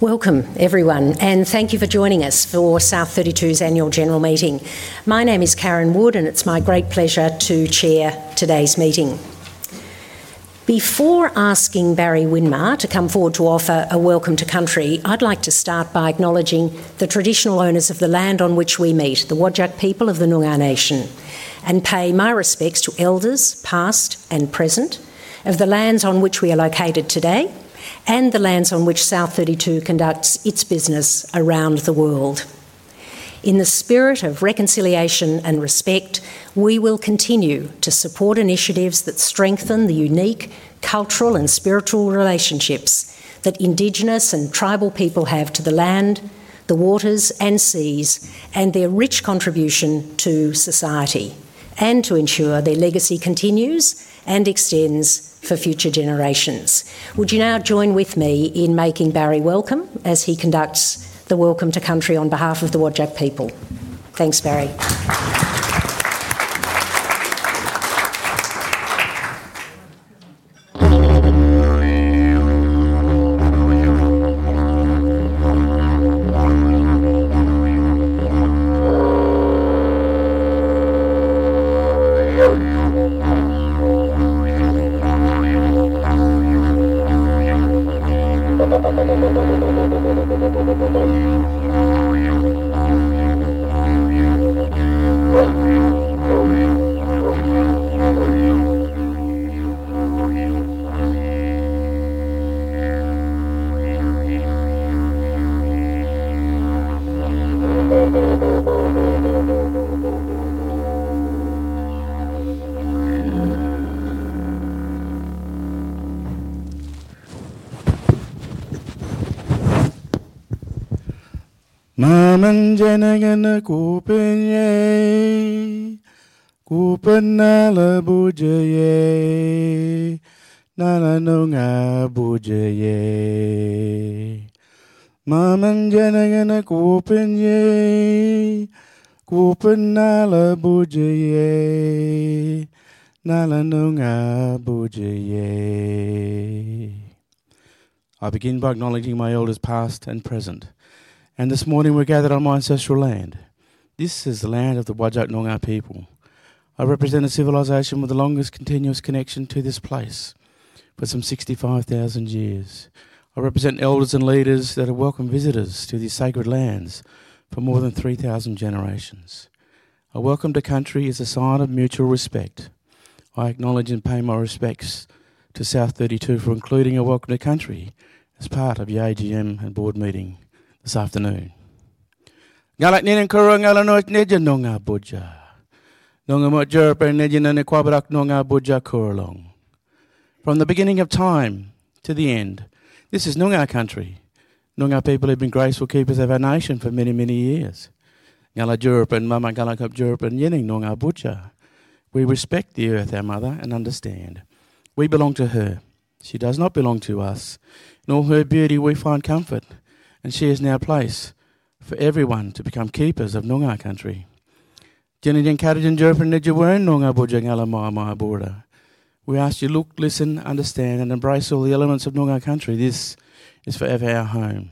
Welcome, everyone, and thank you for joining us for South32's annual general meeting. My name is Karen Wood, and it's my great pleasure to chair today's meeting. Before asking Barry Winmar to come forward to offer a Welcome to Country, I'd like to start by acknowledging the traditional owners of the land on which we meet, the Whadjuk people of the Noongar Nation, and pay my respects to elders past and present of the lands on which we are located today and the lands on which South32 conducts its business around the world. In the spirit of reconciliation and respect, we will continue to support initiatives that strengthen the unique cultural and spiritual relationships that Indigenous and tribal people have to the land, the waters, and seas, and their rich contribution to society, and to ensure their legacy continues and extends for future generations. Would you now join with me in making Barry welcome as he conducts the Welcome to Country on behalf of the Whadjuk people? Thanks, Barry. I begin by acknowledging my elders past and present. This morning, we're gathered on my ancestral land. This is the land of the Whadjuk Noongar people. I represent a civilization with the longest continuous connection to this place for some 65,000 years. I represent elders and leaders that have welcomed visitors to these sacred lands for more than 3,000 generations. A welcome to country is a sign of mutual respect. I acknowledge and pay my respects to South32 for including a welcome to country as part of your AGM and board meeting this afternoon. Ngalayan nénén kuring ngalayakeun nénéh Noongar Boja. Noongar mojarepeun nénéh nu kuah bedak Noongar Boja kurelung. From the beginning of time to the end, this is Noongar country. Noongar people have been graceful keepers of our nation for many, many years. Ngalajareupun mama ngalakep jareupun nyeneng Noongar Boja. We respect the earth, our mother, and understand we belong to her. She does not belong to us. In all her beauty, we find comfort, and she is now a place for everyone to become keepers of Noongar country. Jene jeung kadé jeung jareupun néjaweun Noongar Boja ngalama-amaha bora. We ask you to look, listen, understand, and embrace all the elements of Noongar country. This is forever our home.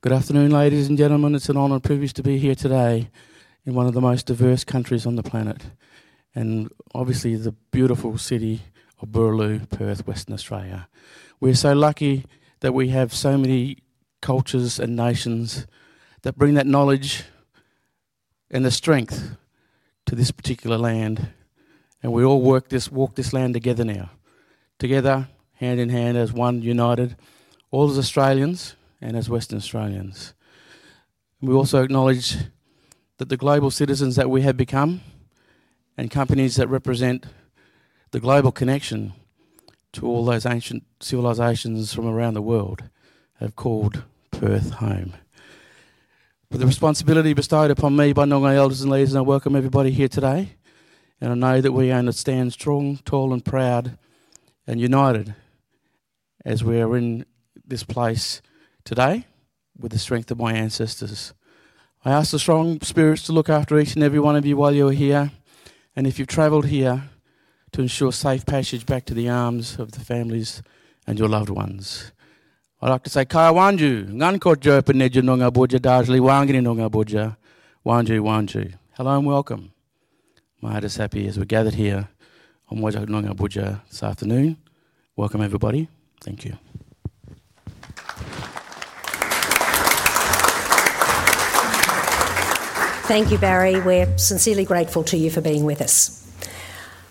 Good afternoon, ladies and gentlemen. It's an honor and privilege to be here today in one of the most diverse countries on the planet and obviously the beautiful city of Burraloue, Perth, Western Australia. We're so lucky that we have so many cultures and nations that bring that knowledge and the strength to this particular land, and we all walk this land together now, together, hand in hand, as one united, all as Australians and as Western Australians. We also acknowledge that the global citizens that we have become and companies that represent the global connection to all those ancient civilizations from around the world have called Perth home. With the responsibility bestowed upon me by Noongar elders and leaders, I welcome everybody here today, and I know that we are to stand strong, tall, and proud and united as we are in this place today with the strength of my ancestors. I ask the strong spirits to look after each and every one of you while you're here, and if you've traveled here, to ensure safe passage back to the arms of the families and your loved ones. I'd like to say, Kai Wanju, Ngunqor Jareupun Néjé Noongar Boja, Dajili Wangini Noongar Boja, Wanju, Wanju. Hello and welcome. I'm just happy as we're gathered here on Whadjuk Noongar Boja this afternoon. Welcome, everybody. Thank you. Thank you, Barry. We're sincerely grateful to you for being with us.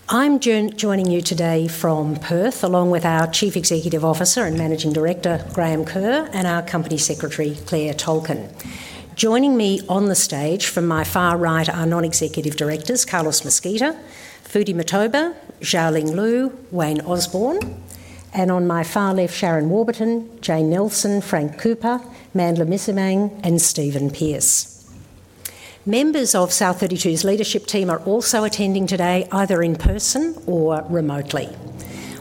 I'm joining you today from Perth along with our Chief Executive Officer and Managing Director, Graham Kerr, and our Company Secretary, Claire Tolcon. Joining me on the stage from my far right are Non-Executive Directors, Carlos Mesquita, Fudile Mmutle, Xiaoling Liu, Wayne Osborn, and on my far left, Sharon Warburton, Jane Nelson, Frank Cooper, Mandla Msimang, and Stephen Pearce. Members of South32's leadership team are also attending today, either in person or remotely.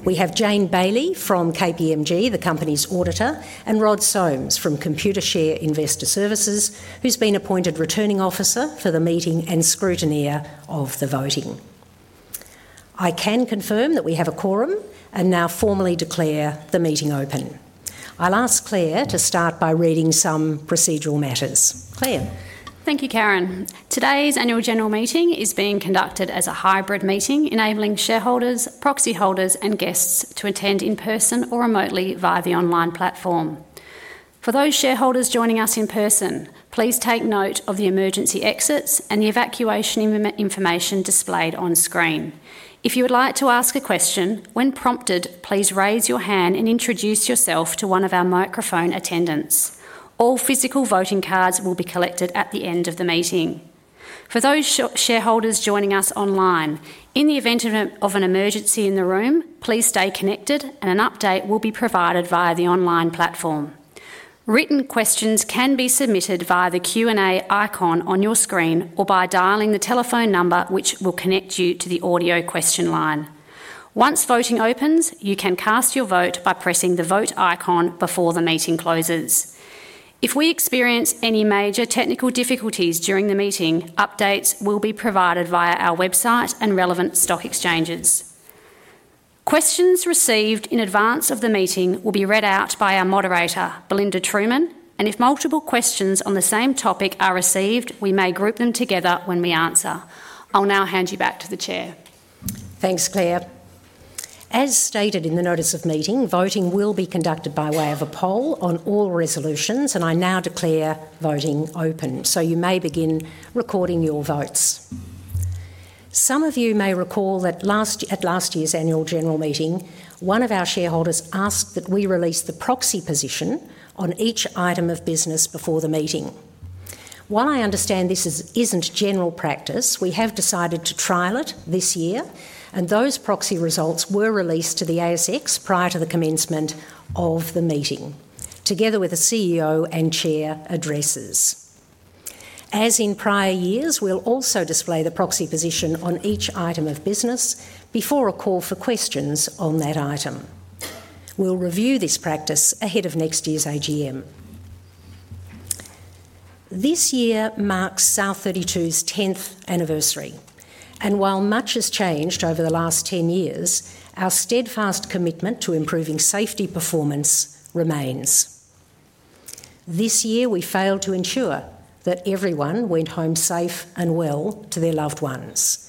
We have Jane Bailey from KPMG, the company's auditor, and Rod Soames from Computershare Investor Services, who's been appointed Returning Officer for the meeting and Scrutineer of the voting. I can confirm that we have a quorum and now formally declare the meeting open. I'll ask Claire to start by reading some procedural matters. Claire. Thank you, Karen. Today's annual general meeting is being conducted as a hybrid meeting, enabling shareholders, proxy holders, and guests to attend in person or remotely via the online platform. For those shareholders joining us in person, please take note of the emergency exits and the evacuation information displayed on screen. If you would like to ask a question, when prompted, please raise your hand and introduce yourself to one of our microphone attendants. All physical voting cards will be collected at the end of the meeting. For those shareholders joining us online, in the event of an emergency in the room, please stay connected, and an update will be provided via the online platform. Written questions can be submitted via the Q&A icon on your screen or by dialing the telephone number, which will connect you to the audio question line. Once voting opens, you can cast your vote by pressing the vote icon before the meeting closes. If we experience any major technical difficulties during the meeting, updates will be provided via our website and relevant stock exchanges. Questions received in advance of the meeting will be read out by our moderator, Belinda Truman, and if multiple questions on the same topic are received, we may group them together when we answer. I'll now hand you back to the Chair. Thanks, Claire. As stated in the notice of meeting, voting will be conducted by way of a poll on all resolutions, and I now declare voting open, so you may begin recording your votes. Some of you may recall that at last year's annual general meeting, one of our shareholders asked that we release the proxy position on each item of business before the meeting. While I understand this isn't general practice, we have decided to trial it this year, and those proxy results were released to the ASX prior to the commencement of the meeting together with a CEO and Chair addresses. As in prior years, we'll also display the proxy position on each item of business before a call for questions on that item. We'll review this practice ahead of next year's AGM. This year marks South32's 10th anniversary, and while much has changed over the last 10 years, our steadfast commitment to improving safety performance remains. This year, we failed to ensure that everyone went home safe and well to their loved ones.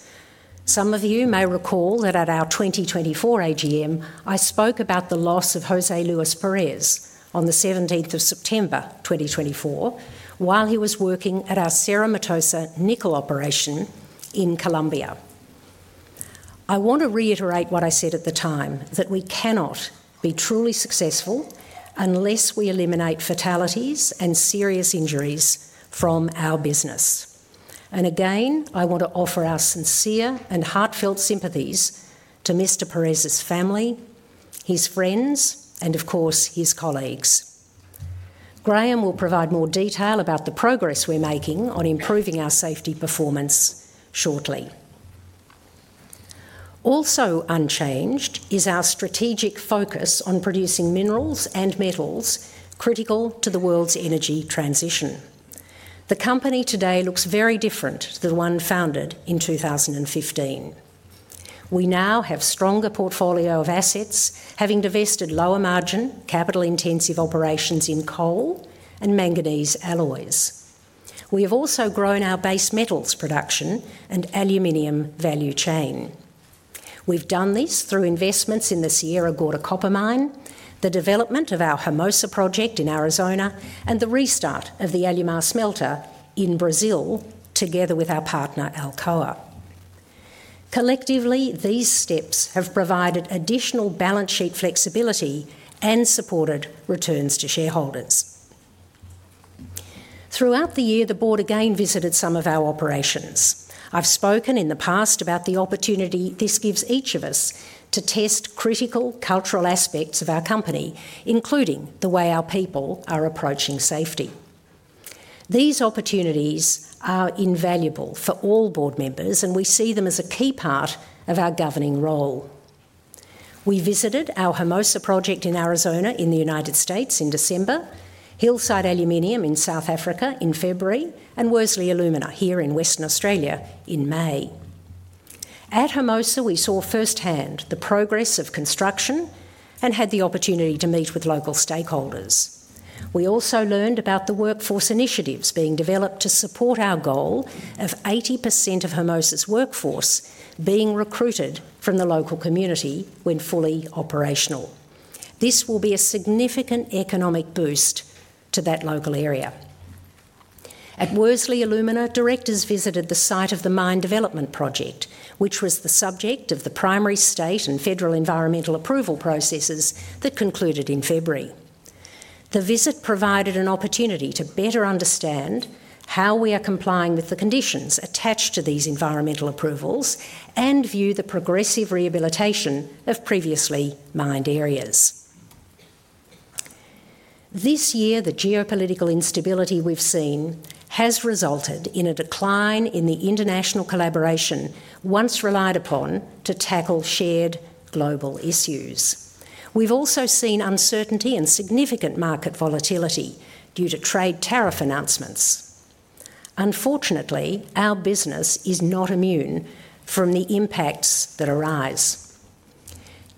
Some of you may recall that at our 2024 AGM, I spoke about the loss of Jose Luis Perez on the 17th of September 2024 while he was working at our Cerro Matoso nickel operation in Colombia. I want to reiterate what I said at the time, that we cannot be truly successful unless we eliminate fatalities and serious injuries from our business. I want to offer our sincere and heartfelt sympathies to Mr. Perez's family, his friends, and of course, his colleagues. Graham will provide more detail about the progress we're making on improving our safety performance shortly. Also unchanged is our strategic focus on producing minerals and metals critical to the world's energy transition. The company today looks very different than the one founded in 2015. We now have a stronger portfolio of assets, having divested lower margin capital-intensive operations in coal and manganese alloys. We have also grown our base metals production and aluminium value chain. We've done this through investments in the Sierra Gorda Copper Mine, the development of our Hermosa Project in Arizona, and the restart of the Alumar smelter in Brazil together with our partner Alcoa. Collectively, these steps have provided additional balance sheet flexibility and supported returns to shareholders. Throughout the year, the board again visited some of our operations. I've spoken in the past about the opportunity this gives each of us to test critical cultural aspects of our company, including the way our people are approaching safety. These opportunities are invaluable for all board members, and we see them as a key part of our governing role. We visited our Hermosa Project in Arizona in the United States in December, Hillside Aluminium in South Africa in February, and Worsley Alumina here in Western Australia in May. At Hermosa, we saw firsthand the progress of construction and had the opportunity to meet with local stakeholders. We also learned about the workforce initiatives being developed to support our goal of 80% of Hermosa's workforce being recruited from the local community when fully operational. This will be a significant economic boost to that local area. At Worsley Alumina, directors visited the site of the mine development project, which was the subject of the primary state and federal environmental approval processes that concluded in February. The visit provided an opportunity to better understand how we are complying with the conditions attached to these environmental approvals and view the progressive rehabilitation of previously mined areas. This year, the geopolitical instability we've seen has resulted in a decline in the international collaboration once relied upon to tackle shared global issues. We've also seen uncertainty and significant market volatility due to trade tariff announcements. Unfortunately, our business is not immune from the impacts that arise.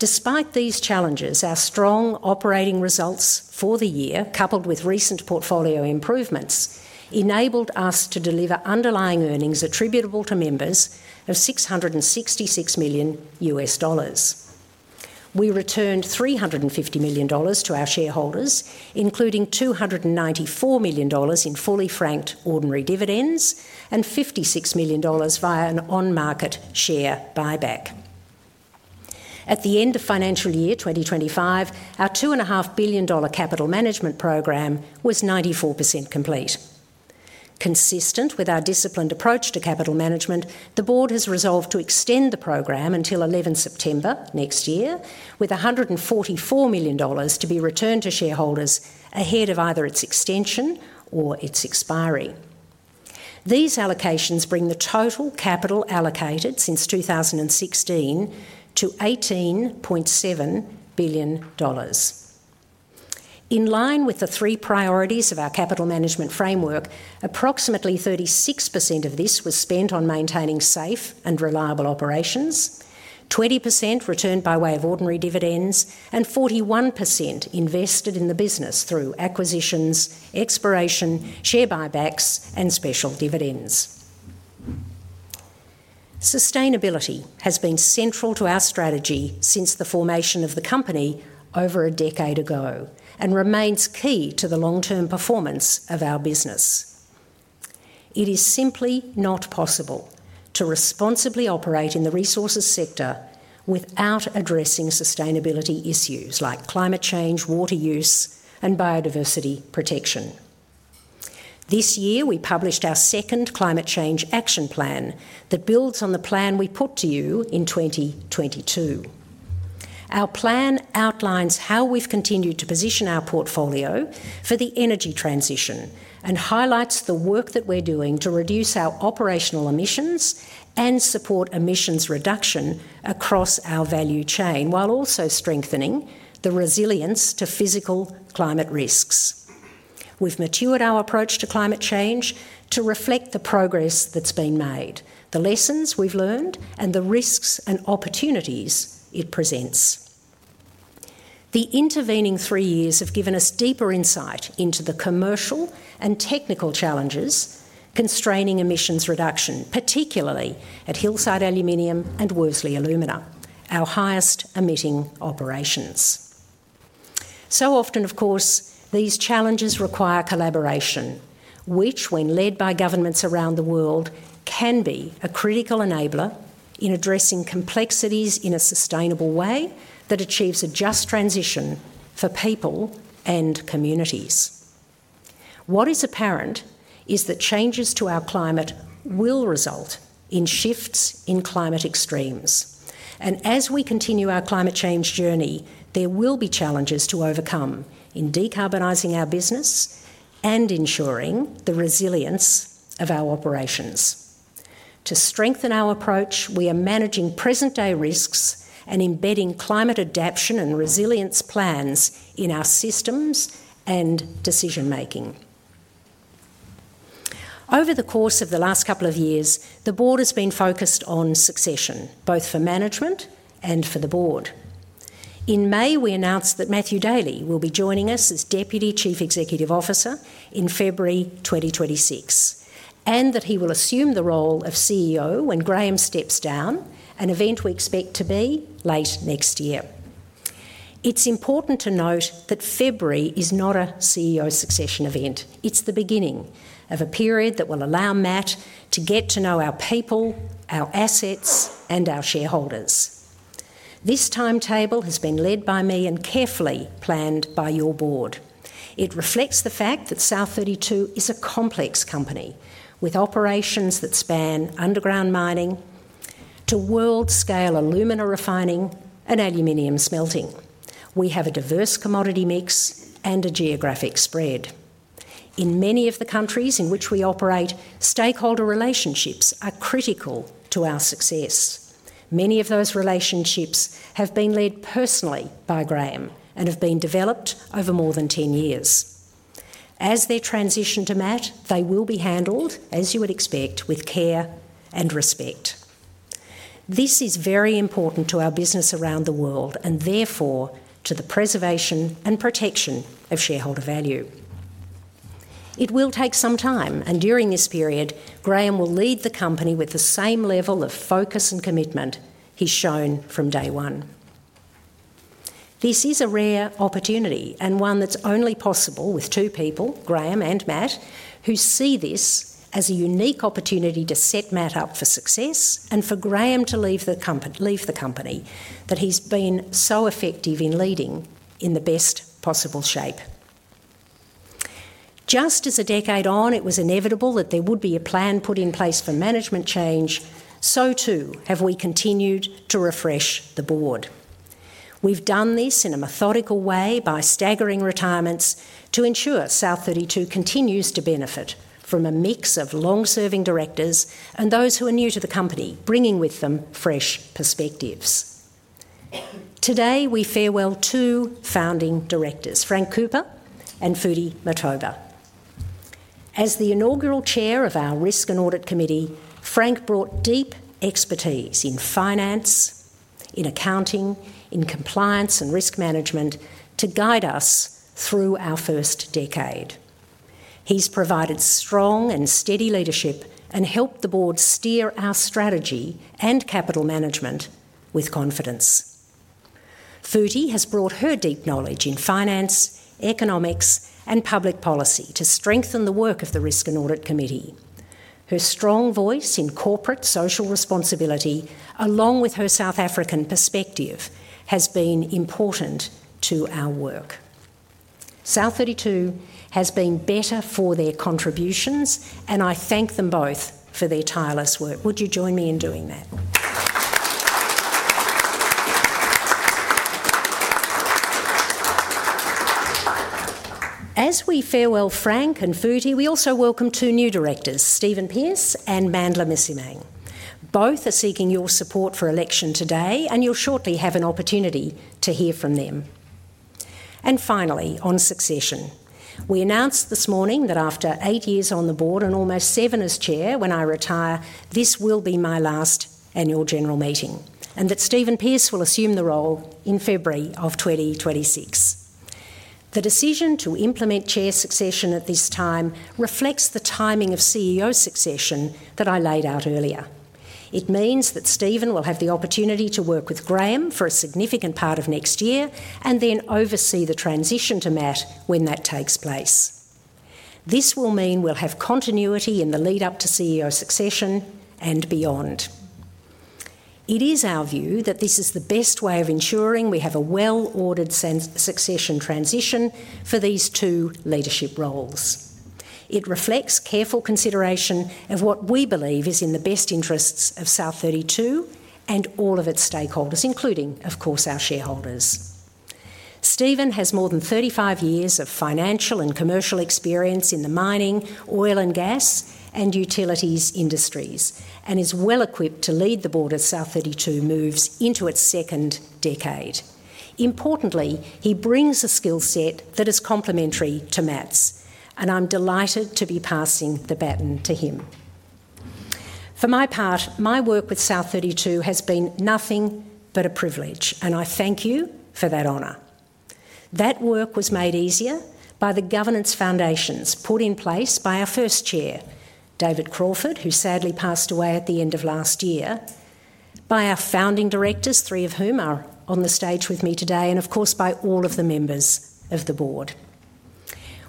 Despite these challenges, our strong operating results for the year, coupled with recent portfolio improvements, enabled us to deliver underlying earnings attributable to members of $666 million. We returned $350 million to our shareholders, including $294 million in fully franked ordinary dividends and $56 million via an on-market share buyback. At the end of financial year 2025, our $2.5 billion capital management program was 94% complete. Consistent with our disciplined approach to capital management, the board has resolved to extend the program until 11 September next year, with $144 million to be returned to shareholders ahead of either its extension or its expiry. These allocations bring the total capital allocated since 2016 to $18.7 billion. In line with the three priorities of our capital management framework, approximately 36% of this was spent on maintaining safe and reliable operations, 20% returned by way of ordinary dividends, and 41% invested in the business through acquisitions, exploration, share buybacks, and special dividends. Sustainability has been central to our strategy since the formation of the company over a decade ago and remains key to the long-term performance of our business. It is simply not possible to responsibly operate in the resources sector without addressing sustainability issues like climate change, water use, and biodiversity protection. This year, we published our second Climate Change Action Plan that builds on the plan we put to you in 2022. Our plan outlines how we've continued to position our portfolio for the energy transition and highlights the work that we're doing to reduce our operational emissions and support emissions reduction across our value chain while also strengthening the resilience to physical climate risks. We've matured our approach to climate change to reflect the progress that's been made, the lessons we've learned, and the risks and opportunities it presents. The intervening three years have given us deeper insight into the commercial and technical challenges constraining emissions reduction, particularly at Hillside Aluminium and Worsley Alumina, our highest emitting operations. These challenges require collaboration, which, when led by governments around the world, can be a critical enabler in addressing complexities in a sustainable way that achieves a just transition for people and communities. What is apparent is that changes to our climate will result in shifts in climate extremes, and as we continue our climate change journey, there will be challenges to overcome in decarbonizing our business and ensuring the resilience of our operations. To strengthen our approach, we are managing present-day risks and embedding climate adaptation and resilience plans in our systems and decision-making. Over the course of the last couple of years, the Board has been focused on succession, both for management and for the Board. In May, we announced that Matthew Daly will be joining us as Deputy Chief Excecutive Officer in February 2026 and that he will assume the role of CEO when Graham steps down, an event we expect to be late next year. It's important to note that February is not a CEO succession event. It's the beginning of a period that will allow Matt to get to know our people, our assets, and our shareholders. This timetable has been led by me and carefully planned by your board. It reflects the fact that South32 is a complex company with operations that span underground mining to world-scale alumina refining and aluminium smelting. We have a diverse commodity mix and a geographic spread. In many of the countries in which we operate, stakeholder relationships are critical to our success. Many of those relationships have been led personally by Graham and have been developed over more than 10 years. As they transition to Matt, they will be handled, as you would expect, with care and respect. This is very important to our business around the world and therefore to the preservation and protection of shareholder value. It will take some time, and during this period, Graham will lead the company with the same level of focus and commitment he's shown from day one. This is a rare opportunity and one that's only possible with two people, Graham and Matt, who see this as a unique opportunity to set Matt up for success and for Graham to leave the company that he's been so effective in leading in the best possible shape. Just as a decade on, it was inevitable that there would be a plan put in place for management change, so too have we continued to refresh the board. We've done this in a methodical way by staggering retirements to ensure South32 continues to benefit from a mix of long-serving directors and those who are new to the company, bringing with them fresh perspectives. Today, we farewell two founding directors, Frank Cooper and Futhi Mtoba. As the Inaugural Chair of our Risk and Audit Committee, Frank brought deep expertise in finance, in accounting, in compliance, and risk management to guide us through our first decade. He's provided strong and steady leadership and helped the board steer our strategy and capital management with confidence. Fudi has brought her deep knowledge in finance, economics, and public policy to strengthen the work of the Risk and Audit Committee. Her strong voice in corporate social responsibility, along with her South African perspective, has been important to our work. South32 has been better for their contributions, and I thank them both for their tireless work. Would you join me in doing that? As we farewell Frank and Fudi, we also welcome two new directors, Stephen Pearce and Mandla Msimang. Both are seeking your support for election today, and you'll shortly have an opportunity to hear from them. Finally, on succession, we announced this morning that after eight years on the board and almost seven as Chair, when I retire, this will be my last annual general meeting and that Stephen Pearce will assume the role in February of 2026. The decision to implement Chair succession at this time reflects the timing of CEO succession that I laid out earlier. It means that Stephen will have the opportunity to work with Graham for a significant part of next year and then oversee the transition to Matt when that takes place. This will mean we'll have continuity in the lead-up to CEO succession and beyond. It is our view that this is the best way of ensuring we have a well-ordered succession transition for these two leadership roles. It reflects careful consideration of what we believe is in the best interests of South32 and all of its stakeholders, including, of course, our shareholders. Stephen has more than 35 years of financial and commercial experience in the mining, oil and gas, and utilities industries and is well equipped to lead the board as South32 moves into its second decade. Importantly, he brings a skill set that is complementary to Matt's, and I'm delighted to be passing the baton to him. For my part, my work with South32 has been nothing but a privilege, and I thank you for that honor. That work was made easier by the governance foundations put in place by our first Chair, David Crawford, who sadly passed away at the end of last year, by our founding directors, three of whom are on the stage with me today, and of course, by all of the members of the board.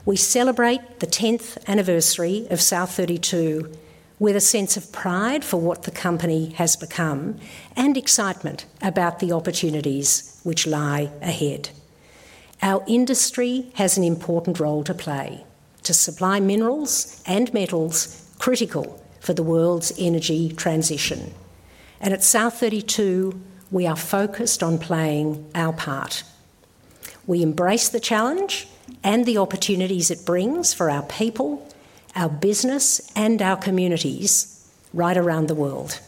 We celebrate the 10th anniversary of South32 with a sense of pride for what the company has become and excitement about the opportunities which lie ahead. Our industry has an important role to play to supply minerals and metals critical for the world's energy transition, and at South32, we are focused on playing our part. We embrace the challenge and the opportunities it brings for our people, our business, and our communities right around the world.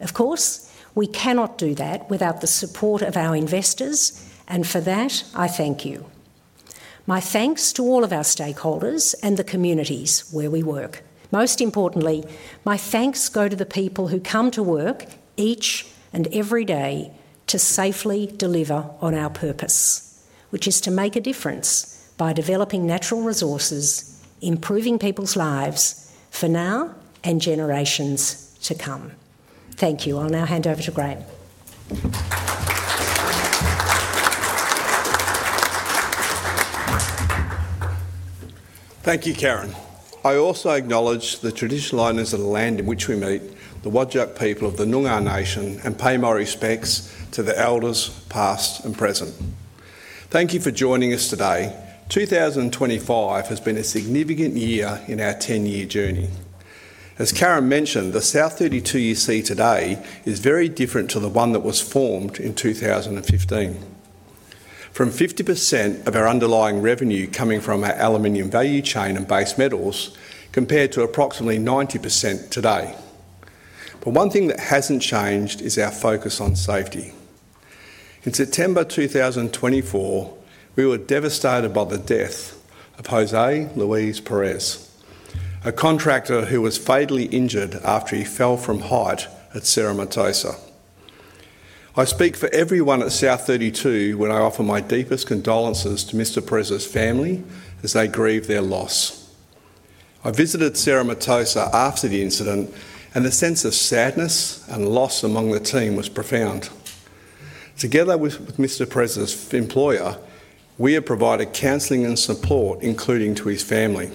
Of course, we cannot do that without the support of our investors, and for that, I thank you. My thanks to all of our stakeholders and the communities where we work. Most importantly, my thanks go to the people who come to work each and every day to safely deliver on our purpose, which is to make a difference by developing natural resources, improving people's lives for now and generations to come. Thank you. I'll now hand over to Graham. Thank you, Karen. I also acknowledge the traditional owners of the land on which we meet, the Whadjuk people of the Noongar Nation, and pay my respects to the elders past and present. Thank you for joining us today. 2025 has been a significant year in our 10-year journey. As Karen mentioned, the South32 you see today is very different to the one that was formed in 2015. From 50% of our underlying revenue coming from our aluminium value chain and base metals compared to approximately 90% today. One thing that hasn't changed is our focus on safety. In September 2024, we were devastated by the death of Jose Luis Perez, a contractor who was fatally injured after he fell from height at Cerro Matoso. I speak for everyone at South32 when I offer my deepest condolences to Mr. Perez's family as they grieve their loss. I visited Cerro Matoso after the incident, and the sense of sadness and loss among the team was profound. Together with Mr. Perez's employer, we have provided counseling and support, including to his family.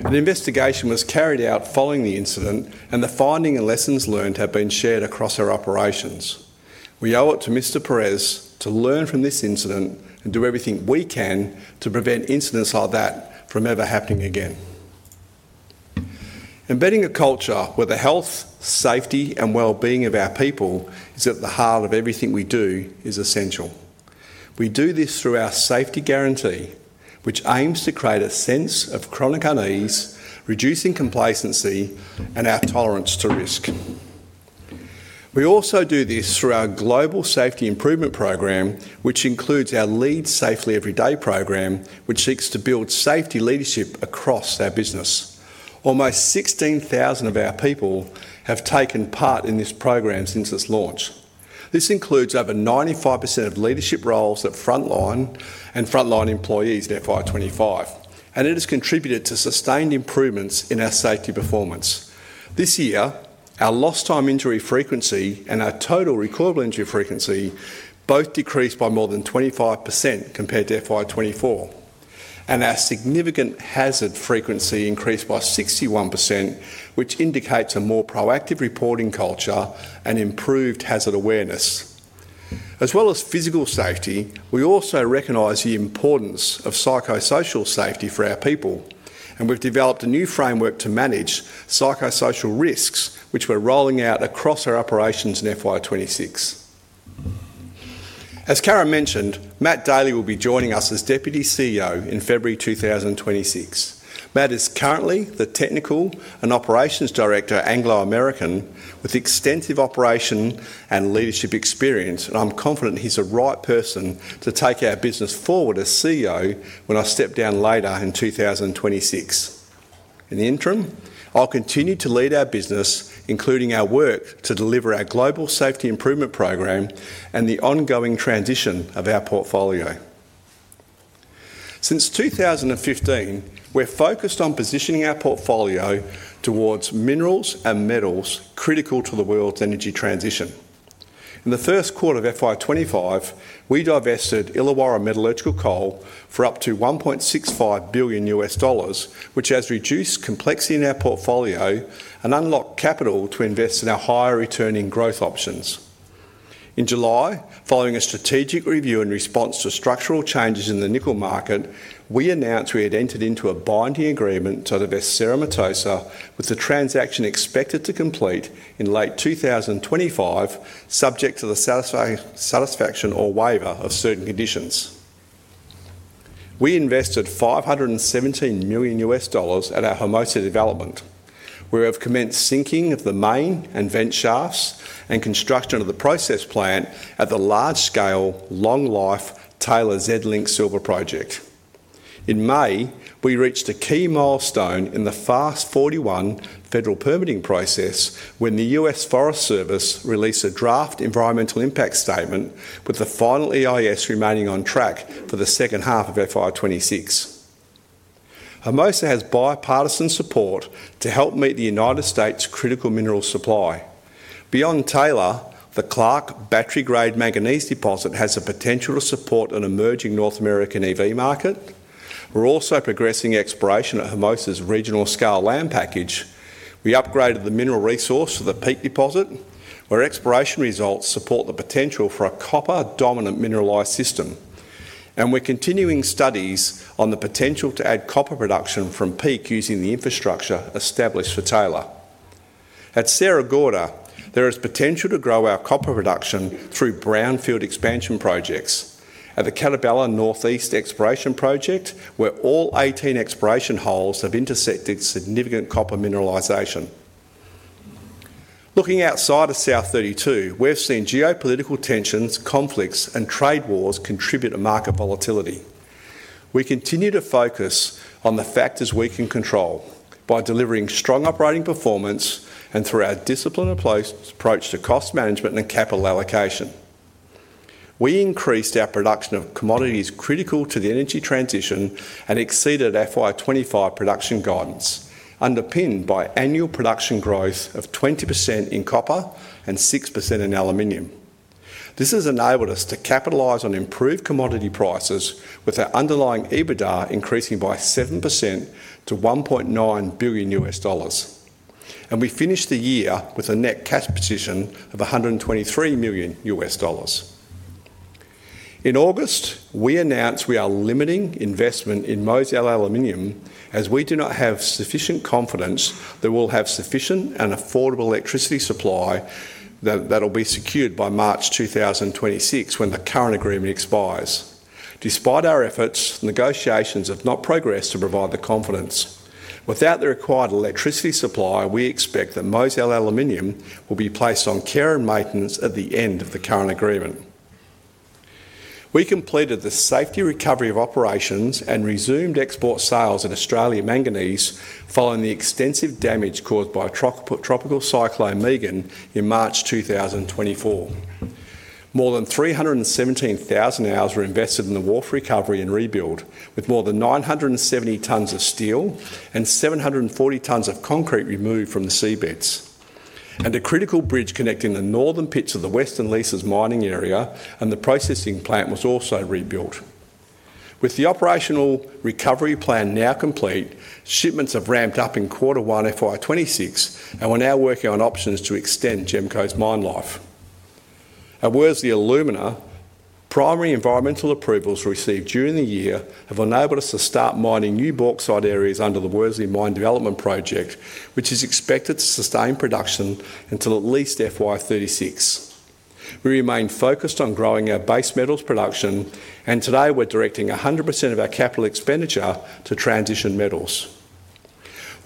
An investigation was carried out following the incident, and the findings and lessons learned have been shared across our operations. We owe it to Mr. Perez to learn from this incident and do everything we can to prevent incidents like that from ever happening again. Embedding a culture where the health, safety, and well-being of our people is at the heart of everything we do is essential. We do this through our safety guarantee, which aims to create a sense of chronic unease, reducing complacency, and our tolerance to risk. We also do this through our global safety improvement program, which includes our Lead Safely Every Day program, which seeks to build safety leadership across our business. Almost 16,000 of our people have taken part in this program since its launch. This includes over 95% of leadership roles at Frontline and Frontline employees at FY 2025, and it has contributed to sustained improvements in our safety performance. This year, our lost time injury frequency and our total recordable injury frequency both decreased by more than 25% compared to FY 2024, and our significant hazard frequency increased by 61%, which indicates a more proactive reporting culture and improved hazard awareness. As well as physical safety, we also recognize the importance of psychosocial safety for our people, and we've developed a new framework to manage psychosocial risks, which we're rolling out across our operations in FY 2026. As Karen mentioned, Matthew Daly will be joining us as Deputy CEO in February 2026. Matthew is currently the Technical and Operations Director, Anglo American, with extensive operation and leadership experience, and I'm confident he's the right person to take our business forward as CEO when I step down later in 2026. In the interim, I'll continue to lead our business, including our work to deliver our global safety improvement program and the ongoing transition of our portfolio. Since 2015, we're focused on positioning our portfolio towards minerals and metals critical to the world's energy transition. In the first quarter of FY 2025, we divested Illawarra Metallurgical Coal for up to $1.65 billion, which has reduced complexity in our portfolio and unlocked capital to invest in our higher returning growth options. In July, following a strategic review in response to structural changes in the nickel market, we announced we had entered into a binding agreement to divest Cerro Matoso, with the transaction expected to complete in late 2025, subject to the satisfaction or waiver of certain conditions. We invested $517 million at our Hermosa development. We have commenced sinking of the main and vent shafts and construction of the process plant at the large-scale long-life Taylor zinc-lead-silver project. In May, we reached a key milestone in the FAST-41 federal permitting process when the U.S. Forest Service released a draft environmental impact statement, with the final EIS remaining on track for the second half of FY 2026. Hermosa has bipartisan support to help meet the United States' critical mineral supply. Beyond Taylor, the Clark battery-grade manganese deposit has the potential to support an emerging North American EV market. We're also progressing exploration at Hermosa's regional scale land package. We upgraded the mineral resource to the Peak deposit, where exploration results support the potential for a copper-dominant mineralized system, and we're continuing studies on the potential to add copper production from Peak using the infrastructure established for Taylor. At Sierra Gorda, there is potential to grow our copper production through brownfield expansion projects at the Caballo Blanco Northeast Exploration Project, where all 18 exploration holes have intersected significant copper mineralization. Looking outside of South32, we've seen geopolitical tensions, conflicts, and trade wars contribute to market volatility. We continue to focus on the factors we can control by delivering strong operating performance and through our disciplined approach to cost management and capital allocation. We increased our production of commodities critical to the energy transition and exceeded FY 2025 production guidance, underpinned by annual production growth of 20% in copper and 6% in aluminium. This has enabled us to capitalize on improved commodity prices with our underlying EBITDA increasing by 7% to $1.9 billion, and we finished the year with a net cash position of $123 million. In August, we announced we are limiting investment in Mozal Aluminium as we do not have sufficient confidence that we'll have sufficient and affordable electricity supply that will be secured by March 2026 when the current agreement expires. Despite our efforts, negotiations have not progressed to provide the confidence. Without the required electricity supply, we expect that Mozal Aluminium will be placed on care and maintenance at the end of the current agreement. We completed the safety recovery of operations and resumed export sales of Australia Manganese following the extensive damage caused by Tropical Cyclone Megan in March 2024. More than 317,000 hours were invested in the wharf recovery and rebuild, with more than 970 tons of steel and 740 tons of concrete removed from the seabeds. A critical bridge connecting the northern pits of the Western Leases mining area and the processing plant was also rebuilt. With the operational recovery plan now complete, shipments have ramped up in quarter one FY 2026, and we're now working on options to extend GEMCO's mine life. At Worsley Alumina, primary environmental approvals received during the year have enabled us to start mining new bauxite areas under the Worsley Mine Development Project, which is expected to sustain production until at least FY 2036. We remain focused on growing our base metals production, and today we're directing 100% of our capital expenditure to transition metals.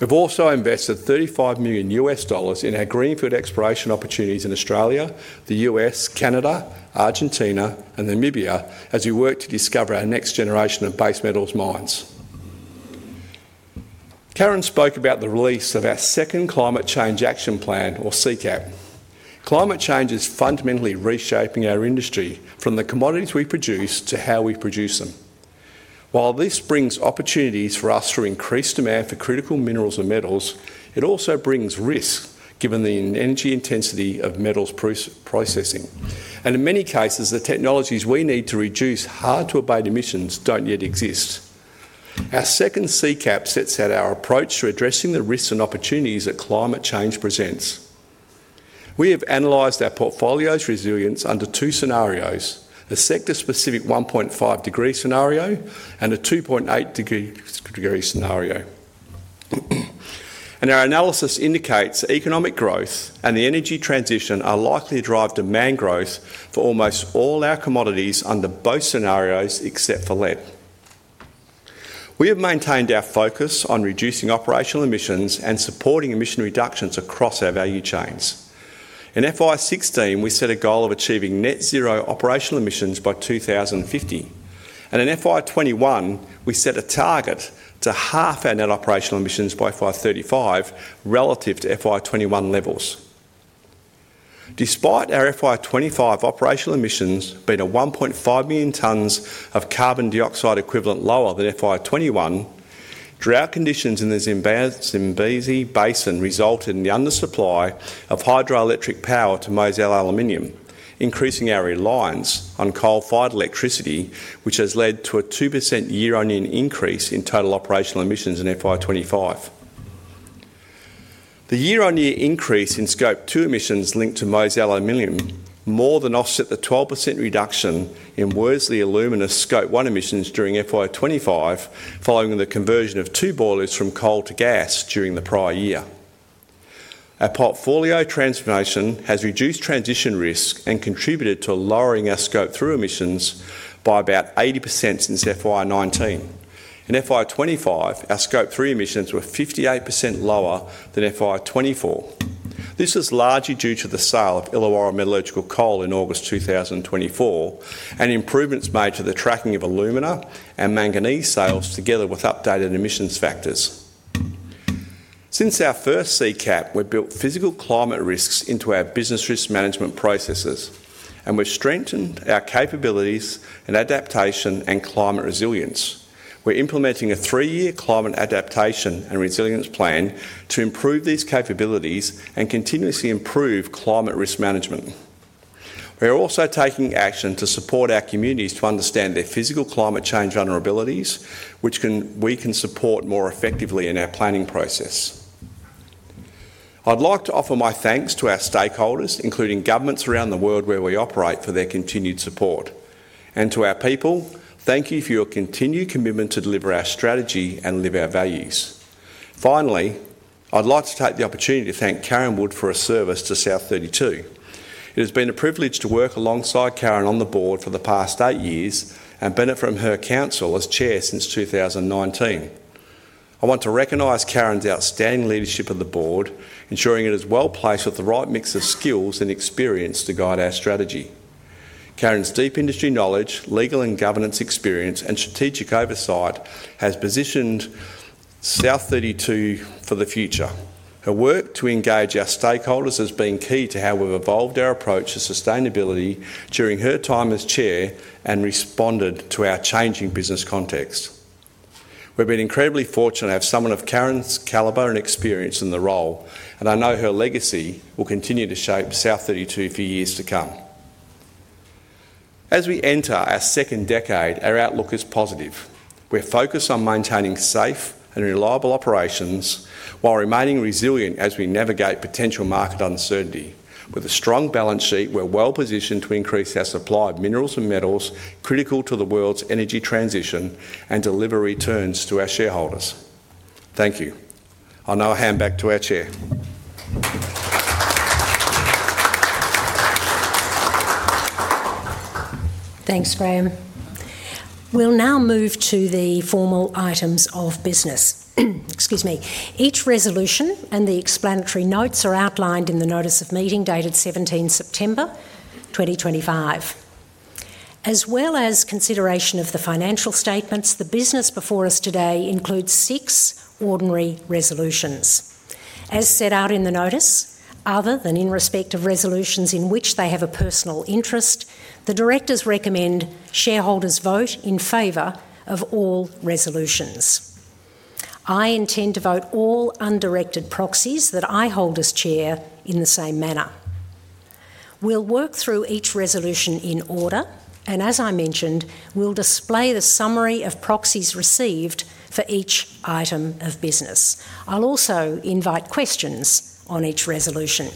We've also invested $35 million in our greenfield exploration opportunities in Australia, the U.S., Canada, Argentina, and Namibia, as we work to discover our next generation of base metals mines. Karen spoke about the release of our second Climate Change Action Plan, or CCAP. Climate change is fundamentally reshaping our industry from the commodities we produce to how we produce them. While this brings opportunities for us to increase demand for critical minerals and metals, it also brings risks given the energy intensity of metals processing, and in many cases, the technologies we need to reduce hard-to-abate emissions don't yet exist. Our second Climate Change Action Plan sets out our approach to addressing the risks and opportunities that climate change presents. We have analyzed our portfolio's resilience under two scenarios: a sector-specific 1.5-degree scenario and a 2.8-degree scenario. Our analysis indicates economic growth and the energy transition are likely to drive demand growth for almost all our commodities under both scenarios except for lead. We have maintained our focus on reducing operational emissions and supporting emission reductions across our value chains. In FY 2016, we set a goal of achieving net zero operational emissions by 2050, and in FY 2021, we set a target to halve our net operational emissions by FY 2035 relative to FY 2021 levels. Despite our FY 2025 operational emissions being 1.5 million tons of carbon dioxide equivalent lower than FY 2021, drought conditions in the Zambezi Basin resulted in the undersupply of hydroelectric power to Mozal Aluminium, increasing our reliance on coal-fired electricity, which has led to a 2% year-on-year increase in total operational emissions in FY 2025. The year-on-year increase in Scope 2 emissions linked to Mozal Aluminium more than offset the 12% reduction in Worsley Alumina's Scope 1 emissions during FY 2025, following the conversion of two boilers from coal to gas during the prior year. Our portfolio transformation has reduced transition risk and contributed to lowering our Scope 3 emissions by about 80% since FY 2019. In FY 2025, our Scope 3 emissions were 58% lower than FY 2024. This was largely due to the sale of Illawarra Metallurgical Coal in August 2024 and improvements made to the tracking of alumina and manganese sales, together with updated emissions factors. Since our first Climate Change Action Plan, we've built physical climate risks into our business risk management processes, and we've strengthened our capabilities in adaptation and climate resilience. We're implementing a three-year climate adaptation and resilience plan to improve these capabilities and continuously improve climate risk management. We're also taking action to support our communities to understand their physical climate change vulnerabilities, which we can support more effectively in our planning process. I'd like to offer my thanks to our stakeholders, including governments around the world where we operate, for their continued support. To our people, thank you for your continued commitment to deliver our strategy and live our values. Finally, I'd like to take the opportunity to thank Karen Wood for her service to South32. It has been a privilege to work alongside Karen on the board for the past eight years and benefit from her counsel as Chair since 2019. I want to recognize Karen's outstanding leadership of the board, ensuring it is well placed with the right mix of skills and experience to guide our strategy. Karen's deep industry knowledge, legal and governance experience, and strategic oversight have positioned South32 for the future. Her work to engage our stakeholders has been key to how we've evolved our approach to sustainability during her time as Chair and responded to our changing business context. We've been incredibly fortunate to have someone of Karen's caliber and experience in the role, and I know her legacy will continue to shape South32 for years to come. As we enter our second decade, our outlook is positive. We're focused on maintaining safe and reliable operations while remaining resilient as we navigate potential market uncertainty. With a strong balance sheet, we're well positioned to increase our supply of minerals and metals critical to the world's energy transition and deliver returns to our shareholders. Thank you. I'll now hand back to our Chair. Thanks, Graham. We'll now move to the formal items of business. Excuse me. Each resolution and the explanatory notes are outlined in the notice of meeting dated 17 September 2025. As well as consideration of the financial statements, the business before us today includes six ordinary resolutions. As set out in the notice, other than in respect of resolutions in which they have a personal interest, the directors recommend shareholders vote in favor of all resolutions. I intend to vote all undirected proxies that I hold as Chair in the same manner. We'll work through each resolution in order, and as I mentioned, we'll display the summary of proxies received for each item of business. I'll also invite questions on each resolution.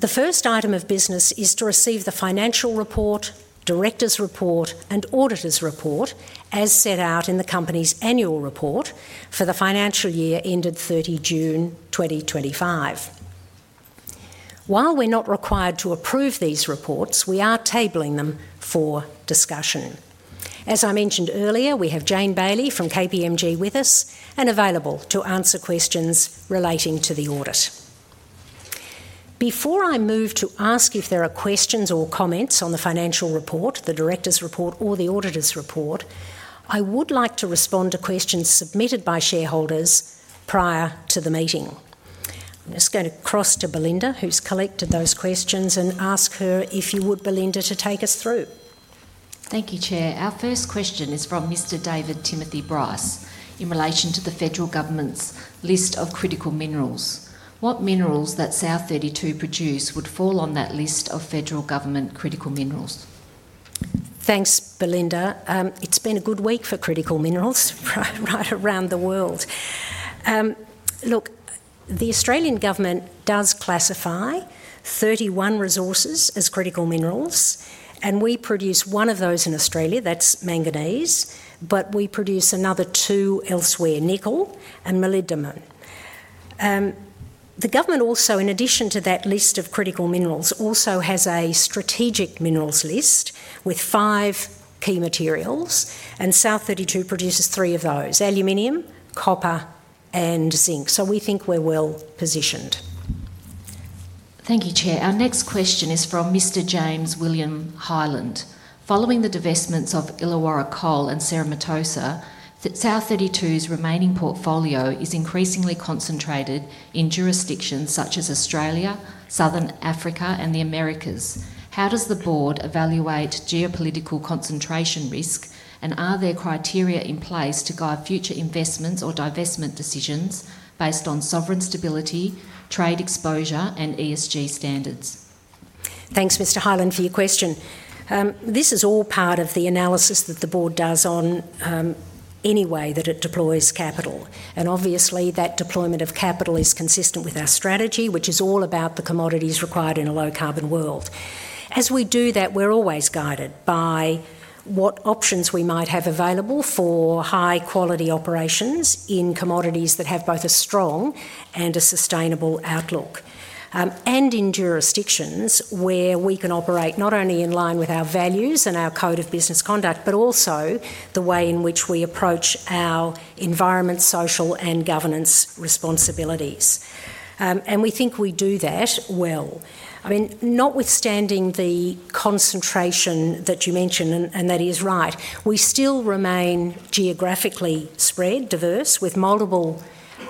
The first item of business is to receive the financial report, Directors' report, and auditor's report, as set out in the company's annual report for the financial year ended 30 June 2025. While we're not required to approve these reports, we are tabling them for discussion. As I mentioned earlier, we have Jane Nelson from KPMG with us and available to answer questions relating to the audit. Before I move to ask if there are questions or comments on the financial report, the Directors' report, or the auditor's report, I would like to respond to questions submitted by shareholders prior to the meeting. I'm just going to cross to Belinda, who's collected those questions, and ask her if you would, Belinda, to take us through. Thank you, Chair. Our first question is from Mr. David Timothy Bras in relation to the federal government's list of critical minerals. What minerals that South32 produce would fall on that list of federal government critical minerals? Thanks, Belinda. It's been a good week for critical minerals right around the world. The Australian government does classify 31 resources as critical minerals, and we produce one of those in Australia. That's manganese, but we produce another two elsewhere, nickel and molybdenum. The government also, in addition to that list of critical minerals, has a strategic minerals list with five key materials, and South32 produces three of those: aluminium, copper, and zinc. We think we're well positioned. Thank you, Chair. Our next question is from Mr. James William Hyland. Following the divestments of Illawarra Metallurgical Coal and Cerro Matoso, South32's remaining portfolio is increasingly concentrated in jurisdictions such as Australia, Southern Africa, and the Americas. How does the board evaluate geopolitical concentration risk, and are there criteria in place to guide future investments or divestment decisions based on sovereign stability, trade exposure, and ESG standards? Thanks, Mr. Hyland, for your question. This is all part of the analysis that the board does on any way that it deploys capital, and obviously that deployment of capital is consistent with our strategy, which is all about the commodities required in a low carbon world. As we do that, we're always guided by what options we might have available for high-quality operations in commodities that have both a strong and a sustainable outlook, and in jurisdictions where we can operate not only in line with our values and our Code of Business Conduct, but also the way in which we approach our environmental, social, and governance responsibilities. We think we do that well. Notwithstanding the concentration that you mentioned, and that is right, we still remain geographically spread, diverse, with multiple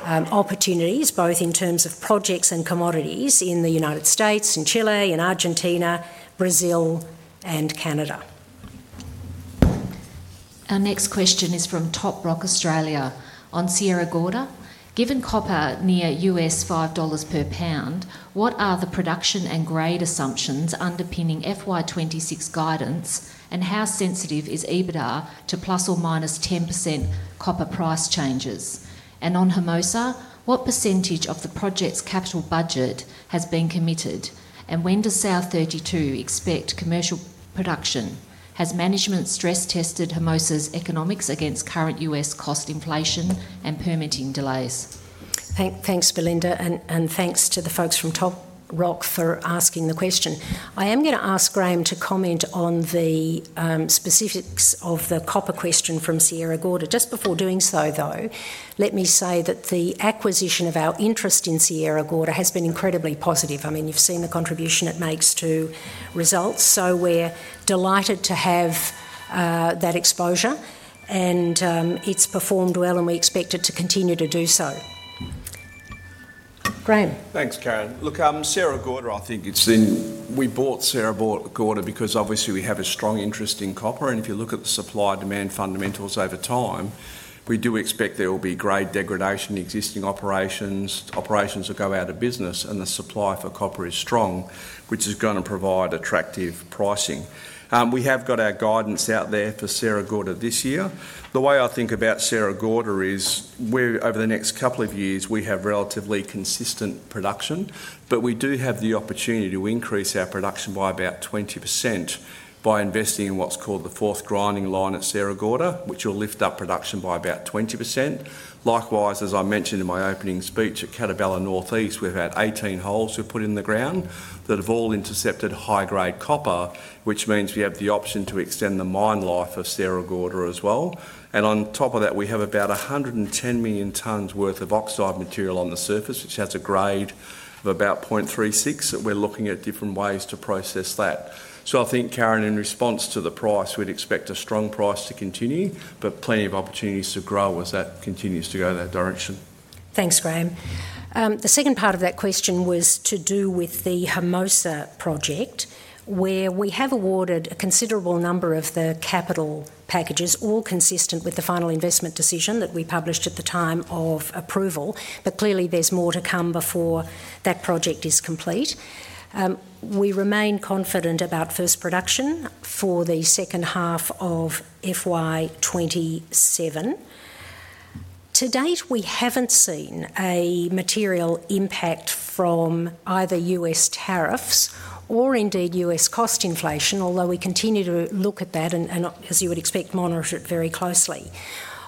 opportunities, both in terms of projects and commodities in the United States, in Chile, in Argentina, Brazil, and Canada. Our next question is from Top Rock Australia on Sierra Gorda. Given copper near US $5 per pound, what are the production and grade assumptions underpinning FY 2026 guidance, and how sensitive is EBITDA to plus or minus 10% copper price changes? On Hermosa, what percentage of the project's capital budget has been committed, and when does South32 expect commercial production? Has management stress-tested Hermosa's economics against current U.S. cost inflation and permitting delays? Thanks, Belinda, and thanks to the folks from Top Rock for asking the question. I am going to ask Graham to comment on the specifics of the copper question from Sierra Gorda. Just before doing so, let me say that the acquisition of our interest in Sierra Gorda has been incredibly positive. You've seen the contribution it makes to results, so we're delighted to have that exposure, and it's performed well, and we expect it to continue to do so. Graham. Thanks, Karen. Look, Sierra Gorda, I think it's in we bought Sierra Gorda because obviously we have a strong interest in copper, and if you look at the supply-demand fundamentals over time, we do expect there will be grade degradation in existing operations, operations that go out of business, and the supply for copper is strong, which is going to provide attractive pricing. We have got our guidance out there for Sierra Gorda this year. The way I think about Sierra Gorda is, over the next couple of years, we have relatively consistent production, but we do have the opportunity to increase our production by about 20% by investing in what's called the fourth grinding line at Sierra Gorda, which will lift up production by about 20%. Likewise, as I mentioned in my opening speech at Caballero Northeast, we've had 18 holes we've put in the ground that have all intercepted high-grade copper, which means we have the option to extend the mine life of Sierra Gorda as well. On top of that, we have about 110 million tons' worth of oxide material on the surface, which has a grade of about 0.36%, and we're looking at different ways to process that. I think, Karen, in response to the price, we'd expect a strong price to continue, with plenty of opportunities to grow as that continues to go in that direction. Thanks, Graham. The second part of that question was to do with the Hermosa Project, where we have awarded a considerable number of the capital packages, all consistent with the final investment decision that we published at the time of approval, but clearly there's more to come before that project is complete. We remain confident about first production for the second half of FY 2027. To date, we haven't seen a material impact from either U.S. tariffs or indeed U.S. cost inflation, although we continue to look at that and, as you would expect, monitor it very closely.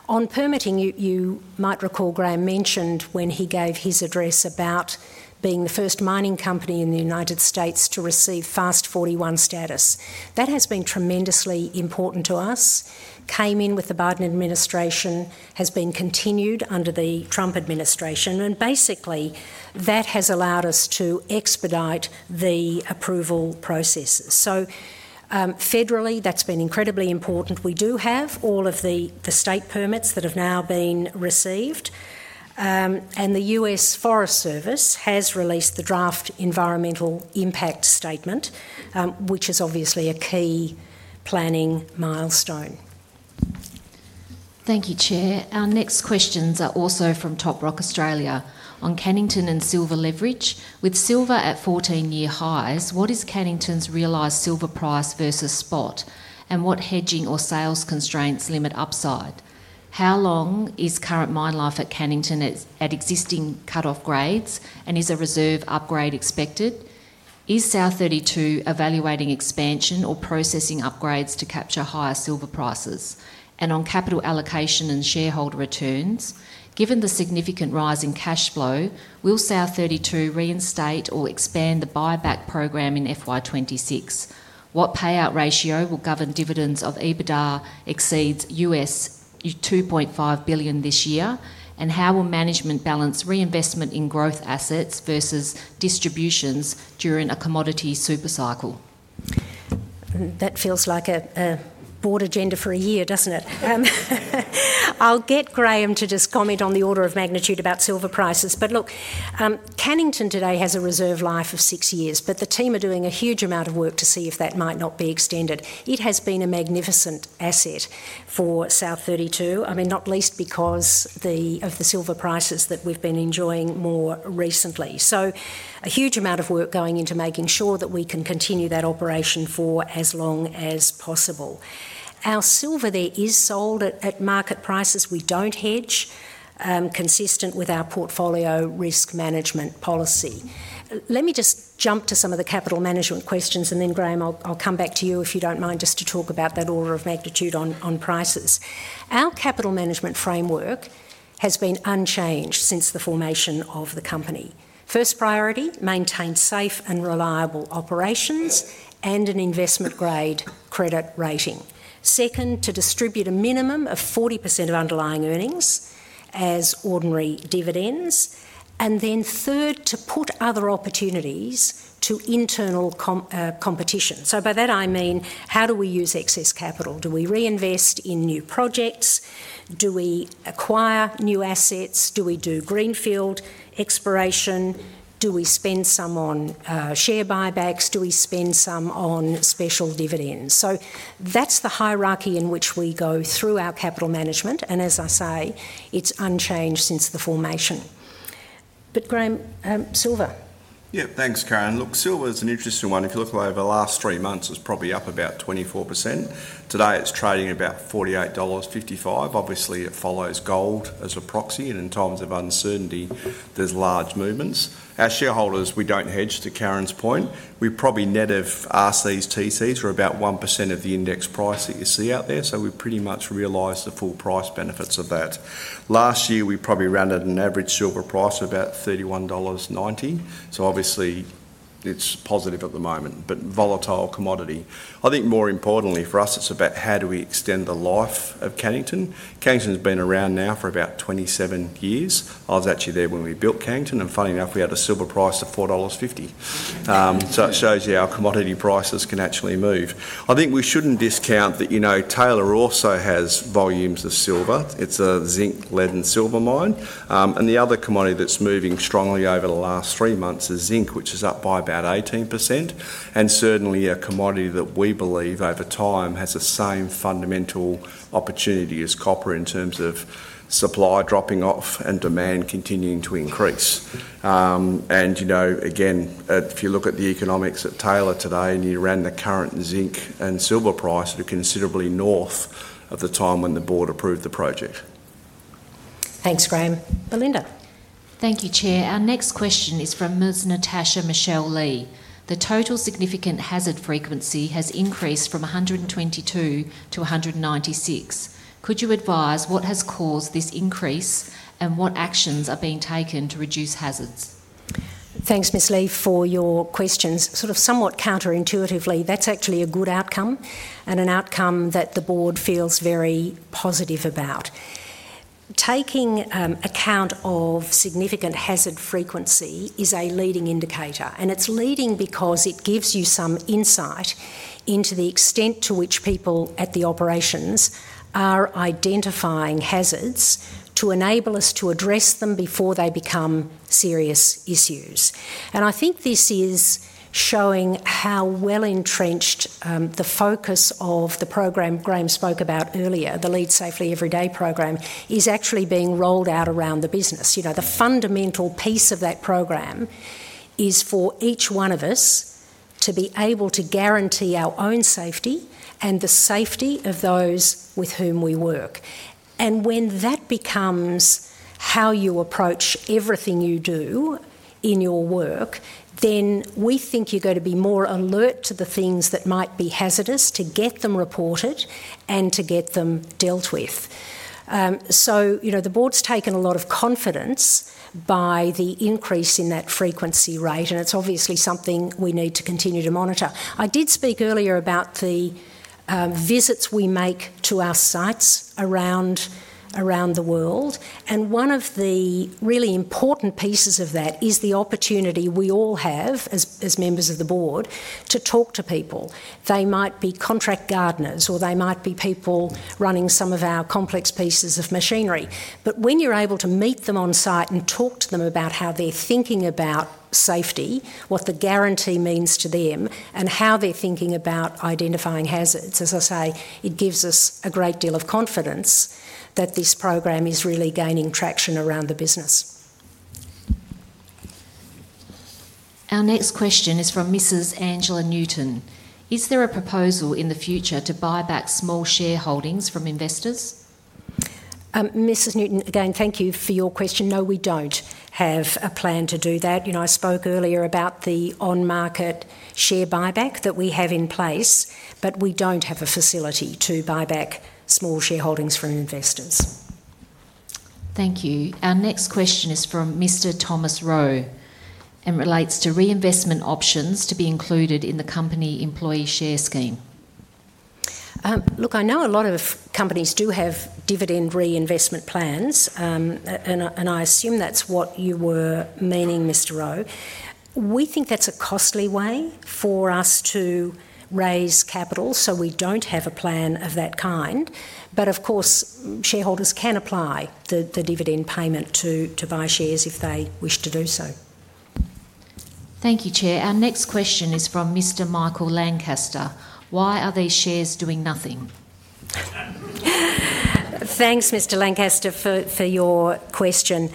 On permitting, you might recall Graham mentioned when he gave his address about being the first mining company in the United States to receive FAST-41 status. That has been tremendously important to us. That has been tremendously important to us, came in with the Biden administration, has been continued under the Trump administration, and basically that has allowed us to expedite the approval processes. Federally, that's been incredibly important. We do have all of the state permits that have now been received, and the U.S. Forest Service has released the draft environmental impact statement, which is obviously a key planning milestone. Thank you, Chair. Our next questions are also from Top Rock Australia. On Cannington and silver leverage, with silver at 14-year highs, what is Cannington's realized silver price versus spot, and what hedging or sales constraints limit upside? How long is current mine life at Cannington at existing cut-off grades, and is a reserve upgrade expected? Is South32 evaluating expansion or processing upgrades to capture higher silver prices? On capital allocation and shareholder returns, given the significant rise in cash flow, will South32 reinstate or expand the buyback program in FY 2026? What payout ratio will govern dividends if EBITDA exceeds $2.5 billion this year, and how will management balance reinvestment in growth assets versus distributions during a commodity supercycle? That feels like a board agenda for a year, doesn't it? I'll get Graham to just comment on the order of magnitude about silver prices, but look, Cannington today has a reserve life of six years, but the team are doing a huge amount of work to see if that might not be extended. It has been a magnificent asset for South32, not least because of the silver prices that we've been enjoying more recently. A huge amount of work is going into making sure that we can continue that operation for as long as possible. Our silver there is sold at market prices. We don't hedge, consistent with our portfolio risk management policy. Let me just jump to some of the capital management questions, and then, Graham, I'll come back to you if you don't mind just to talk about that order of magnitude on prices. Our capital management framework has been unchanged since the formation of the company. First priority, maintain safe and reliable operations and an investment-grade credit rating. Second, to distribute a minimum of 40% of underlying earnings as ordinary dividends, and third, to put other opportunities to internal competition. By that, I mean, how do we use excess capital? Do we reinvest in new projects? Do we acquire new assets? Do we do greenfield exploration? Do we spend some on share buybacks? Do we spend some on special dividends? That's the hierarchy in which we go through our capital management, and as I say, it's unchanged since the formation. Graham, silver. Yeah, thanks, Karen. Look, silver is an interesting one. If you look over the last three months, it was probably up about 24%. Today, it's trading about $48.55. Obviously, it follows gold as a proxy, and in times of uncertainty, there's large movements. Our shareholders, we don't hedge, to Karen's point. We probably net of RCs, TCs are about 1% of the index price that you see out there, so we pretty much realize the full price benefits of that. Last year, we probably ran at an average silver price of about $31.90, so obviously it's positive at the moment, but volatile commodity. I think more importantly for us, it's about how do we extend the life of Cannington. Cannington's been around now for about 27 years. I was actually there when we built Cannington, and funny enough, we had a silver price of $4.50. It shows you how commodity prices can actually move. I think we shouldn't discount that, you know, Taylor also has volumes of silver. It's a zinc, lead, and silver mine, and the other commodity that's moving strongly over the last three months is zinc, which is up by about 18%, and certainly a commodity that we believe over time has the same fundamental opportunity as copper in terms of supply dropping off and demand continuing to increase. You know, again, if you look at the economics at Taylor today, and you ran the current zinc and silver price that are considerably north of the time when the board approved the project. Thanks, Graham. Belinda. Thank you, Chair. Our next question is from Ms. Natasha Michelle Lee. The total significant hazard frequency has increased from 122 from 196. Could you advise what has caused this increase, and what actions are being taken to reduce hazards? Thanks, Ms. Lee, for your questions. Somewhat counterintuitively, that's actually a good outcome and an outcome that the board feels very positive about. Taking account of significant hazard frequency is a leading indicator, and it's leading because it gives you some insight into the extent to which people at the operations are identifying hazards to enable us to address them before they become serious issues. I think this is showing how well entrenched the focus of the program Graham spoke about earlier, the Lead Safely Every Day program, is actually being rolled out around the business. The fundamental piece of that program is for each one of us to be able to guarantee our own safety and the safety of those with whom we work. When that becomes how you approach everything you do in your work, we think you're going to be more alert to the things that might be hazardous to get them reported and to get them dealt with. The board's taken a lot of confidence by the increase in that frequency rate, and it's obviously something we need to continue to monitor. I did speak earlier about the visits we make to our sites around the world, and one of the really important pieces of that is the opportunity we all have as members of the board to talk to people. They might be contract gardeners, or they might be people running some of our complex pieces of machinery, but when you're able to meet them on site and talk to them about how they're thinking about safety, what the guarantee means to them, and how they're thinking about identifying hazards, as I say, it gives us a great deal of confidence that this program is really gaining traction around the business. Our next question is from Mrs. Angela Newton. Is there a proposal in the future to buy back small shareholdings from investors? Mrs. Newton, again, thank you for your question. No, we don't have a plan to do that. I spoke earlier about the on-market share buyback that we have in place, but we don't have a facility to buy back small shareholdings from investors. Thank you. Our next question is from Mr. Thomas Rowe and relates to reinvestment options to be included in the company employee share scheme. Look, I know a lot of companies do have dividend reinvestment plans, and I assume that's what you were meaning, Mr. Rowe. We think that's a costly way for us to raise capital, so we don't have a plan of that kind, but of course, shareholders can apply the dividend payment to buy shares if they wish to do so. Thank you, Chair. Our next question is from Mr. Michael Lancaster. Why are these shares doing nothing? Thanks, Mr. Lancaster, for your question.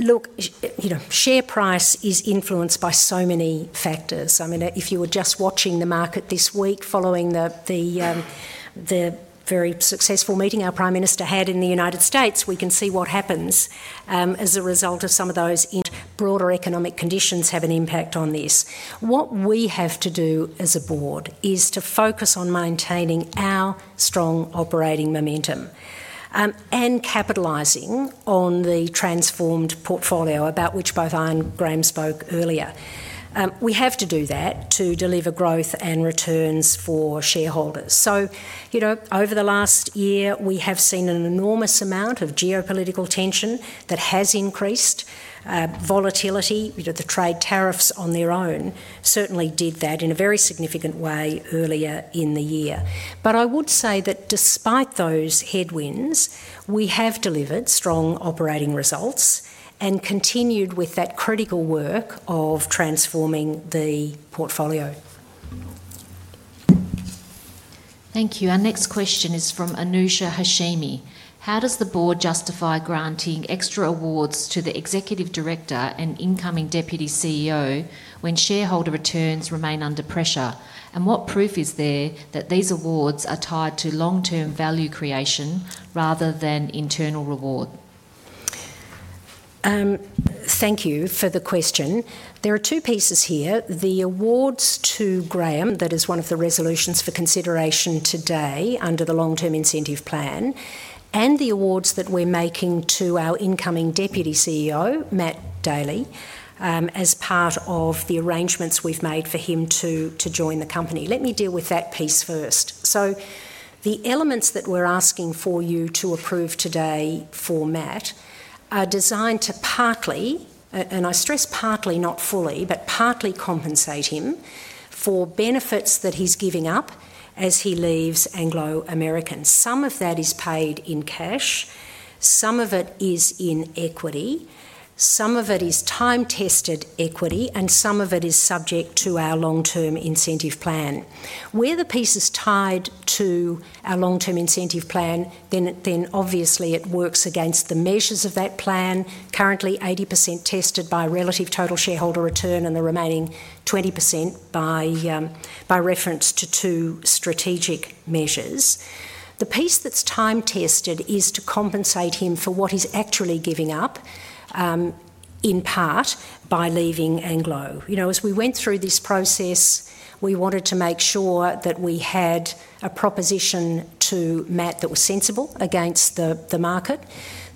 Look, you know, share price is influenced by so many factors. I mean, if you were just watching the market this week following the very successful meeting our Prime Minister had in the United States, we can see what happens as a result of some of those boader economic conditions have an impact on this. What we have to do as a board is to focus on maintaining our strong operating momentum and capitalizing on the transformed portfolio about which both I and Graham spoke earlier. We have to do that to deliver growth and returns for shareholders. Over the last year, we have seen an enormous amount of geopolitical tension that has increased. Volatility, the trade tariffs on their own certainly did that in a very significant way earlier in the year. I would say that despite those headwinds, we have delivered strong operating results and continued with that critical work of transforming the portfolio. Thank you. Our next question is from Anusha Hashemi. How does the board justify granting extra awards to the Executive Director and incoming Deputy CEO when shareholder returns remain under pressure? What proof is there that these awards are tied to long-term value creation rather than internal reward? Thank you for the question. There are two pieces here. The awards to Graham, that is one of the resolutions for consideration today under the long-term incentive plan, and the awards that we're making to our incoming Deputy CEO, Matt Daly, as part of the arrangements we've made for him to join the company. Let me deal with that piece first. The elements that we're asking for you to approve today for Matt are designed to partly, and I stress partly, not fully, but partly compensate him for benefits that he's giving up as he leaves Anglo American. Some of that is paid in cash, some of it is in equity, some of it is time-tested equity, and some of it is subject to our long-term incentive plan. Where the piece is tied to our long-term incentive plan, then obviously it works against the measures of that plan, currently 80% tested by relative total shareholder return and the remaining 20% by reference to two strategic measures. The piece that's time-tested is to compensate him for what he's actually giving up, in part by leaving Anglo. As we went through this process, we wanted to make sure that we had a proposition to Matt that was sensible against the market,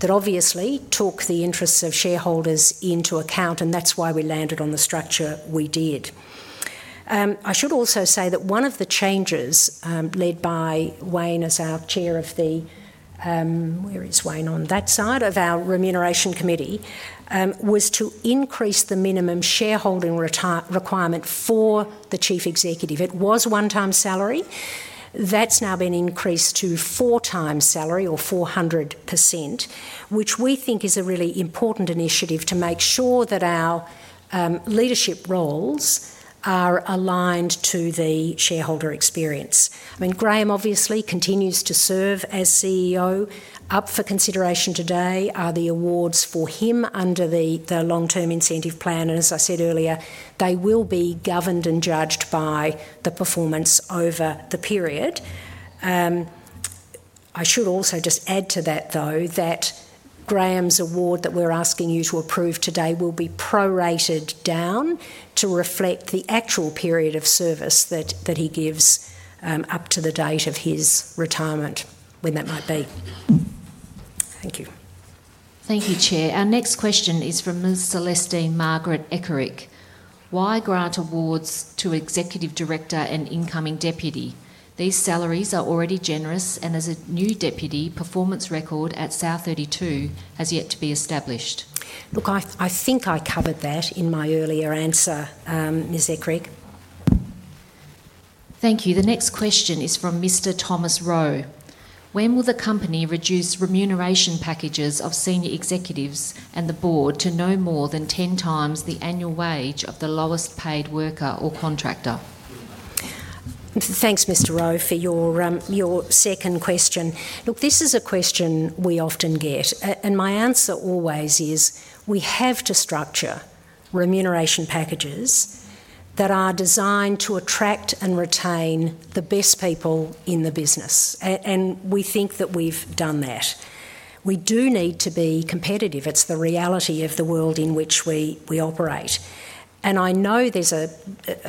that obviously took the interests of shareholders into account, and that's why we landed on the structure we did. I should also say that one of the changes led by Wayne, as our Chair of the, where is Wayne on that side of our Remuneration Committee, was to increase the minimum shareholding requirement for the Chief Executive. It was one-time salary. That's now been increased to four-time salary, or 400%, which we think is a really important initiative to make sure that our leadership roles are aligned to the shareholder experience. Graham obviously continues to serve as CEO. Up for consideration today are the awards for him under the long-term incentive plan, and as I said earlier, they will be governed and judged by the performance over the period. I should also just add to that, though, that Graham's award that we're asking you to approve today will be prorated down to reflect the actual period of service that he gives up to the date of his retirement, when that might be. Thank you. Thank you, Chair. Our next question is from Ms. Celestine Margaret Eckerick. Why grant awards to Executive Director and incoming Deputy? These salaries are already generous, and as a new Deputy, performance record at South32 has yet to be established. I think I covered that in my earlier answer, Ms. Eckerick. Thank you. The next question is from Mr. Thomas Rowe. When will the company reduce remuneration packages of senior executives and the board to no more than 10x the annual wage of the lowest paid worker or contractor? Thanks, Mr. Rowe, for your second question. This is a question we often get, and my answer always is we have to structure remuneration packages that are designed to attract and retain the best people in the business, and we think that we've done that. We do need to be competitive. It's the reality of the world in which we operate, and I know there's a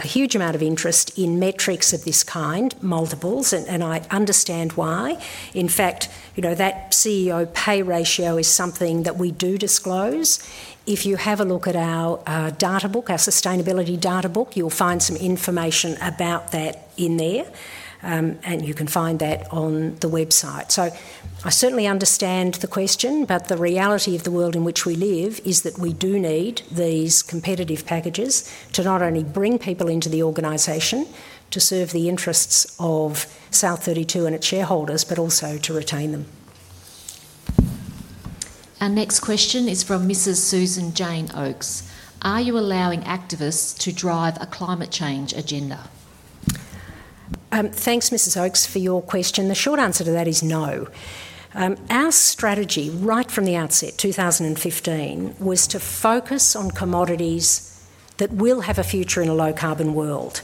huge amount of interest in metrics of this kind, multiples, and I understand why. In fact, you know, that CEO pay ratio is something that we do disclose. If you have a look at our data book, our sustainability data book, you'll find some information about that in there, and you can find that on the website. I certainly understand the question, but the reality of the world in which we live is that we do need these competitive packages to not only bring people into the organization to serve the interests of South32 and its shareholders, but also to retain them. Our next question is from Mrs. Susan Jane Oakes. Are you allowing activists to drive a climate change agenda? Thanks, Mrs. Oakes, for your question. The short answer to that is no. Our strategy, right from the outset, 2015, was to focus on commodities that will have a future in a low carbon world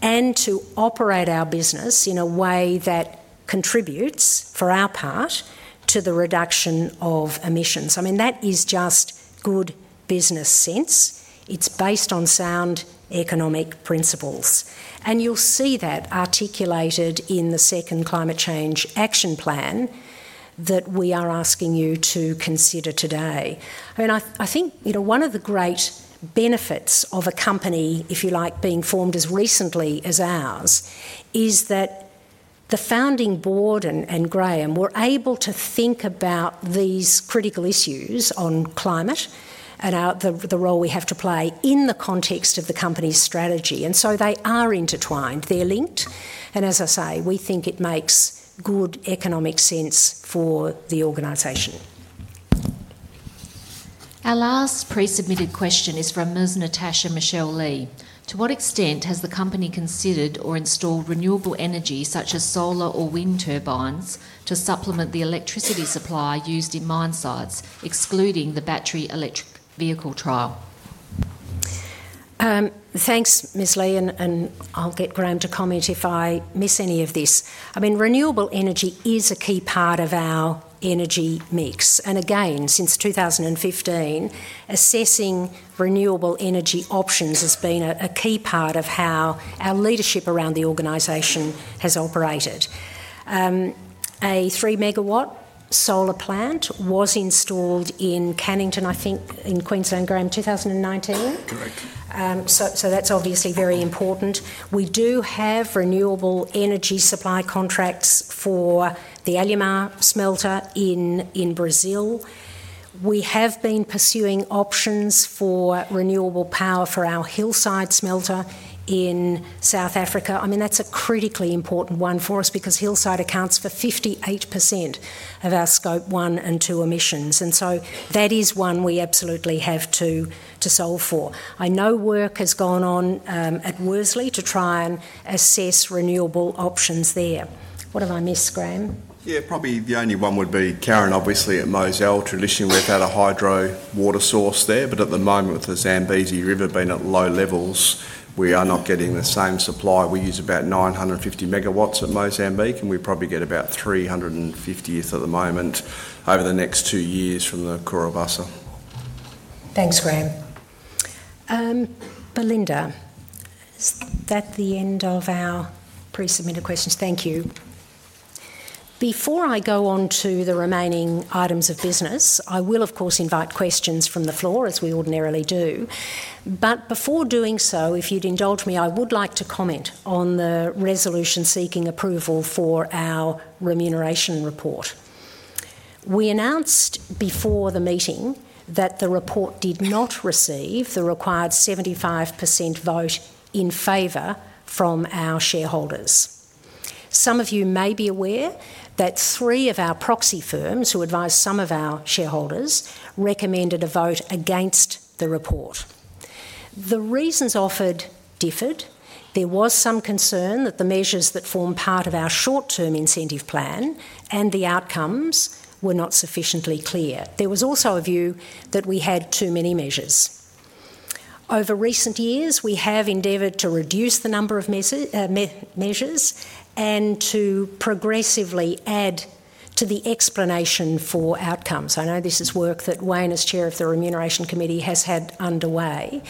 and to operate our business in a way that contributes, for our part, to the reduction of emissions. That is just good business sense. It's based on sound economic principles, and you'll see that articulated in the second Climate Change Action Plan that we are asking you to consider today. I think one of the great benefits of a company, if you like, being formed as recently as ours is that the founding board and Graham were able to think about these critical issues on climate and the role we have to play in the context of the company's strategy, and so they are intertwined. They're linked, and as I say, we think it makes good economic sense for the organization. Our last pre-submitted question is from Ms. Natasha Michelle Lee. To what extent has the company considered or installed renewable energy such as solar or wind turbines to supplement the electricity supply used in mine sites, excluding the battery electric vehicle trial? Thanks, Ms. Lee, and I'll get Graham to comment if I miss any of this. Renewable energy is a key part of our energy mix, and again, since 2015, assessing renewable energy options has been a key part of how our leadership around the organization has operated. A 3MW solar plant was installed in Cannington, I think, in Queensland, Graham, 2019. Correct. That's obviously very important. We do have renewable energy supply contracts for the Alumar smelter in Brazil. We have been pursuing options for renewable power for our Hillside Aluminium smelter in South Africa. I mean, that's a critically important one for us because Hillside accounts for 58% of our Scope 1 and 2 emissions, and so that is one we absolutely have to solve for. I know work has gone on at Worsley Alumina to try and assess renewable options there. What have I missed, Graham? Yeah, probably the only one would be Karen, obviously, at Mozal. Traditionally, we've had a hydro water source there, but at the moment, with the Zambezi River being at low levels, we are not getting the same supply. We use about 950 MW at Mozambique, and we probably get about 350 MW at the moment over the next two years from the Cahora Bassa. Thanks, Graham. Belinda, is that the end of our pre-submitted questions? Thank you. Before I go on to the remaining items of business, I will, of course, invite questions from the floor, as we ordinarily do. Before doing so, if you'd indulge me, I would like to comment on the resolution seeking approval for our remuneration report. We announced before the meeting that the report did not receive the required 75% vote in favor from our shareholders. Some of you may be aware that three of our proxy firms who advise some of our shareholders recommended a vote against the report. The reasons offered differed. There was some concern that the measures that form part of our short-term incentive plan and the outcomes were not sufficiently clear. There was also a view that we had too many measures. Over recent years, we have endeavored to reduce the number of measures and to progressively add to the explanation for outcomes. I know this is work that Wayne, as Chair of the Remuneration Committee, has had underway,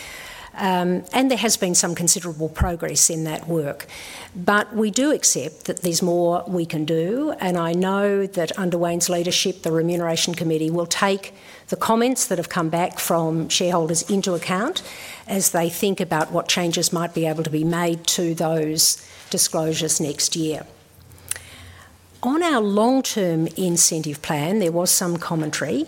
and there has been some considerable progress in that work. We do accept that there's more we can do, and I know that under Wayne's leadership, the Remuneration Committee will take the comments that have come back from shareholders into account as they think about what changes might be able to be made to those disclosures next year. On our long-term incentive plan, there was some commentary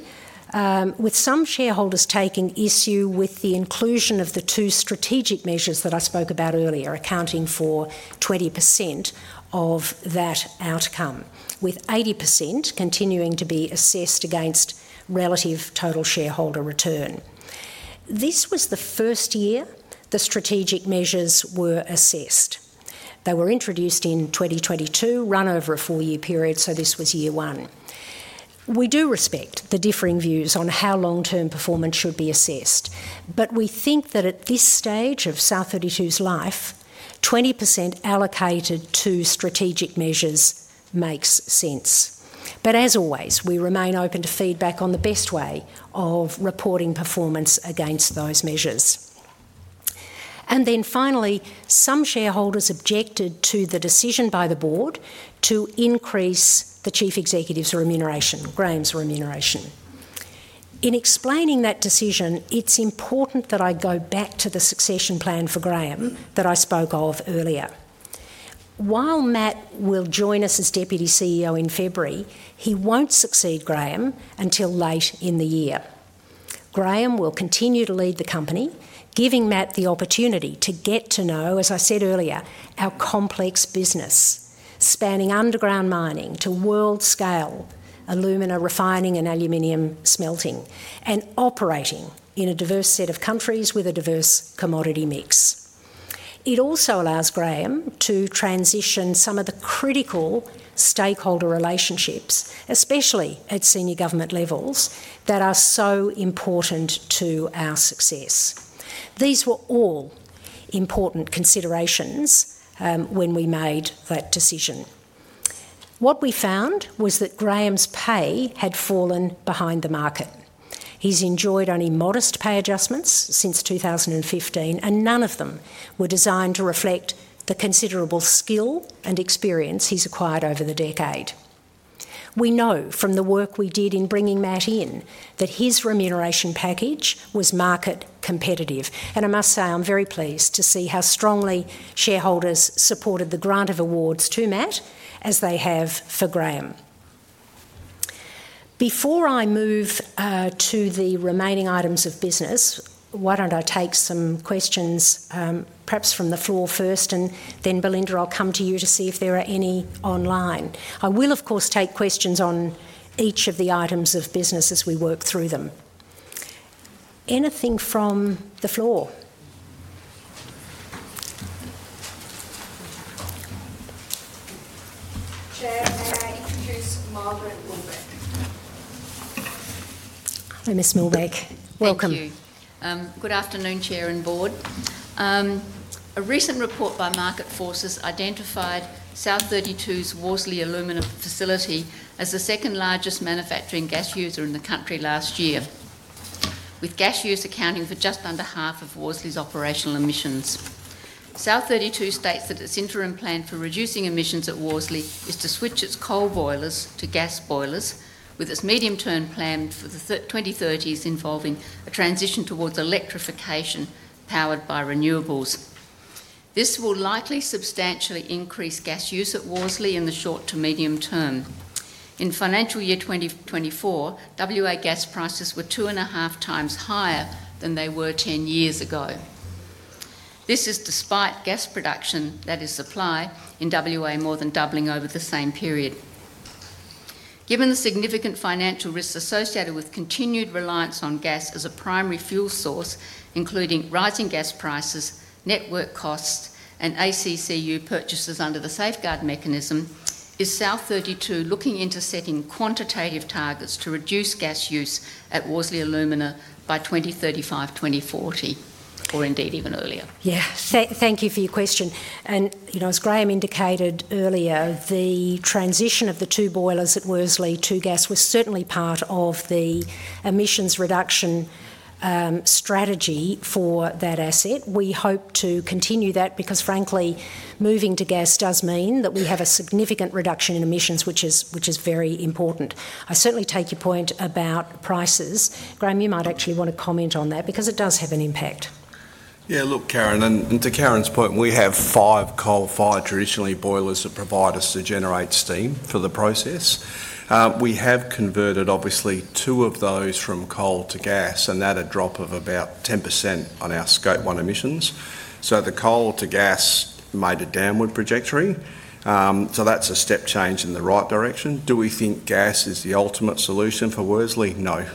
with some shareholders taking issue with the inclusion of the two strategic measures that I spoke about earlier, accounting for 20% of that outcome, with 80% continuing to be assessed against relative total shareholder return. This was the first year the strategic measures were assessed. They were introduced in 2022, run over a four-year period, so this was year one. We do respect the differing views on how long-term performance should be assessed, but we think that at this stage of South32's life, 20% allocated to strategic measures makes sense. As always, we remain open to feedback on the best way of reporting performance against those measures. Finally, some shareholders objected to the decision by the board to increase the Chief Executive's remuneration, Graham's remuneration. In explaining that decision, it's important that I go back to the succession plan for Graham that I spoke of earlier. While Matt will join us as Deputy CEO in February, he won't succeed Graham until late in the year. Graham will continue to lead the company, giving Matt the opportunity to get to know, as I said earlier, our complex business, spanning underground mining to world scale, alumina refining and aluminium smelting, and operating in a diverse set of countries with a diverse commodity mix. It also allows Graham to transition some of the critical stakeholder relationships, especially at senior government levels, that are so important to our success. These were all important considerations when we made that decision. What we found was that Graham's pay had fallen behind the market. He's enjoyed any modest pay adjustments since 2015, and none of them were designed to reflect the considerable skill and experience he's acquired over the decade. We know from the work we did in bringing Matt in that his remuneration package was market competitive, and I must say I'm very pleased to see how strongly shareholders supported the grant of awards to Matt, as they have for Graham. Before I move to the remaining items of business, why don't I take some questions, perhaps from the floor first, and then, Belinda, I'll come to you to see if there are any online. I will, of course, take questions on each of the items of business as we work through them. Anything from the floor? Chair, may I introduce Margaret Milbeck? Hello, Ms. Milbeck. Welcome. Thank you. Good afternoon, Chair and Board. A recent report by Market Forces identified South32's Worsley Alumina facility as the second largest manufacturing gas user in the country last year, with gas use accounting for just under half of Worsley's operational emissions. South32 states that its interim plan for reducing emissions at Worsley is to switch its coal boilers to gas boilers, with its medium-term plan for the 2030s involving a transition towards electrification powered by renewables. This will likely substantially increase gas use at Worsley in the short to medium term. In financial year 2024, WA gas prices were 2.5x higher than they were ten years ago. This is despite gas production, that is supply, in WA more than doubling over the same period. Given the significant financial risks associated with continued reliance on gas as a primary fuel source, including rising gas prices, network costs, and ACCU purchases under the Safeguards Mechanism, is South32 looking into setting quantitative targets to reduce gas use at Worsley Alumina by 2035-2040, or indeed even earlier? Thank you for your question. As Graham indicated earlier, the transition of the two boilers at Worsley to gas was certainly part of the emissions reduction strategy for that asset. We hope to continue that because, frankly, moving to gas does mean that we have a significant reduction in emissions, which is very important. I certainly take your point about prices. Graham, you might actually want to comment on that because it does have an impact. Yeah, look, Karen, and to Karen's point, we have five coal-fired traditional boilers that provide us to generate steam for the process. We have converted, obviously, two of those from coal to gas, and that's a drop of about 10% on our Scope 1 emissions. The coal to gas made a downward trajectory. That's a step change in the right direction. Do we think gas is the ultimate solution for Worsley? No.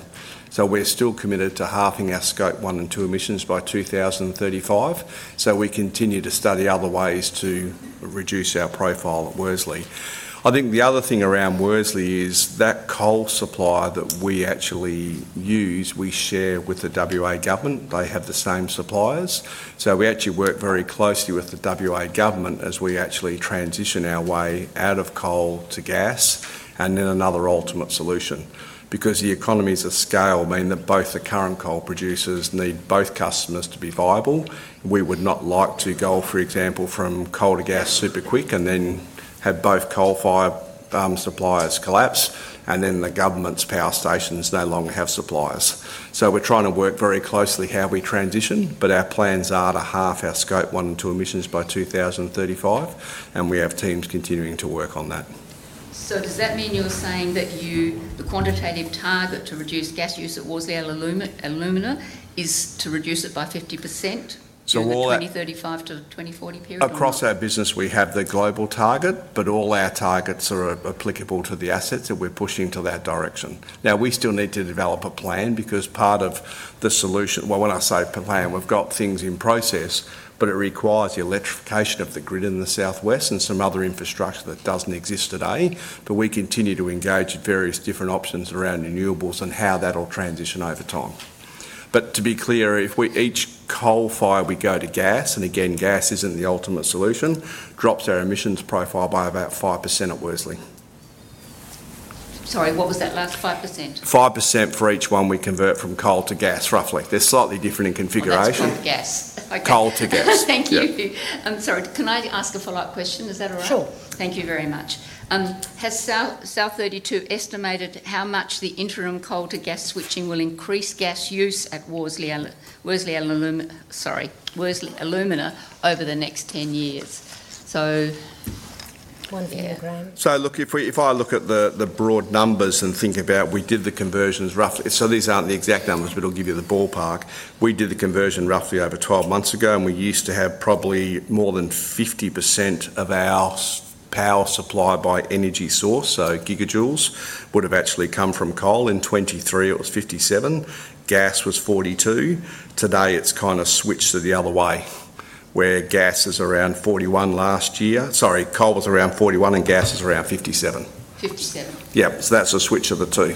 We're still committed to halving our Scope 1 and 2 emissions by 2035. We continue to study other ways to reduce our profile at Worsley. I think the other thing around Worsley is that coal supply that we actually use, we share with the WA government. They have the same suppliers. We actually work very closely with the WA government as we transition our way out of coal to gas and in another ultimate solution. The economies of scale mean that both the current coal producers need both customers to be viable. We would not like to go, for example, from coal to gas super quick and then have both coal-fired suppliers collapse, and then the government's power stations no longer have suppliers. We're trying to work very closely how we transition, but our plans are to halve our Scope 1 and 2 emissions by 2035, and we have teams continuing to work on that. Does that mean you're saying that the quantitative target to reduce gas use at Worsley Alumina is to reduce it by 50% in the 2035-2040 period? Across our business, we have the global target, but all our targets are applicable to the assets, and we're pushing to that direction. We still need to develop a plan because part of the solution, when I say plan, we've got things in process, but it requires the electrification of the grid in the southwest and some other infrastructure that doesn't exist today. We continue to engage in various different options around renewables and how that will transition over time. To be clear, if we each coal-fired, we go to gas, and again, gas isn't the ultimate solution, drops our emissions profile by about 5% at Worsley. Sorry, what was that last 5%? 5% for each one we convert from coal to gas, roughly. They're slightly different in configuration. Coal to gas. Coal to gas. Thank you. Sorry, can I ask a follow-up question? Is that all right? Sure. Thank you very much. Has South32 estimated how much the interim coal to gas switching will increase gas use at Worsley Alumina over the next 10 years? One for you, Graham. If I look at the broad numbers and think about we did the conversions roughly, these aren't the exact numbers, but it'll give you the ballpark. We did the conversion roughly over 12 months ago, and we used to have probably more than 50% of our power supply by energy source, so gigajoules, would have actually come from coal. In 2023, it was 57%. Gas was 42%. Today, it's kind of switched to the other way, where gas is around 41% last year. Sorry, coal was around 41%, and gas is around 57%. 57? Yeah, that's a switch of the two.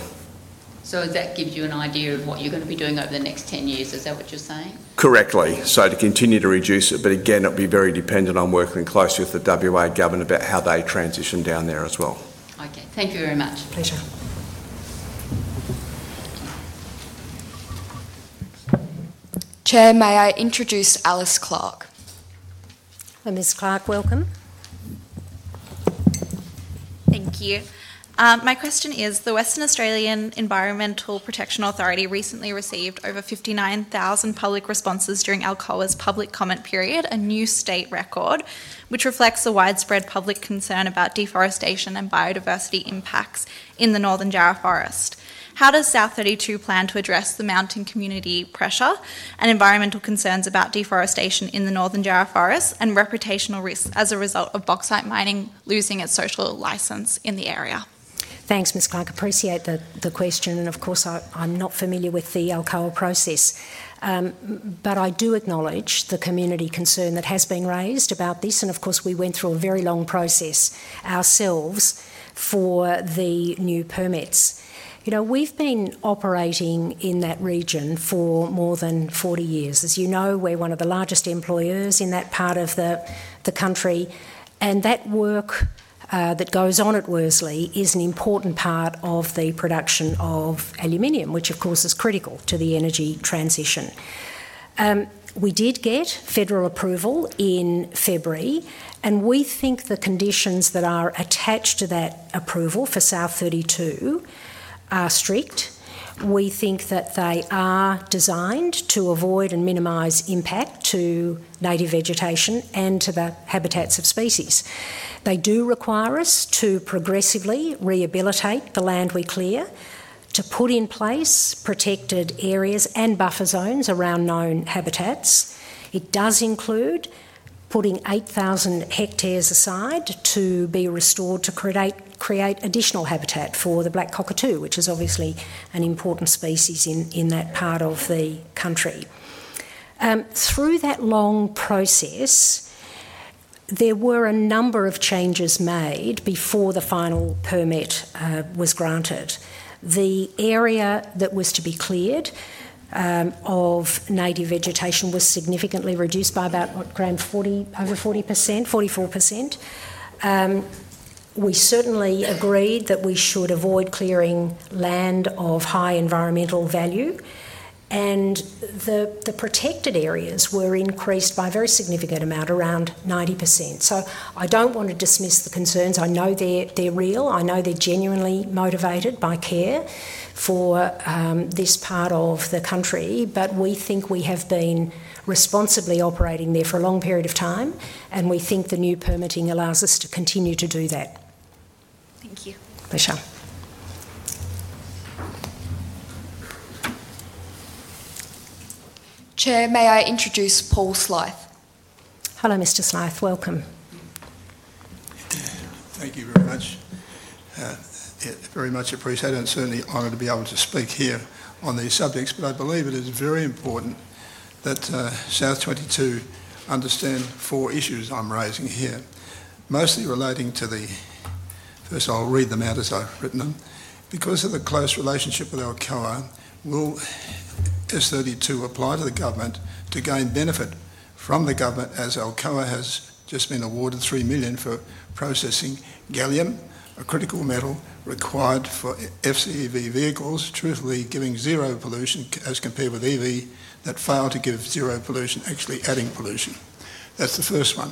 That gives you an idea of what you're going to be doing over the next 10 years. Is that what you're saying? Correctly. To continue to reduce it, it'll be very dependent on working closely with the WA government about how they transition down there as well. Okay, thank you very much. Pleasure. Chair, may I introduce Alice Clark? Hi, Ms. Clark. Welcome. Thank you. Thank you. My question is, the Western Australian Environmental Protection Authority recently received over 59,000 public responses during Alcoa's public comment period, a new state record, which reflects a widespread public concern about deforestation and biodiversity impacts in the Northern Jarrah Forest. How does South32 plan to address the mounting community pressure and environmental concerns about deforestation in the Northern Jarrah Forest and reputational risks as a result of bauxite mining losing its social license in the area? Thanks, Ms. Clark. Appreciate the question, and of course, I'm not familiar with the Alcoa process, but I do acknowledge the community concern that has been raised about this, and of course, we went through a very long process ourselves for the new permits. We've been operating in that region for more than 40 years. As you know, we're one of the largest employers in that part of the country, and that work that goes on at Worsley is an important part of the production of aluminium, which is critical to the energy transition. We did get federal approval in February, and we think the conditions that are attached to that approval for South32 are strict. We think that they are designed to avoid and minimize impact to native vegetation and to the habitats of species. They do require us to progressively rehabilitate the land we clear, to put in place protected areas and buffer zones around known habitats. It does include putting 8,000 hectares aside to be restored to create additional habitat for the black cockatoo, which is obviously an important species in that part of the country. Through that long process, there were a number of changes made before the final permit was granted. The area that was to be cleared of native vegetation was significantly reduced by about, what, Graham, over 40%, 44%. We certainly agreed that we should avoid clearing land of high environmental value, and the protected areas were increased by a very significant amount, around 90%. I don't want to dismiss the concerns. I know they're real. I know they're genuinely motivated by care for this part of the country, but we think we have been responsibly operating there for a long period of time, and we think the new permitting allows us to continue to do that. Thank you. Pleasure. Chair, may I introduce Paul Slyth? Hello, Mr. Slyth. Welcome. Thank you very much. Very much appreciated and certainly honored to be able to speak here on these subjects. I believe it is very important that South32 understand four issues I'm raising here, mostly relating to the, first I'll read them out as I've written them. Because of the close relationship with Alcoa, will South32 apply to the government to gain benefit from the government as Alcoa has just been awarded $3 million for processing gallium, a critical metal required for FCEV vehicles, truthfully giving zero pollution as compared with EV that fail to give zero pollution, actually adding pollution. That's the first one.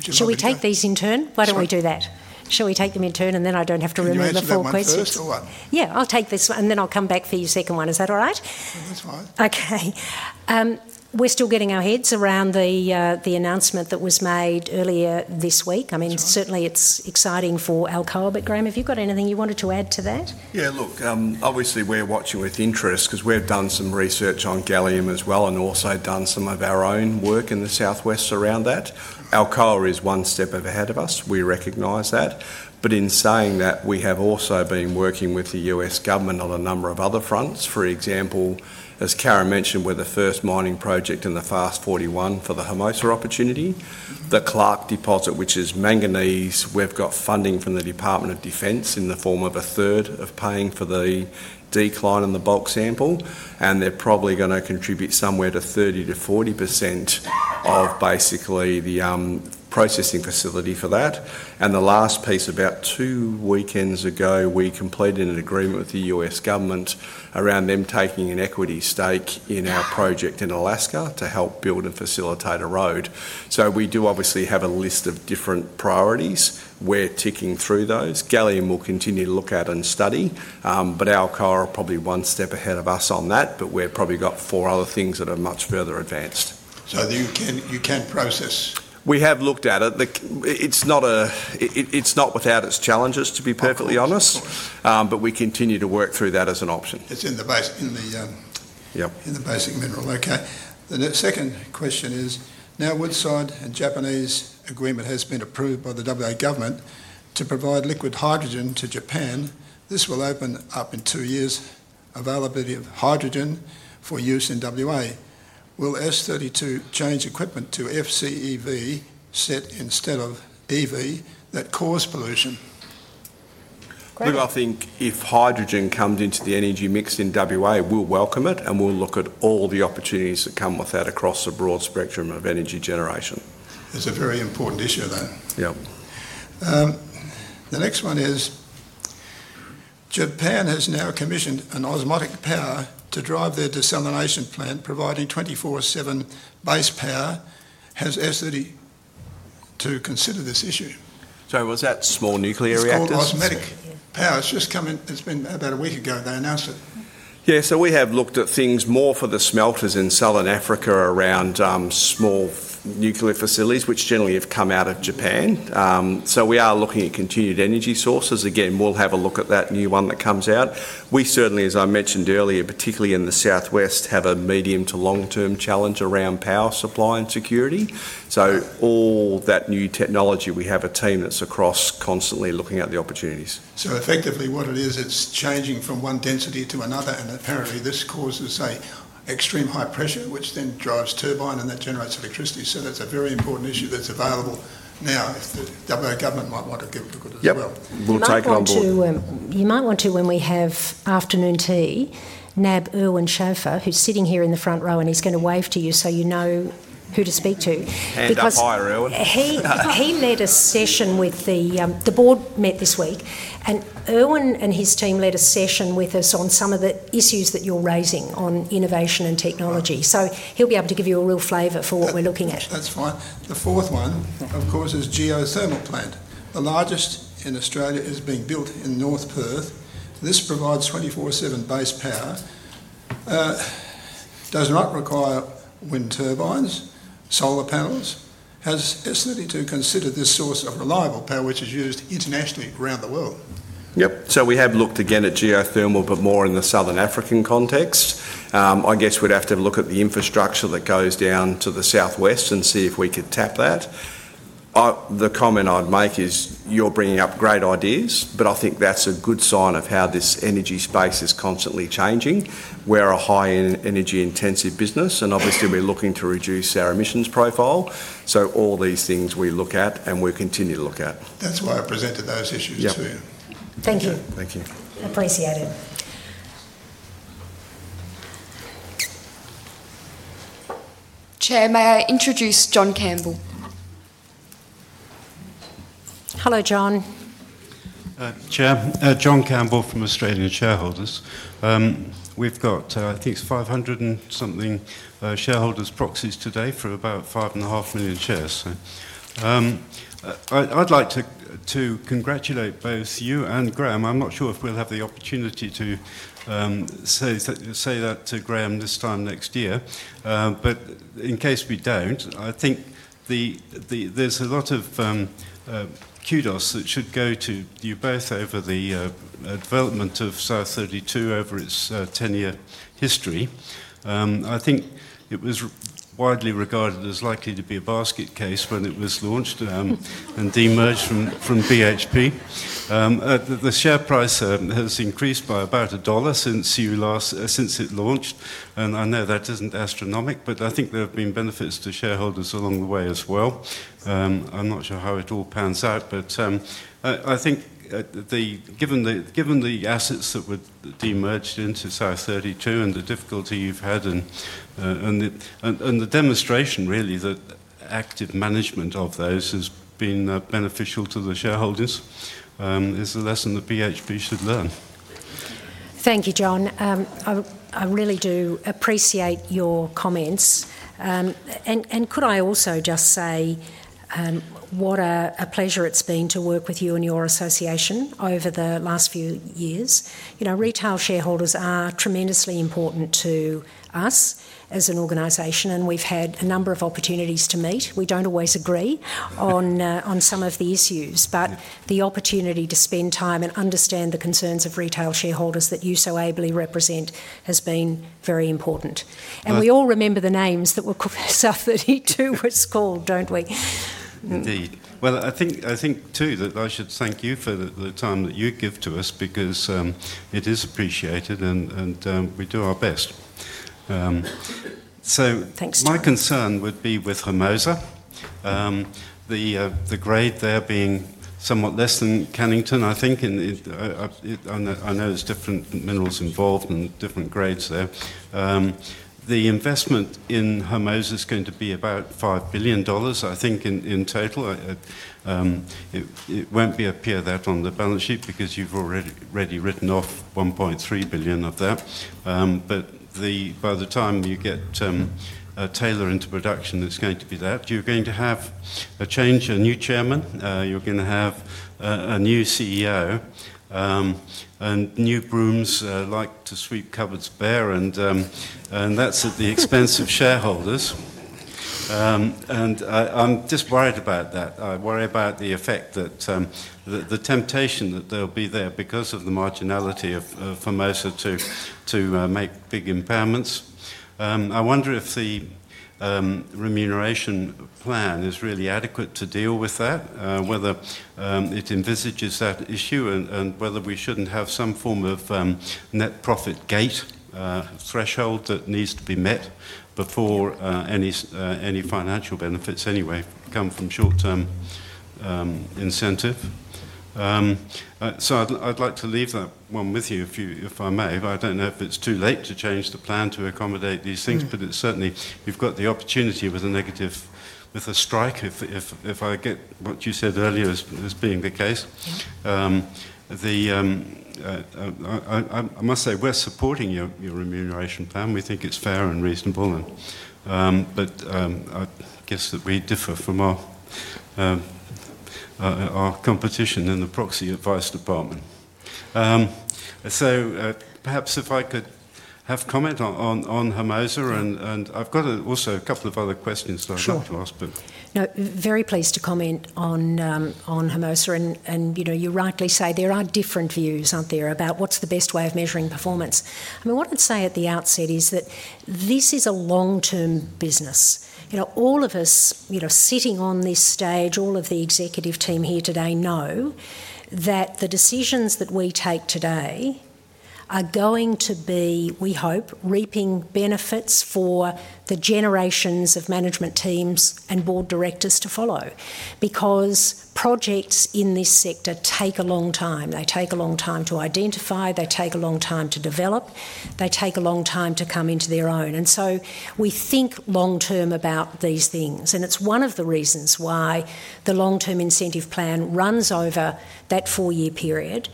Shall we take these in turn? Why don't we do that? Shall we take them in turn, and then I don't have to remember the four questions? Yeah, let's do it. Yeah, I'll take this one and then I'll come back for your second one. Is that all right? That's fine. Okay. We're still getting our heads around the announcement that was made earlier this week. I mean, certainly it's exciting for Alcoa, but Graham, have you got anything you wanted to add to that? Yeah, look, obviously we're watching with interest because we've done some research on gallium as well and also done some of our own work in the southwest around that. Alcoa is one step ahead of us. We recognize that. In saying that, we have also been working with the U.S. government on a number of other fronts. For example, as Karen mentioned, we're the first mining project in the FAST-41 for the Hermosa opportunity. The Clark deposit, which is manganese, we've got funding from the Department of Defence in the form of a third of paying for the decline in the bulk sample, and they're probably going to contribute somewhere to 30%-40% of basically the processing facility for that. The last piece, about two weekends ago, we completed an agreement with the U.S. government around them taking an equity stake in our project in Alaska to help build and facilitate a road. We do obviously have a list of different priorities. We're ticking through those. Gallium we'll continue to look at and study, but Alcoa are probably one step ahead of us on that, but we've probably got four other things that are much further advanced. Can you process? We have looked at it. It's not without its challenges, to be perfectly honest, but we continue to work through that as an option. It's in the basic mineral. The second question is, now Woodside and Japanese agreement has been approved by the WA government to provide liquid hydrogen to Japan. This will open up in two years availability of hydrogen for use in WA. Will S32 change equipment to FCEV set instead of EV that cause pollution? I think if hydrogen comes into the energy mix in Western Australia, we'll welcome it, and we'll look at all the opportunities that come with that across the broad spectrum of energy generation. It's a very important issue, then. Yeah. The next one is, Japan has now commissioned an osmotic power to drive their desalination plant, providing 24/7 base power. Has S32 considered this issue? Sorry, was that small nuclear reactors? Small osmotic power. It's just coming. It's been about a week ago they announced it. Yeah, we have looked at things more for the smelters in Southern Africa around small nuclear facilities, which generally have come out of Japan. We are looking at continued energy sources. Again, we'll have a look at that new one that comes out. We certainly, as I mentioned earlier, particularly in the southwest, have a medium to long-term challenge around power supply and security. All that new technology, we have a team that's across constantly looking at the opportunities. Effectively what it is, it's changing from one density to another, and apparently this causes an extreme high pressure, which then drives a turbine and that generates electricity. That's a very important issue that's available now. The WA government might want to give a look at it as well. We'll take it on board. You might want to, when we have afternoon tea, nab Erwin Schafer, who's sitting here in the front row, and he's going to wave to you so you know who to speak to. Hands high, Erwin. He led a session with the Board met this week, and Erwin and his team led a session with us on some of the issues that you're raising on innovation and technology. He'll be able to give you a real flavor for what we're looking at. That's fine. The fourth one, of course, is geothermal plant. The largest in Australia is being built in North Perth. This provides 24/7 base power. Does not require wind turbines or solar panels. Has S32 considered this source of reliable power, which is used internationally around the world? We have looked again at geothermal, but more in the Southern African context. I guess we'd have to look at the infrastructure that goes down to the southwest and see if we could tap that. The comment I'd make is you're bringing up great ideas, and I think that's a good sign of how this energy space is constantly changing. We're a high energy intensive business, and obviously we're looking to reduce our emissions profile. All these things we look at, and we continue to look at. That's why I presented those issues to you. Yeah. Thank you. Thank you. Appreciate it. Chair, may I introduce John Campbell? Hello, John. Chair, John Campbell from Australian Shareholders. We've got, I think it's 500 and something shareholders' proxies today for about $5.5 million shares. I'd like to congratulate both you and Graham. I'm not sure if we'll have the opportunity to say that to Graham this time next year, but in case we don't, I think there's a lot of kudos that should go to you both over the development of South32 over its 10-year history. I think it was widely regarded as likely to be a basket case when it was launched and demerged from BHP. The share price has increased by about $1 since it launched, and I know that isn't astronomic, but I think there have been benefits to shareholders along the way as well. I'm not sure how it all pans out, but I think given the assets that were demerged into South32 and the difficulty you've had and the demonstration really that active management of those has been beneficial to the shareholders, it's a lesson that BHP should learn. Thank you, John. I really do appreciate your comments. Could I also just say what a pleasure it's been to work with you and your association over the last few years. You know, retail shareholders are tremendously important to us as an organization, and we've had a number of opportunities to meet. We don't always agree on some of the issues, but the opportunity to spend time and understand the concerns of retail shareholders that you so ably represent has been very important. We all remember the names that South32 was called, don't we? Indeed. I think too that I should thank you for the time that you give to us because it is appreciated and we do our best. Thanks, John. My concern would be with Hermosa, the grade there being somewhat less than Cannington, I think. I know there's different minerals involved and different grades there. The investment in Hermosa is going to be about $5 billion, I think, in total. It won't appear that on the balance sheet because you've already written off $1.3 billion of that. By the time you get Taylor into production, it's going to be that. You're going to have a change, a new Chair. You're going to have a new CEO, and new brooms like to sweep cupboards bare, and that's at the expense of shareholders. I'm just worried about that. I worry about the effect that the temptation that there'll be there because of the marginality of Hermosa to make big impairments. I wonder if the remuneration plan is really adequate to deal with that, whether it envisages that issue and whether we shouldn't have some form of net profit gate threshold that needs to be met before any financial benefits anyway come from short-term incentive. I'd like to leave that one with you if I may. I don't know if it's too late to change the plan to accommodate these things, but certainly you've got the opportunity with a negative, with a strike if I get what you said earlier as being the case. I must say we're supporting your remuneration plan. We think it's fair and reasonable, but I guess that we differ from our competition in the proxy advice department. Perhaps if I could have comment on Hermosa, and I've got also a couple of other questions that I'd like to ask. Sure. No, very pleased to comment on Hermosa, and you rightly say there are different views, aren't there, about what's the best way of measuring performance. What I'd say at the outset is that this is a long-term business. All of us, sitting on this stage, all of the executive team here today know that the decisions that we take today are going to be, we hope, reaping benefits for the generations of management teams and board directors to follow because projects in this sector take a long time. They take a long time to identify. They take a long time to develop. They take a long time to come into their own. We think long-term about these things, and it's one of the reasons why the long-term incentive plan runs over that four-year period,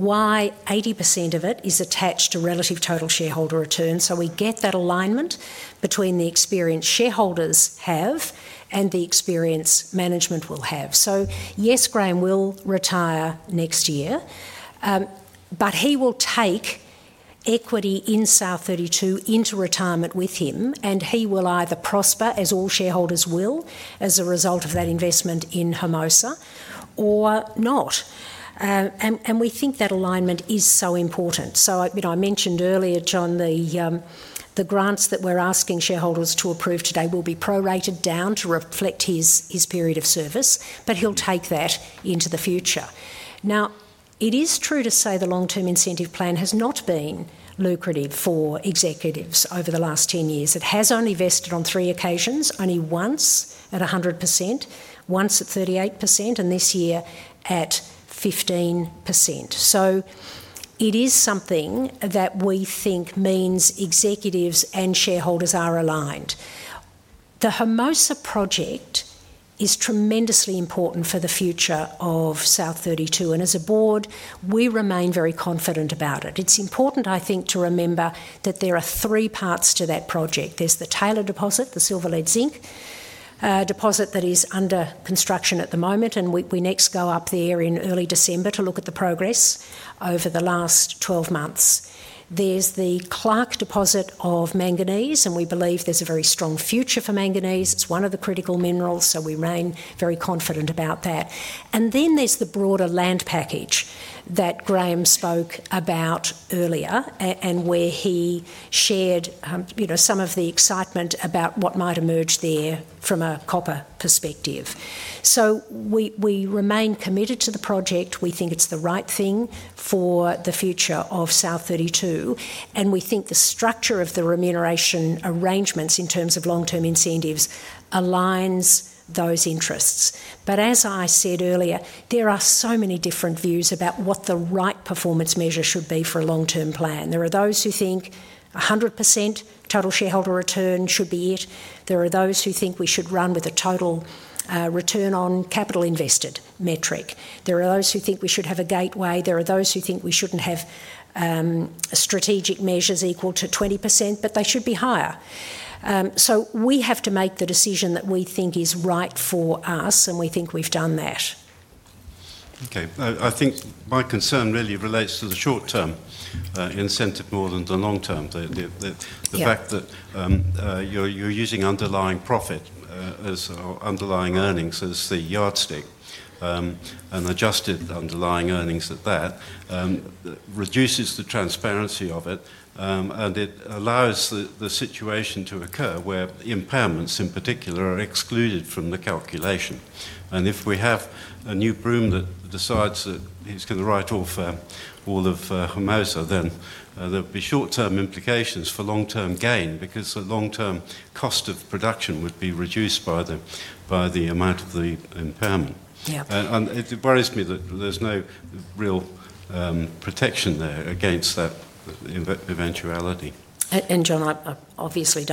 why 80% of it is attached to relative total shareholder returns. We get that alignment between the experience shareholders have and the experience management will have. Yes, Graham will retire next year, but he will take equity in South32 into retirement with him, and he will either prosper, as all shareholders will, as a result of that investment in Hermosa or not. We think that alignment is so important. I mentioned earlier, John, the grants that we're asking shareholders to approve today will be prorated down to reflect his period of service, but he'll take that into the future. It is true to say the long-term incentive plan has not been lucrative for executives over the last 10 years. It has only vested on three occasions, only once at 100%, once at 38%, and this year at 15%. It is something that we think means executives and shareholders are aligned. The Hermosa Project is tremendously important for the future of South32, and as a board, we remain very confident about it. It's important, I think, to remember that there are three parts to that project. There's the Taylor deposit, the silver lead zinc deposit that is under construction at the moment, and we next go up there in early December to look at the progress over the last 12 months. There's the Clark deposit of manganese, and we believe there's a very strong future for manganese. It's one of the critical minerals, so we remain very confident about that. Then there's the broader land package that Graham spoke about earlier and where he shared some of the excitement about what might emerge there from a copper perspective. We remain committed to the project. We think it's the right thing for the future of South32, and we think the structure of the remuneration arrangements in terms of long-term incentives aligns those interests. As I said earlier, there are so many different views about what the right performance measure should be for a long-term plan. There are those who think 100% total shareholder return should be it. There are those who think we should run with a total return on capital invested metric. There are those who think we should have a gateway. There are those who think we shouldn't have strategic measures equal to 20%, but they should be higher. We have to make the decision that we think is right for us, and we think we've done that. Okay. I think my concern really relates to the short-term incentive more than the long-term. The fact that you're using underlying profit as underlying earnings as the yardstick, and adjusted underlying earnings at that, reduces the transparency of it. It allows the situation to occur where impairments in particular are excluded from the calculation. If we have a new broom that decides that he's going to write off all of Hermosa, there'll be short-term implications for long-term gain because the long-term cost of production would be reduced by the amount of the impairment. It worries me that there's no real protection there against that eventuality. John, I obviously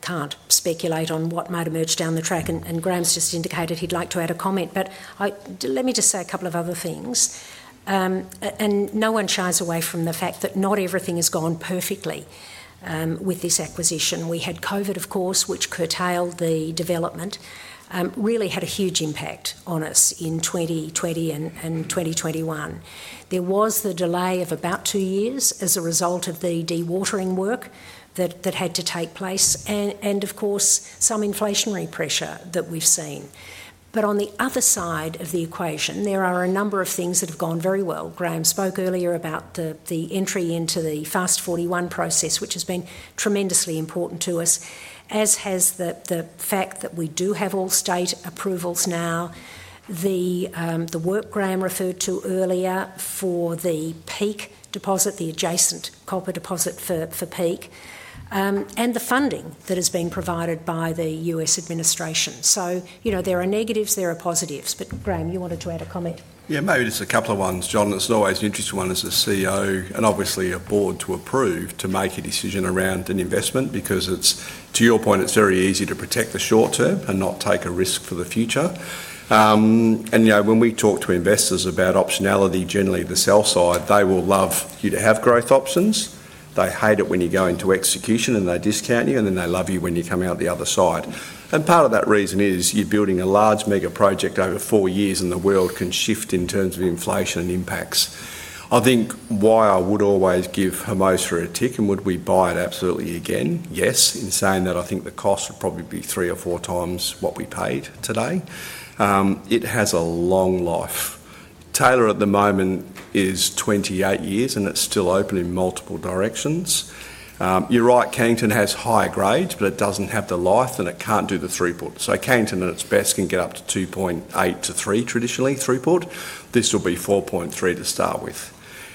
can't speculate on what might emerge down the track, and Graham's just indicated he'd like to add a comment. Let me just say a couple of other things. No one shies away from the fact that not everything has gone perfectly with this acquisition. We had COVID, which curtailed the development and really had a huge impact on us in 2020 and 2021. There was the delay of about two years as a result of the dewatering work that had to take place, and some inflationary pressure that we've seen. On the other side of the equation, there are a number of things that have gone very well. Graham spoke earlier about the entry into the FAST-41 process, which has been tremendously important to us, as has the fact that we do have all-state approvals now, the work Graham referred to earlier for the PEEK deposit, the adjacent copper deposit for PEEK, and the funding that has been provided by the U.S. administration. There are negatives, there are positives, but Graham, you wanted to add a comment? Yeah, maybe just a couple of ones, John. It's not always an interesting one as a CEO and obviously a board to approve to make a decision around an investment because it's, to your point, it's very easy to protect the short term and not take a risk for the future. You know, when we talk to investors about optionality, generally the sell side, they will love you to have growth options. They hate it when you go into execution and they discount you, and then they love you when you come out the other side. Part of that reason is you're building a large mega project over four years and the world can shift in terms of inflation and impacts. I think why I would always give Hermosa a tick and would we buy it absolutely again? Yes, in saying that I think the cost would probably be three or four times what we paid today. It has a long life. Taylor at the moment is 28 years and it's still open in multiple directions. You're right, Cannington has higher grades, but it doesn't have the life and it can't do the three-put. Cannington at its best can get up to 2.8-3 traditionally, three-put. This will be 4.3 to start with.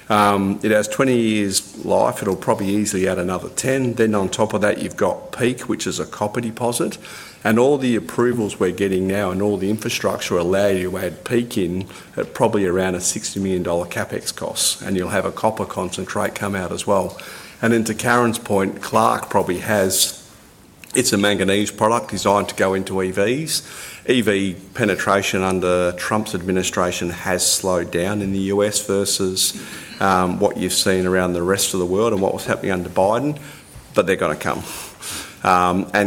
It has 20 years life. It'll probably easily add another 10. On top of that, you've got PEEK, which is a copper deposit. All the approvals we're getting now and all the infrastructure allow you to add PEEK in at probably around a $60 million CapEx cost. You'll have a copper concentrate come out as well. To Karen's point, Clark probably has, it's a manganese product designed to go into EVs. EV penetration under Trump's administration has slowed down in the U.S. versus what you've seen around the rest of the world and what was happening under Biden, but they're going to come.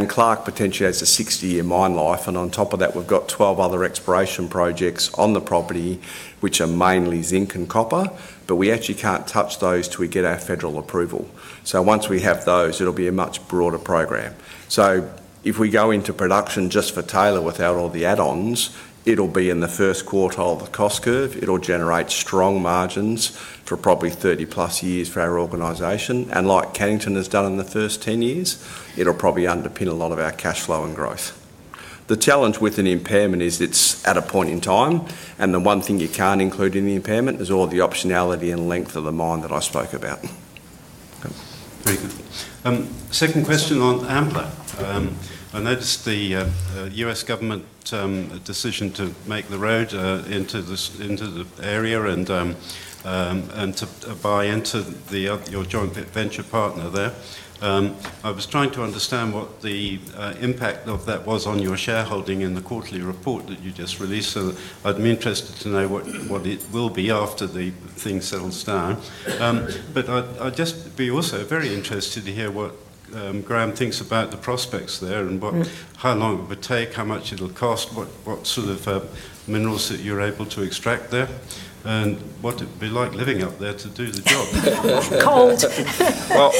Clark potentially has a 60-year mine life. On top of that, we've got 12 other exploration projects on the property, which are mainly zinc and copper, but we actually can't touch those till we get our federal approval. Once we have those, it'll be a much broader program. If we go into production just for Taylor without all the add-ons, it'll be in the first quarter of the cost curve. It'll generate strong margins for probably 30+ years for our organization. Like Cannington has done in the first 10 years, it'll probably underpin a lot of our cash flow and growth. The challenge with an impairment is it's at a point in time. The one thing you can't include in the impairment is all the optionality and length of the mine that I spoke about. Very good. Second question on AMPLA. I noticed the U.S. government decision to make the road into the area and to buy into your joint venture partner there. I was trying to understand what the impact of that was on your shareholding in the quarterly report that you just released. I'd be interested to know what it will be after the thing settles down. I'd just be also very interested to hear what Graham thinks about the prospects there and how long it would take, how much it'll cost, what sort of minerals that you're able to extract there, and what it'd be like living up there to do the job. Cold.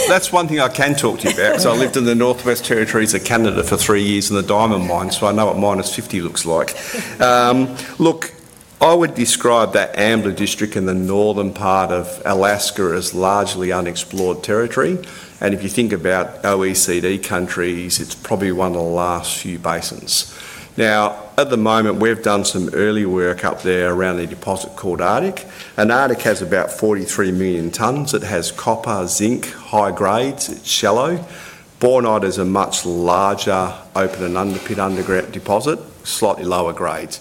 That's one thing I can talk to you about because I lived in the Northwest Territories of Canada for three years in the diamond mines. I know what -50 looks like. I would describe that AMPLA district in the northern part of Alaska as largely unexplored territory. If you think about OECD countries, it's probably one of the last few basins. At the moment, we've done some early work up there around a deposit called Arctic. Arctic has about 43 million tonnes. It has copper, zinc, high grades. It's shallow. Borneite is a much larger open and underpit underground deposit, slightly lower grade.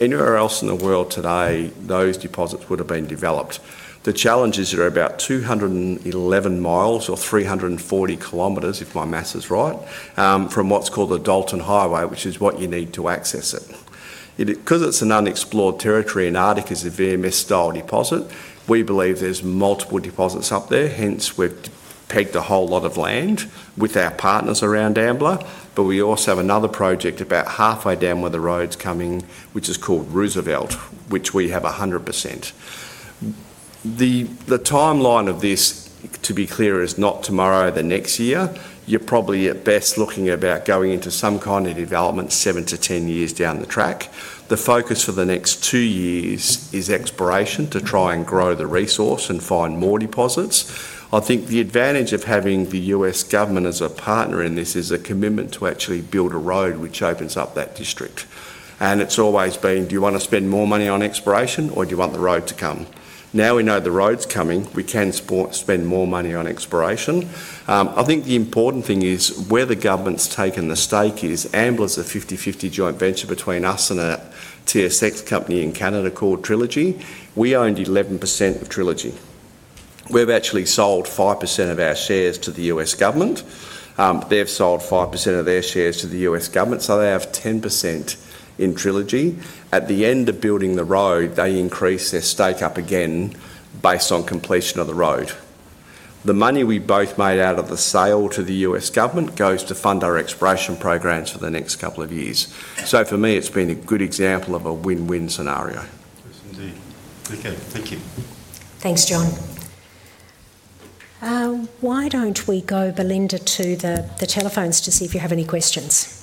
Anywhere else in the world today, those deposits would have been developed. The challenge is that there are about 211 mi or 340 km, if my math is right, from what's called the Dalton Highway, which is what you need to access it. Because it's an unexplored territory and Arctic is a very messed-up deposit, we believe there's multiple deposits up there. Hence, we've pegged a whole lot of land with our partners around AMPLA, but we also have another project about halfway down where the road's coming, which is called Roosevelt, which we have 100%. The timeline of this, to be clear, is not tomorrow, the next year. You're probably at best looking at about going into some kind of development seven to ten years down the track. The focus for the next two years is exploration to try and grow the resource and find more deposits. I think the advantage of having the U.S. government as a partner in this is a commitment to actually build a road which opens up that district. It's always been, do you want to spend more money on exploration or do you want the road to come? Now we know the road's coming. We can spend more money on exploration. The important thing is where the government's taken the stake is AMPLA is a 50-50 joint venture between us and a TSX company in Canada called Trilogy. We owned 11% of Trilogy. We've actually sold 5% of our shares to the U.S. government. They've sold 5% of their shares to the U.S. government, so they have 10% in Trilogy. At the end of building the road, they increase their stake up again based on completion of the road. The money we both made out of the sale to the U.S. government goes to fund our exploration programs for the next couple of years. For me, it's been a good example of a win-win scenario. Yes, indeed. Okay, thank you. Thanks, John. Why don't we go, Belinda, to the telephones to see if you have any questions?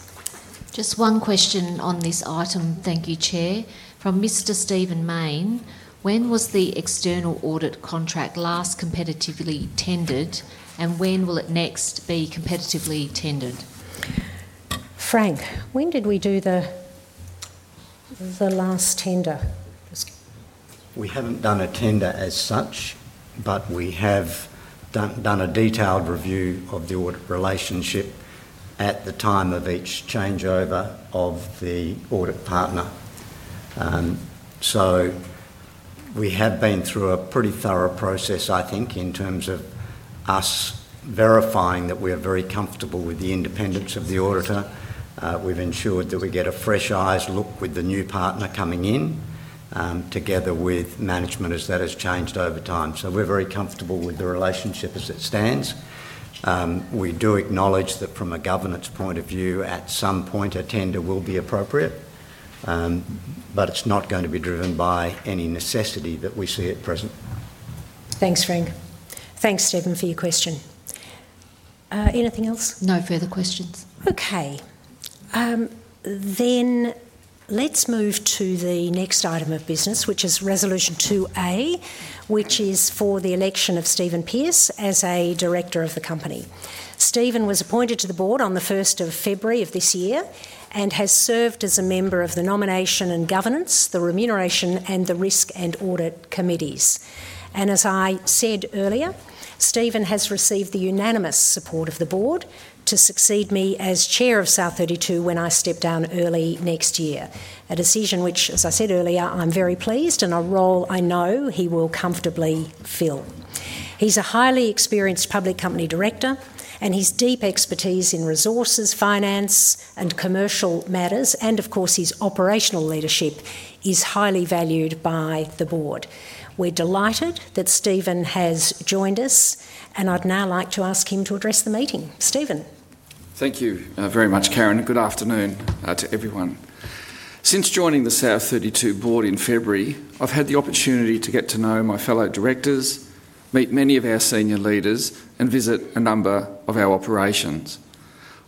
Just one question on this item. Thank you, Chair. From Mr. Stephen Main, when was the external audit contract last competitively tendered, and when will it next be competitively tendered? Frank, when did we do the last tender? We haven't done a tender as such, but we have done a detailed review of the audit relationship at the time of each changeover of the audit partner. We have been through a pretty thorough process, I think, in terms of us verifying that we are very comfortable with the independence of the auditor. We've ensured that we get a fresh eyes look with the new partner coming in together with management as that has changed over time. We are very comfortable with the relationship as it stands. We do acknowledge that from a governance point of view, at some point, a tender will be appropriate, but it's not going to be driven by any necessity that we see at present. Thanks, Frank. Thanks, Stephen, for your question. Anything else? No further questions. Okay. Let's move to the next item of business, which is Resolution 2A, which is for the election of Stephen Pearce as a director of the company. Stephen was appointed to the board on the 1st of February of this year and has served as a member of the Nomination and Governance, the Remuneration, and the Risk and Audit Committees. As I said earlier, Stephen has received the unanimous support of the board to succeed me as Chair of South32 when I step down early next year, a decision which, as I said earlier, I'm very pleased about and a role I know he will comfortably fill. He's a highly experienced public company director and his deep expertise in resources, finance, and commercial matters, and of course, his operational leadership is highly valued by the board. We're delighted that Stephen has joined us and I'd now like to ask him to address the meeting. Stephen. Thank you very much, Karen. Good afternoon to everyone. Since joining the South32 board in February, I've had the opportunity to get to know my fellow directors, meet many of our senior leaders, and visit a number of our operations.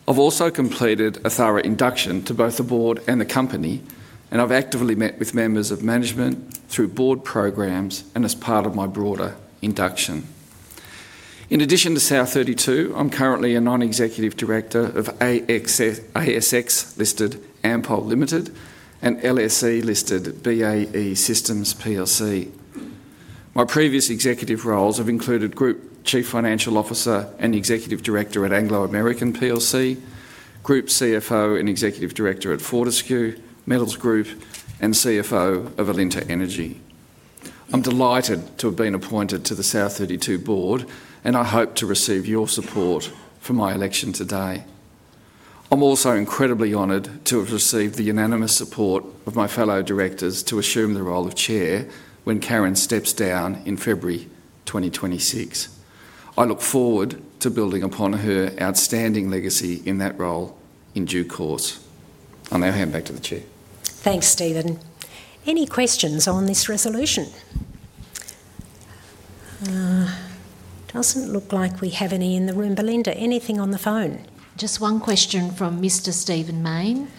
I've also completed a thorough induction to both the board and the company, and I've actively met with members of management through board programs and as part of my broader induction. In addition to South32, I'm currently a Non-Executive Director of ASX-listed AMP Limited and LSE-listed BAE Systems plc. My previous executive roles have included Group Chief Financial Officer and Executive Director at Anglo American plc, Group CFO and Executive Director at Fortescue Metals Group, and CFO of Alinta Energy. I'm delighted to have been appointed to the South32 board and I hope to receive your support for my election today. I'm also incredibly honored to have received the unanimous support of my fellow directors to assume the role of Chair when Karen steps down in February 2026. I look forward to building upon her outstanding legacy in that role in due course. I'll now hand back to the Chair. Thanks, Stephen. Any questions on this resolution? Doesn't look like we have any in the room. Belinda, anything on the phone? Just one question from Mr. Stephen Main.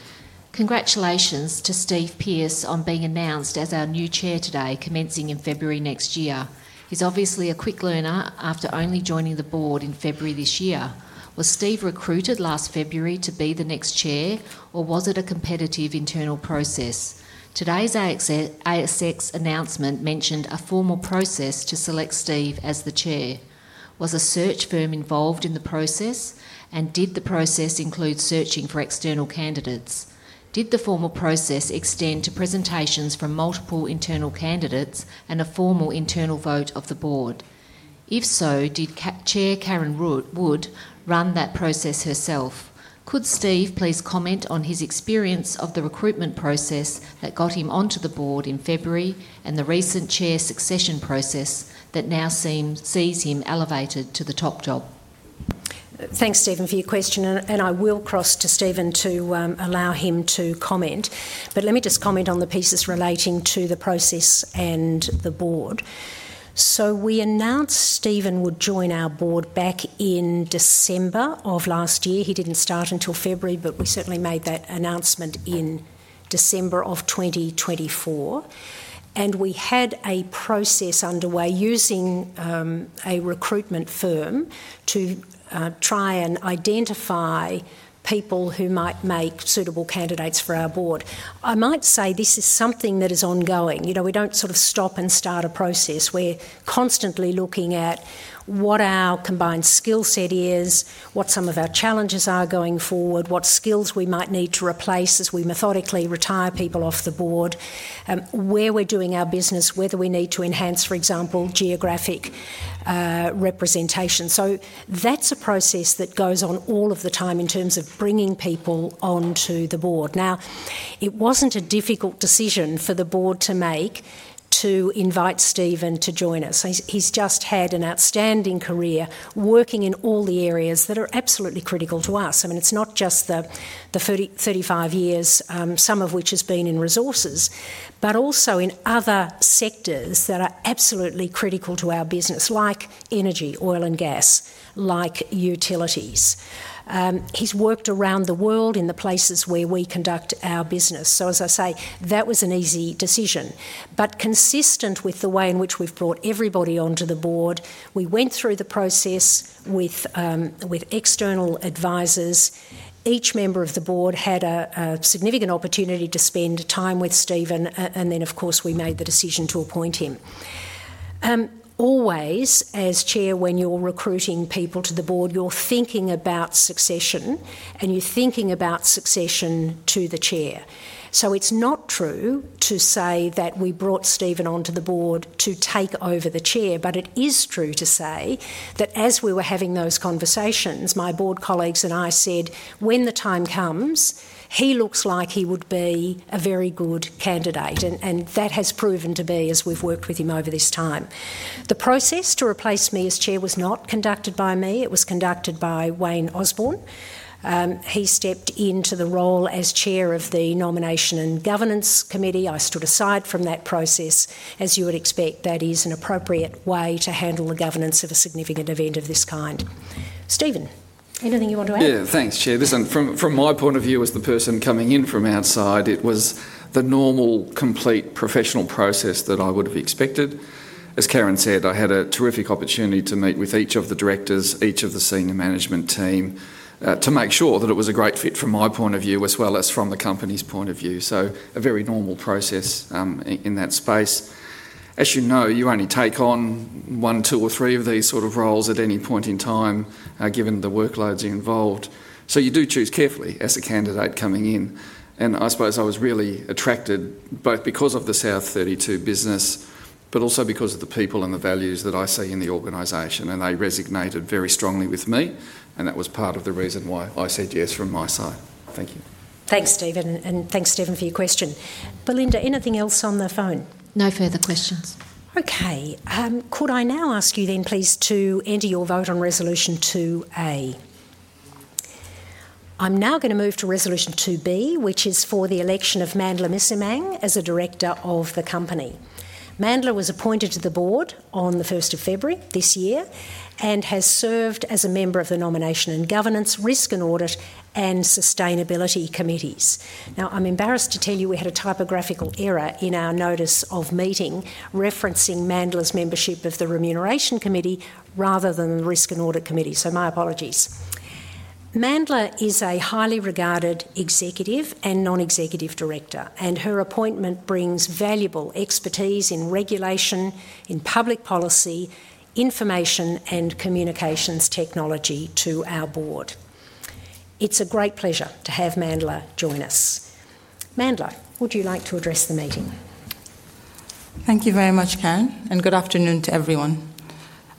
Congratulations to Stephen Pearce on being announced as our new Chair today, commencing in February next year. He's obviously a quick learner after only joining the Board in February this year. Was Stephen recruited last February to be the next Chair or was it a competitive internal process? Today's ASX announcement mentioned a formal process to select Stephen as the Chair. Was a search firm involved in the process and did the process include searching for external candidates? Did the formal process extend to presentations from multiple internal candidates and a formal internal vote of the Board? If so, did Chair Karen Wood run that process herself? Could Stephen please comment on his experience of the recruitment process that got him onto the Board in February and the recent Chair succession process that now sees him elevated to the top job? Thanks, Stephen, for your question. I will cross to Stephen to allow him to comment. Let me just comment on the pieces relating to the process and the board. We announced Stephen would join our board back in December of last year. He didn't start until February, but we certainly made that announcement in December of 2023. We had a process underway using a recruitment firm to try and identify people who might make suitable candidates for our board. I might say this is something that is ongoing. We don't sort of stop and start a process. We're constantly looking at what our combined skill set is, what some of our challenges are going forward, what skills we might need to replace as we methodically retire people off the board, where we're doing our business, whether we need to enhance, for example, geographic representation. That's a process that goes on all of the time in terms of bringing people onto the board. It wasn't a difficult decision for the board to make to invite Stephen to join us. He's just had an outstanding career working in all the areas that are absolutely critical to us. It's not just the 35 years, some of which has been in resources, but also in other sectors that are absolutely critical to our business, like energy, oil, and gas, like utilities. He's worked around the world in the places where we conduct our business. That was an easy decision. Consistent with the way in which we've brought everybody onto the board, we went through the process with external advisors. Each member of the board had a significant opportunity to spend time with Stephen, and then of course we made the decision to appoint him. Always, as Chair, when you're recruiting people to the board, you're thinking about succession, and you're thinking about succession to the Chair. It's not true to say that we brought Stephen onto the board to take over the Chair, but it is true to say that as we were having those conversations, my board colleagues and I said, when the time comes, he looks like he would be a very good candidate. That has proven to be as we've worked with him over this time. The process to replace me as Chair was not conducted by me. It was conducted by Wayne Osborn. He stepped into the role as Chair of the Nomination and Governance Committee. I stood aside from that process. As you would expect, that is an appropriate way to handle the governance of a significant event of this kind. Stephen, anything you want to add? Yeah, thanks, Chair. Listen, from my point of view as the person coming in from outside, it was the normal, complete professional process that I would have expected. As Karen said, I had a terrific opportunity to meet with each of the directors, each of the Senior Management Team to make sure that it was a great fit from my point of view as well as from the company's point of view. A very normal process in that space. As you know, you only take on one, two, or three of these sort of roles at any point in time, given the workloads involved. You do choose carefully as a candidate coming in. I suppose I was really attracted both because of the South32 business, but also because of the people and the values that I see in the organization. They resonated very strongly with me. That was part of the reason why I said yes from my side. Thank you. Thanks, Stephen. Thanks, Stephen, for your question. Belinda, anything else on the phone? No further questions. Okay. Could I now ask you then, please, to enter your vote on Resolution 2A? I'm now going to move to Resolution 2B, which is for the election of Mandla Msimang as a director of the company. Mandla was appointed to the board on the 1st of February this year and has served as a member of the Nomination and Governance, Risk and Audit, and Sustainability Committees. Now, I'm embarrassed to tell you we had a typographical error in our notice of meeting referencing Mandla's membership of the Remuneration Committee rather than the Risk and Audit Committee. My apologies. Mandla is a highly regarded executive and non-executive director, and her appointment brings valuable expertise in regulation, in public policy, information, and communications technology to our board. It's a great pleasure to have Mandla join us. Mandla, would you like to address the meeting? Thank you very much, Karen, and good afternoon to everyone.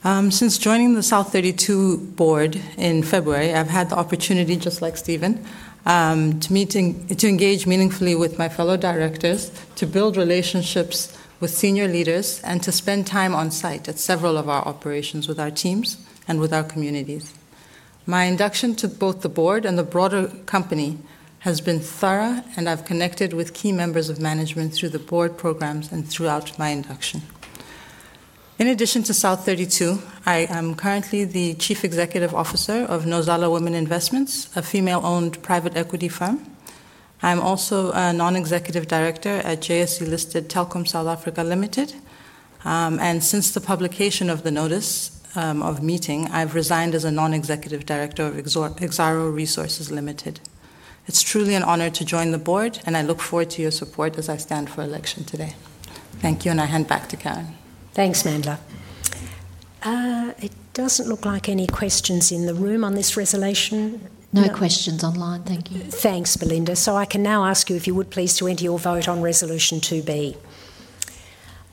Since joining the South32 board in February, I've had the opportunity, just like Stephen, to engage meaningfully with my fellow directors, to build relationships with senior leaders, and to spend time on site at several of our operations with our teams and with our communities. My induction to both the board and the broader company has been thorough, and I've connected with key members of management through the board programs and throughout my induction. In addition to South32, I am currently the Chief Executive Officer of Nozala Women Investments, a female-owned private equity firm. I'm also a Non-Executive Director at JSE-listed Telkom South Africa Limited. Since the publication of the notice of meeting, I've resigned as a Non-Executive Director of Exxaro Resources Limited. It's truly an honor to join the board, and I look forward to your support as I stand for election today. Thank you, and I hand back to Karen. Thanks, Mandla. It doesn't look like any questions in the room on this resolution. No questions online. Thank you. Thanks, Belinda. I can now ask you, if you would please, to enter your vote on Resolution 2B.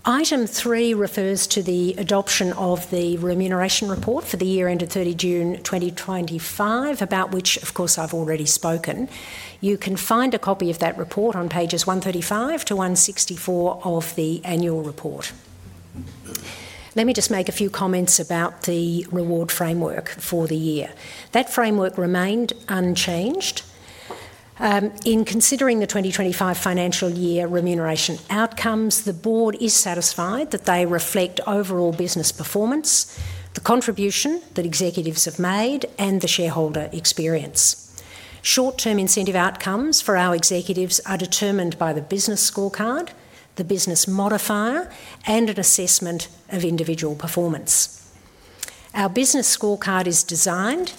Item 3 refers to the adoption of the remuneration report for the year ended 30 June 2025, about which, of course, I've already spoken. You can find a copy of that report on pages 135 to 164 of the annual report. Let me just make a few comments about the reward framework for the year. That framework remained unchanged. In considering the 2025 financial year remuneration outcomes, the board is satisfied that they reflect overall business performance, the contribution that executives have made, and the shareholder experience. Short-term incentive outcomes for our executives are determined by the business scorecard, the business modifier, and an assessment of individual performance. Our business scorecard is designed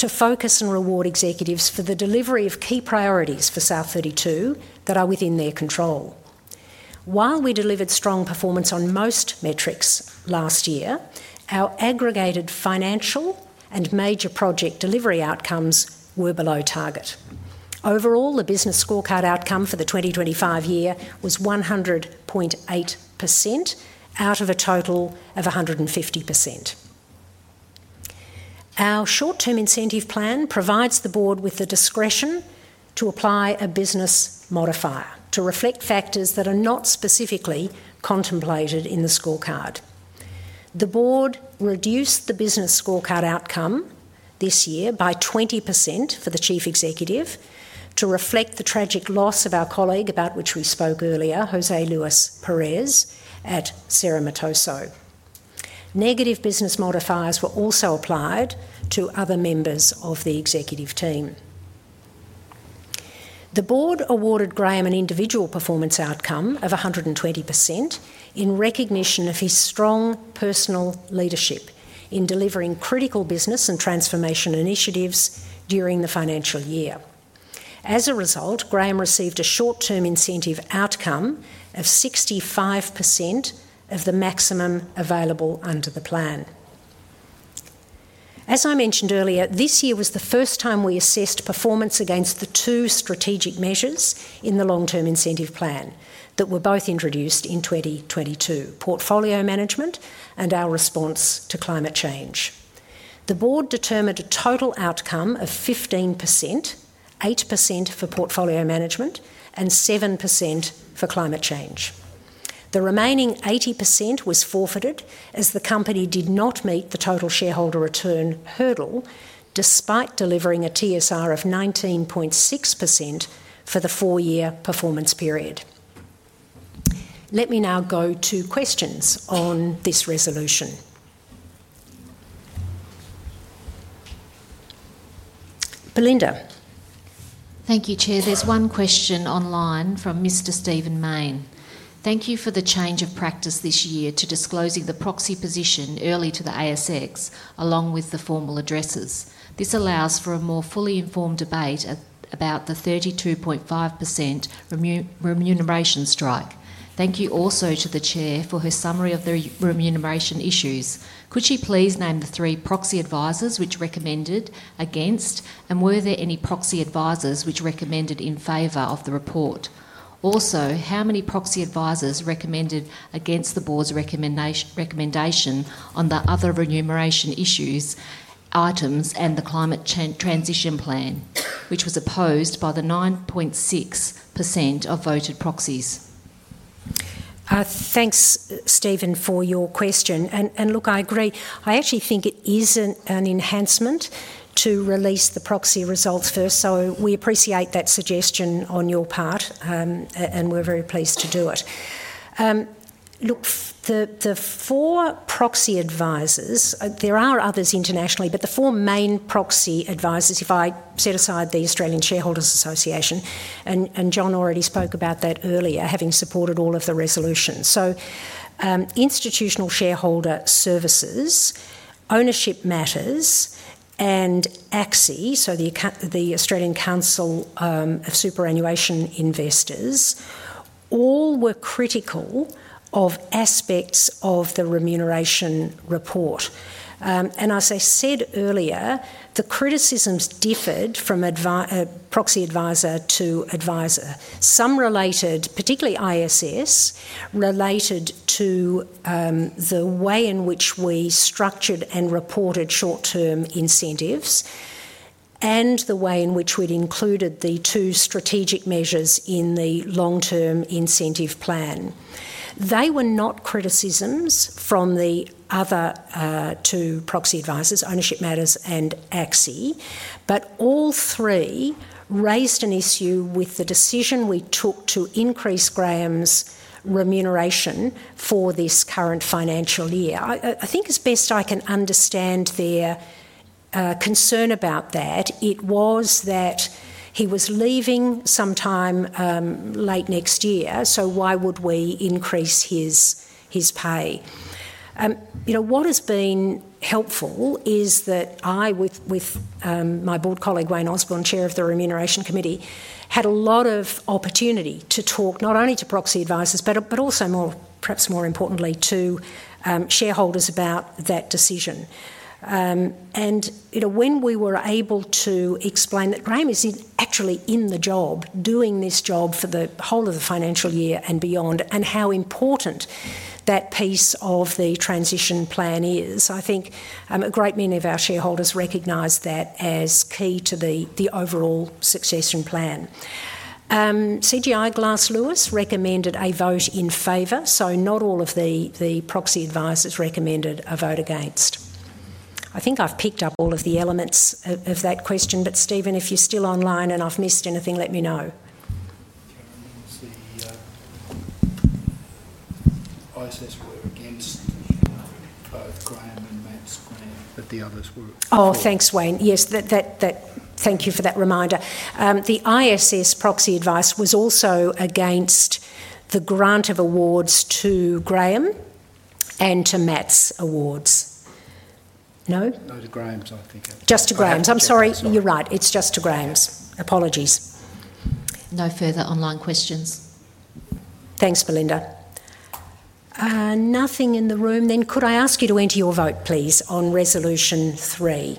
to focus and reward executives for the delivery of key priorities for South32 that are within their control. While we delivered strong performance on most metrics last year, our aggregated financial and major project delivery outcomes were below target. Overall, the business scorecard outcome for the 2025 year was 100.8% out of a total of 150%. Our short-term incentive plan provides the board with the discretion to apply a business modifier to reflect factors that are not specifically contemplated in the scorecard. The board reduced the business scorecard outcome this year by 20% for the Chief Executive to reflect the tragic loss of our colleague, about which we spoke earlier, Jose Luis Perez, at Cerro Matoso. Negative business modifiers were also applied to other members of the executive team. The board awarded Graham an individual performance outcome of 120% in recognition of his strong personal leadership in delivering critical business and transformation initiatives during the financial year. As a result, Graham received a short-term incentive outcome of 65% of the maximum available under the plan. As I mentioned earlier, this year was the first time we assessed performance against the two strategic measures in the long-term incentive plan that were both introduced in 2022, portfolio management and our response to climate change. The board determined a total outcome of 15%, 8% for portfolio management, and 7% for climate change. The remaining 80% was forfeited as the company did not meet the total shareholder return hurdle, despite delivering a TSR of 19.6% for the four-year performance period. Let me now go to questions on this resolution. Belinda. Thank you, Chair. There's one question online from Mr. Stephen Main. Thank you for the change of practice this year to disclosing the proxy position early to the ASX, along with the formal addresses. This allows for a more fully informed debate about the 32.5% remuneration strike. Thank you also to the Chair for her summary of the remuneration issues. Could she please name the three proxy advisors which recommended against, and were there any proxy advisors which recommended in favor of the report? Also, how many proxy advisors recommended against the board's recommendation on the other remuneration issues items and the climate transition plan, which was opposed by 9.6% of voted proxies? Thanks, Stephen, for your question. I agree. I actually think it is an enhancement to release the proxy results first. We appreciate that suggestion on your part, and we're very pleased to do it. The four proxy advisors, there are others internationally, but the four main proxy advisors, if I set aside the Australian Shareholders Association, and John already spoke about that earlier, having supported all of the resolutions. Institutional Shareholder Services, Ownership Matters, and ACSI, the Australian Council of Superannuation Investors, all were critical of aspects of the remuneration report. As I said earlier, the criticisms differed from proxy advisor to advisor. Some related, particularly ISS, to the way in which we structured and reported short-term incentives and the way in which we'd included the two strategic measures in the long-term incentive plan. They were not criticisms from the other two proxy advisors, Ownership Matters and AXI, but all three raised an issue with the decision we took to increase Graham's remuneration for this current financial year. I think as best I can understand their concern about that, it was that he was leaving sometime late next year, so why would we increase his pay? What has been helpful is that I, with my board colleague Wayne Osborn, Chair of the Remuneration Committee, had a lot of opportunity to talk not only to proxy advisors, but also, perhaps more importantly, to shareholders about that decision. When we were able to explain that Graham is actually in the job, doing this job for the whole of the financial year and beyond, and how important that piece of the transition plan is, I think a great many of our shareholders recognize that as key to the overall succession plan. CGI Glass Lewis recommended a vote in favor, so not all of the proxy advisors recommended a vote against. I think I've picked up all of the elements of that question, but Stephen, if you're still online and I've missed anything, let me know. I mean, the ISS were against both Graham and Matt's grant, but the others were. Thanks, Wayne. Yes, thank you for that reminder. The ISS proxy advice was also against the grant of awards to Graham and to Matt's awards, no? No, to Graham's, I think. Just to Graham's. You're right. It's just to Graham's. Apologies. No further online questions. Thanks, Belinda. Nothing in the room then. Could I ask you to enter your vote, please, on Resolution 3?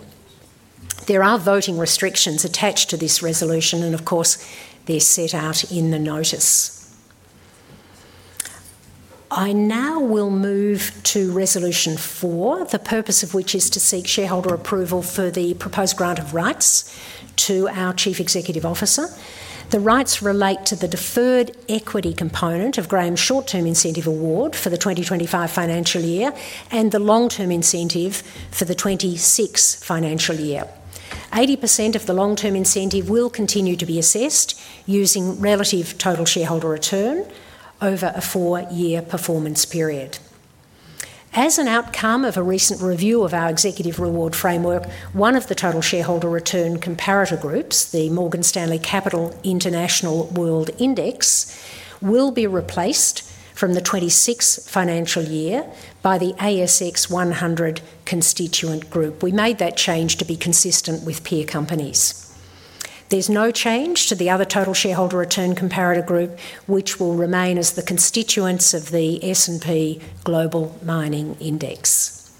There are voting restrictions attached to this resolution, and of course, they're set out in the notice. I now will move to Resolution 4, the purpose of which is to seek shareholder approval for the proposed grant of rights to our Chief Executive Officer. The rights relate to the deferred equity component of Graham's short-term incentive award for the 2025 financial year and the long-term incentive for the 2026 financial year. 80% of the long-term incentive will continue to be assessed using relative total shareholder return over a four-year performance period. As an outcome of a recent review of our executive reward framework, one of the total shareholder return comparator groups, the Morgan Stanley Capital International World Index, will be replaced from the 2026 financial year by the ASX 100 constituent group. We made that change to be consistent with peer companies. There's no change to the other total shareholder return comparator group, which will remain as the constituents of the S&P Global Mining Index.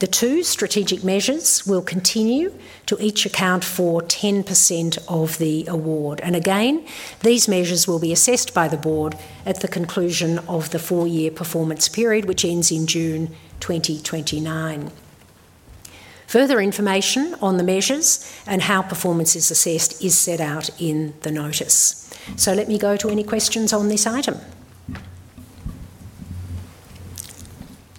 The two strategic measures will continue to each account for 10% of the award. These measures will be assessed by the board at the conclusion of the four-year performance period, which ends in June 2029. Further information on the measures and how performance is assessed is set out in the notice. Let me go to any questions on this item.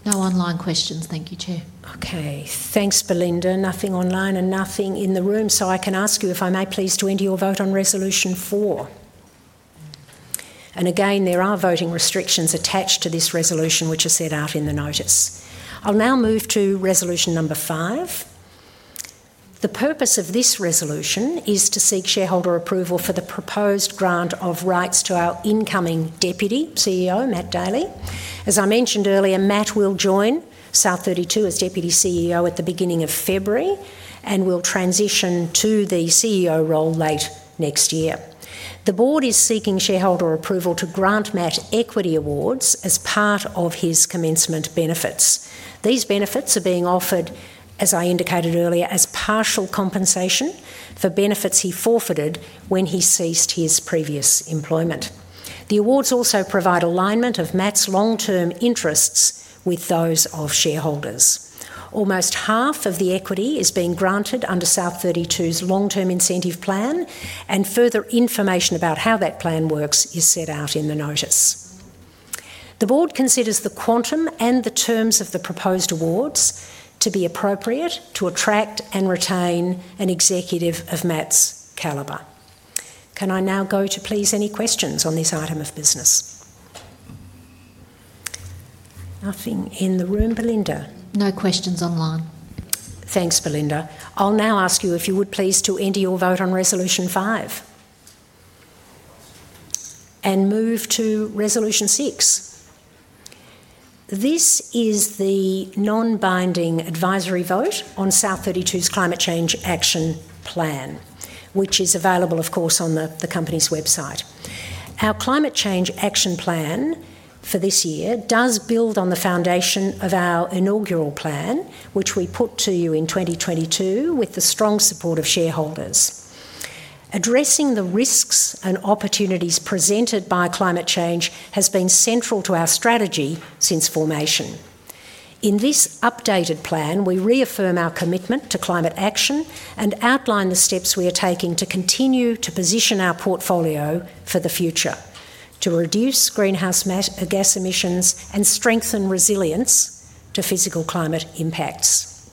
No online questions. Thank you, Chair. Okay. Thanks, Belinda. Nothing online and nothing in the room. I can ask you, if I may, please to enter your vote on Resolution 4. Again, there are voting restrictions attached to this resolution, which are set out in the notice. I'll now move to Resolution number 5. The purpose of this resolution is to seek shareholder approval for the proposed grant of rights to our Incoming Deputy CEO, Matthew Daly. As I mentioned earlier, Matthew will join South32 as Deputy CEO at the beginning of February and will transition to the CEO role late next year. The board is seeking shareholder approval to grant Matthew equity awards as part of his commencement benefits. These benefits are being offered, as I indicated earlier, as partial compensation for benefits he forfeited when he ceased his previous employment. The awards also provide alignment of Matthew's long-term interests with those of shareholders. Almost half of the equity is being granted under South32's long-term incentive plan, and further information about how that plan works is set out in the notice. The board considers the quantum and the terms of the proposed awards to be appropriate to attract and retain an executive of Matthew's caliber. Can I now go to please any questions on this item of business? Nothing in the room, Belinda. No questions online. Thanks, Belinda. I'll now ask you, if you would please, to enter your vote on Resolution 5 and move to Resolution 6. This is the non-binding advisory vote on South32's Climate Change Action Plan, which is available, of course, on the company's website. Our Climate Change Action Plan for this year does build on the foundation of our inaugural plan, which we put to you in 2022 with the strong support of shareholders. Addressing the risks and opportunities presented by climate change has been central to our strategy since formation. In this updated plan, we reaffirm our commitment to climate action and outline the steps we are taking to continue to position our portfolio for the future, to reduce greenhouse gas emissions, and strengthen resilience to physical climate impacts.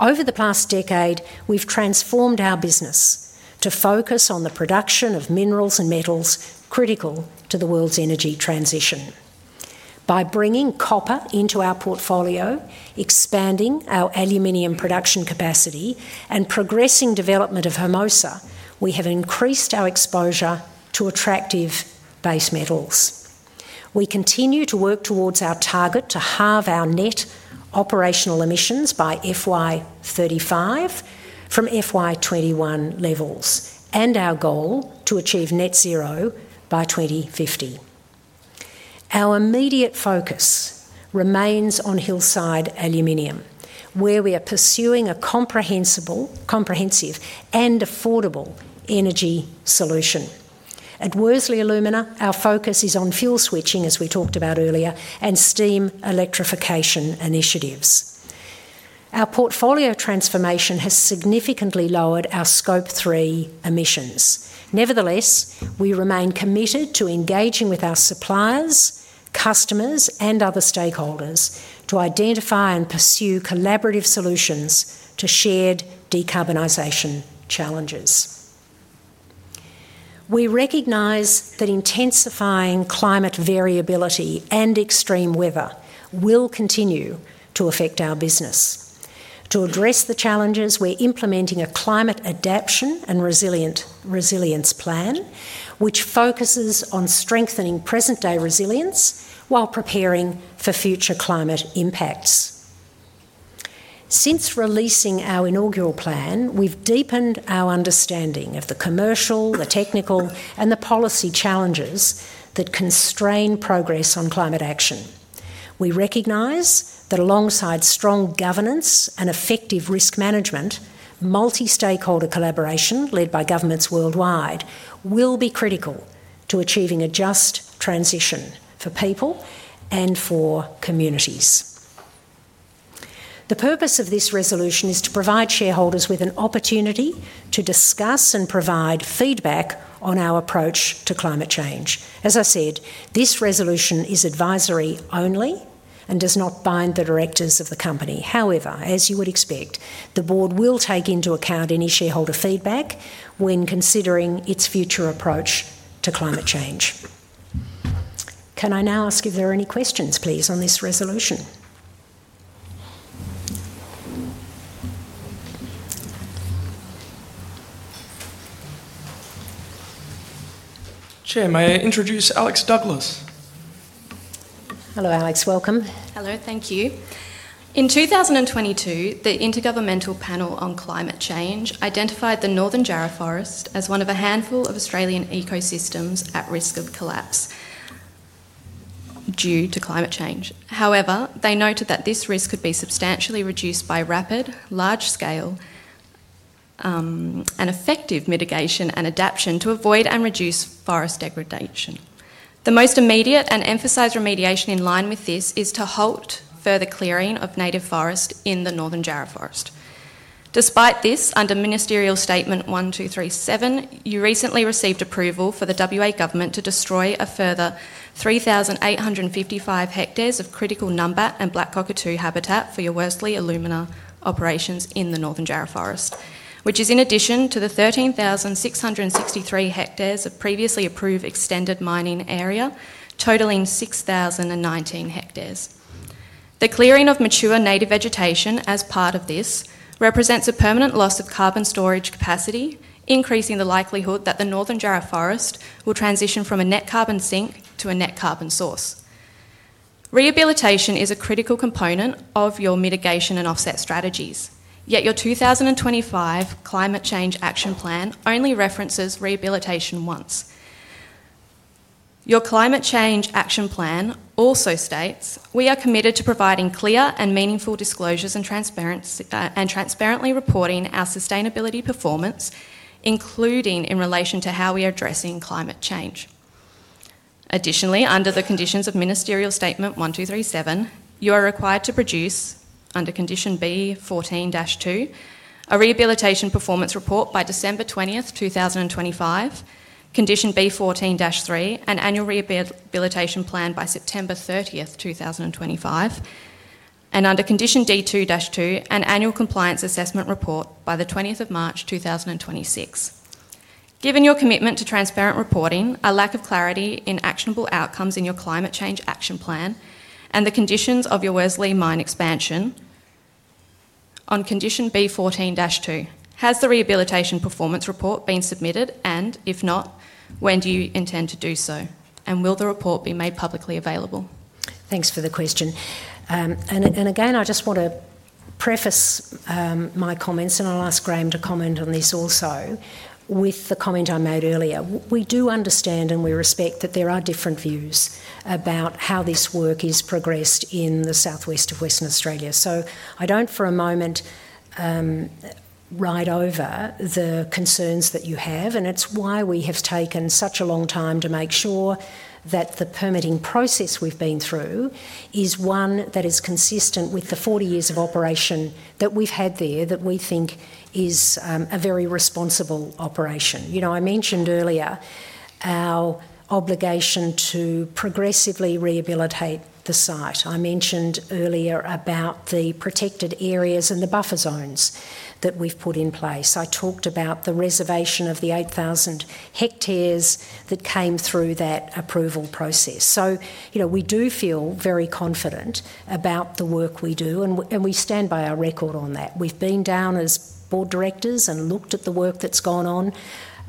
Over the past decade, we've transformed our business to focus on the production of minerals and metals critical to the world's energy transition. By bringing copper into our portfolio, expanding our aluminium production capacity, and progressing development of Hermosa, we have increased our exposure to attractive base metals. We continue to work towards our target to halve our net operational emissions by FY 2035 from FY 2021 levels and our goal to achieve net zero by 2050. Our immediate focus remains on Hillside Aluminium, where we are pursuing a comprehensive and affordable energy solution. At Worsley Alumina, our focus is on fuel switching, as we talked about earlier, and steam electrification initiatives. Our portfolio transformation has significantly lowered our Scope 3 emissions. Nevertheless, we remain committed to engaging with our suppliers, customers, and other stakeholders to identify and pursue collaborative solutions to shared decarbonization challenges. We recognize that intensifying climate variability and extreme weather will continue to affect our business. To address the challenges, we're implementing a climate adaptation and resilience plan, which focuses on strengthening present-day resilience while preparing for future climate impacts. Since releasing our inaugural plan, we've deepened our understanding of the commercial, the technical, and the policy challenges that constrain progress on climate action. We recognize that alongside strong governance and effective risk management, multi-stakeholder collaboration led by governments worldwide will be critical to achieving a just transition for people and for communities. The purpose of this resolution is to provide shareholders with an opportunity to discuss and provide feedback on our approach to climate change. As I said, this resolution is advisory only and does not bind the directors of the company. However, as you would expect, the board will take into account any shareholder feedback when considering its future approach to climate change. Can I now ask if there are any questions, please, on this resolution? Chair, may I introduce Alex Douglas? Hello, Alex. Welcome. Hello, thank you. In 2022, the Intergovernmental Panel on Climate Change identified the Northern Jarrah Forest as one of a handful of Australian ecosystems at risk of collapse due to climate change. However, they noted that this risk could be substantially reduced by rapid, large-scale, and effective mitigation and adaptation to avoid and reduce forest degradation. The most immediate and emphasized remediation in line with this is to halt further clearing of native forest in the Northern Jarrah Forest. Despite this, under Ministerial Statement 1237, you recently received approval from the WA government to destroy a further 3,855 hectares of critical numbat and black cockatoo habitat for your Worsley Alumina operations in the Northern Jarrah Forest, which is in addition to the 13,663 hectares of previously approved extended mining area totaling 6,019 hectares. The clearing of mature native vegetation as part of this represents a permanent loss of carbon storage capacity, increasing the likelihood that the Northern Jarrah Forest will transition from a net carbon sink to a net carbon source. Rehabilitation is a critical component of your mitigation and offset strategies, yet your 2025 Climate Change Action Plan only references rehabilitation once. Your Climate Change Action Plan also states, "We are committed to providing clear and meaningful disclosures and transparently reporting our sustainability performance, including in relation to how we are addressing climate change." Additionally, under the conditions of Ministerial Statement 1237, you are required to produce, under Condition B14-2, a rehabilitation performance report by December 20, 2025, Condition B14-3, an annual rehabilitation plan by September 30th, 2025, and under Condition D2-2, an annual compliance assessment report by March 20, 2026. Given your commitment to transparent reporting, a lack of clarity in actionable outcomes in your Climate Change Action Plan, and the conditions of your Worsley mine expansion on Condition B14-2, has the rehabilitation performance report been submitted, and if not, when do you intend to do so, and will the report be made publicly available? Thanks for the question. I just want to preface my comments, and I'll ask Graham to comment on this also, with the comment I made earlier. We do understand and we respect that there are different views about how this work is progressed in the southwest of Western Australia. I don't, for a moment, write over the concerns that you have, and it's why we have taken such a long time to make sure that the permitting process we've been through is one that is consistent with the 40 years of operation that we've had there that we think is a very responsible operation. I mentioned earlier our obligation to progressively rehabilitate the site. I mentioned earlier about the protected areas and the buffer zones that we've put in place. I talked about the reservation of the 8,000 hectares that came through that approval process. We do feel very confident about the work we do, and we stand by our record on that. We've been down as board directors and looked at the work that's gone on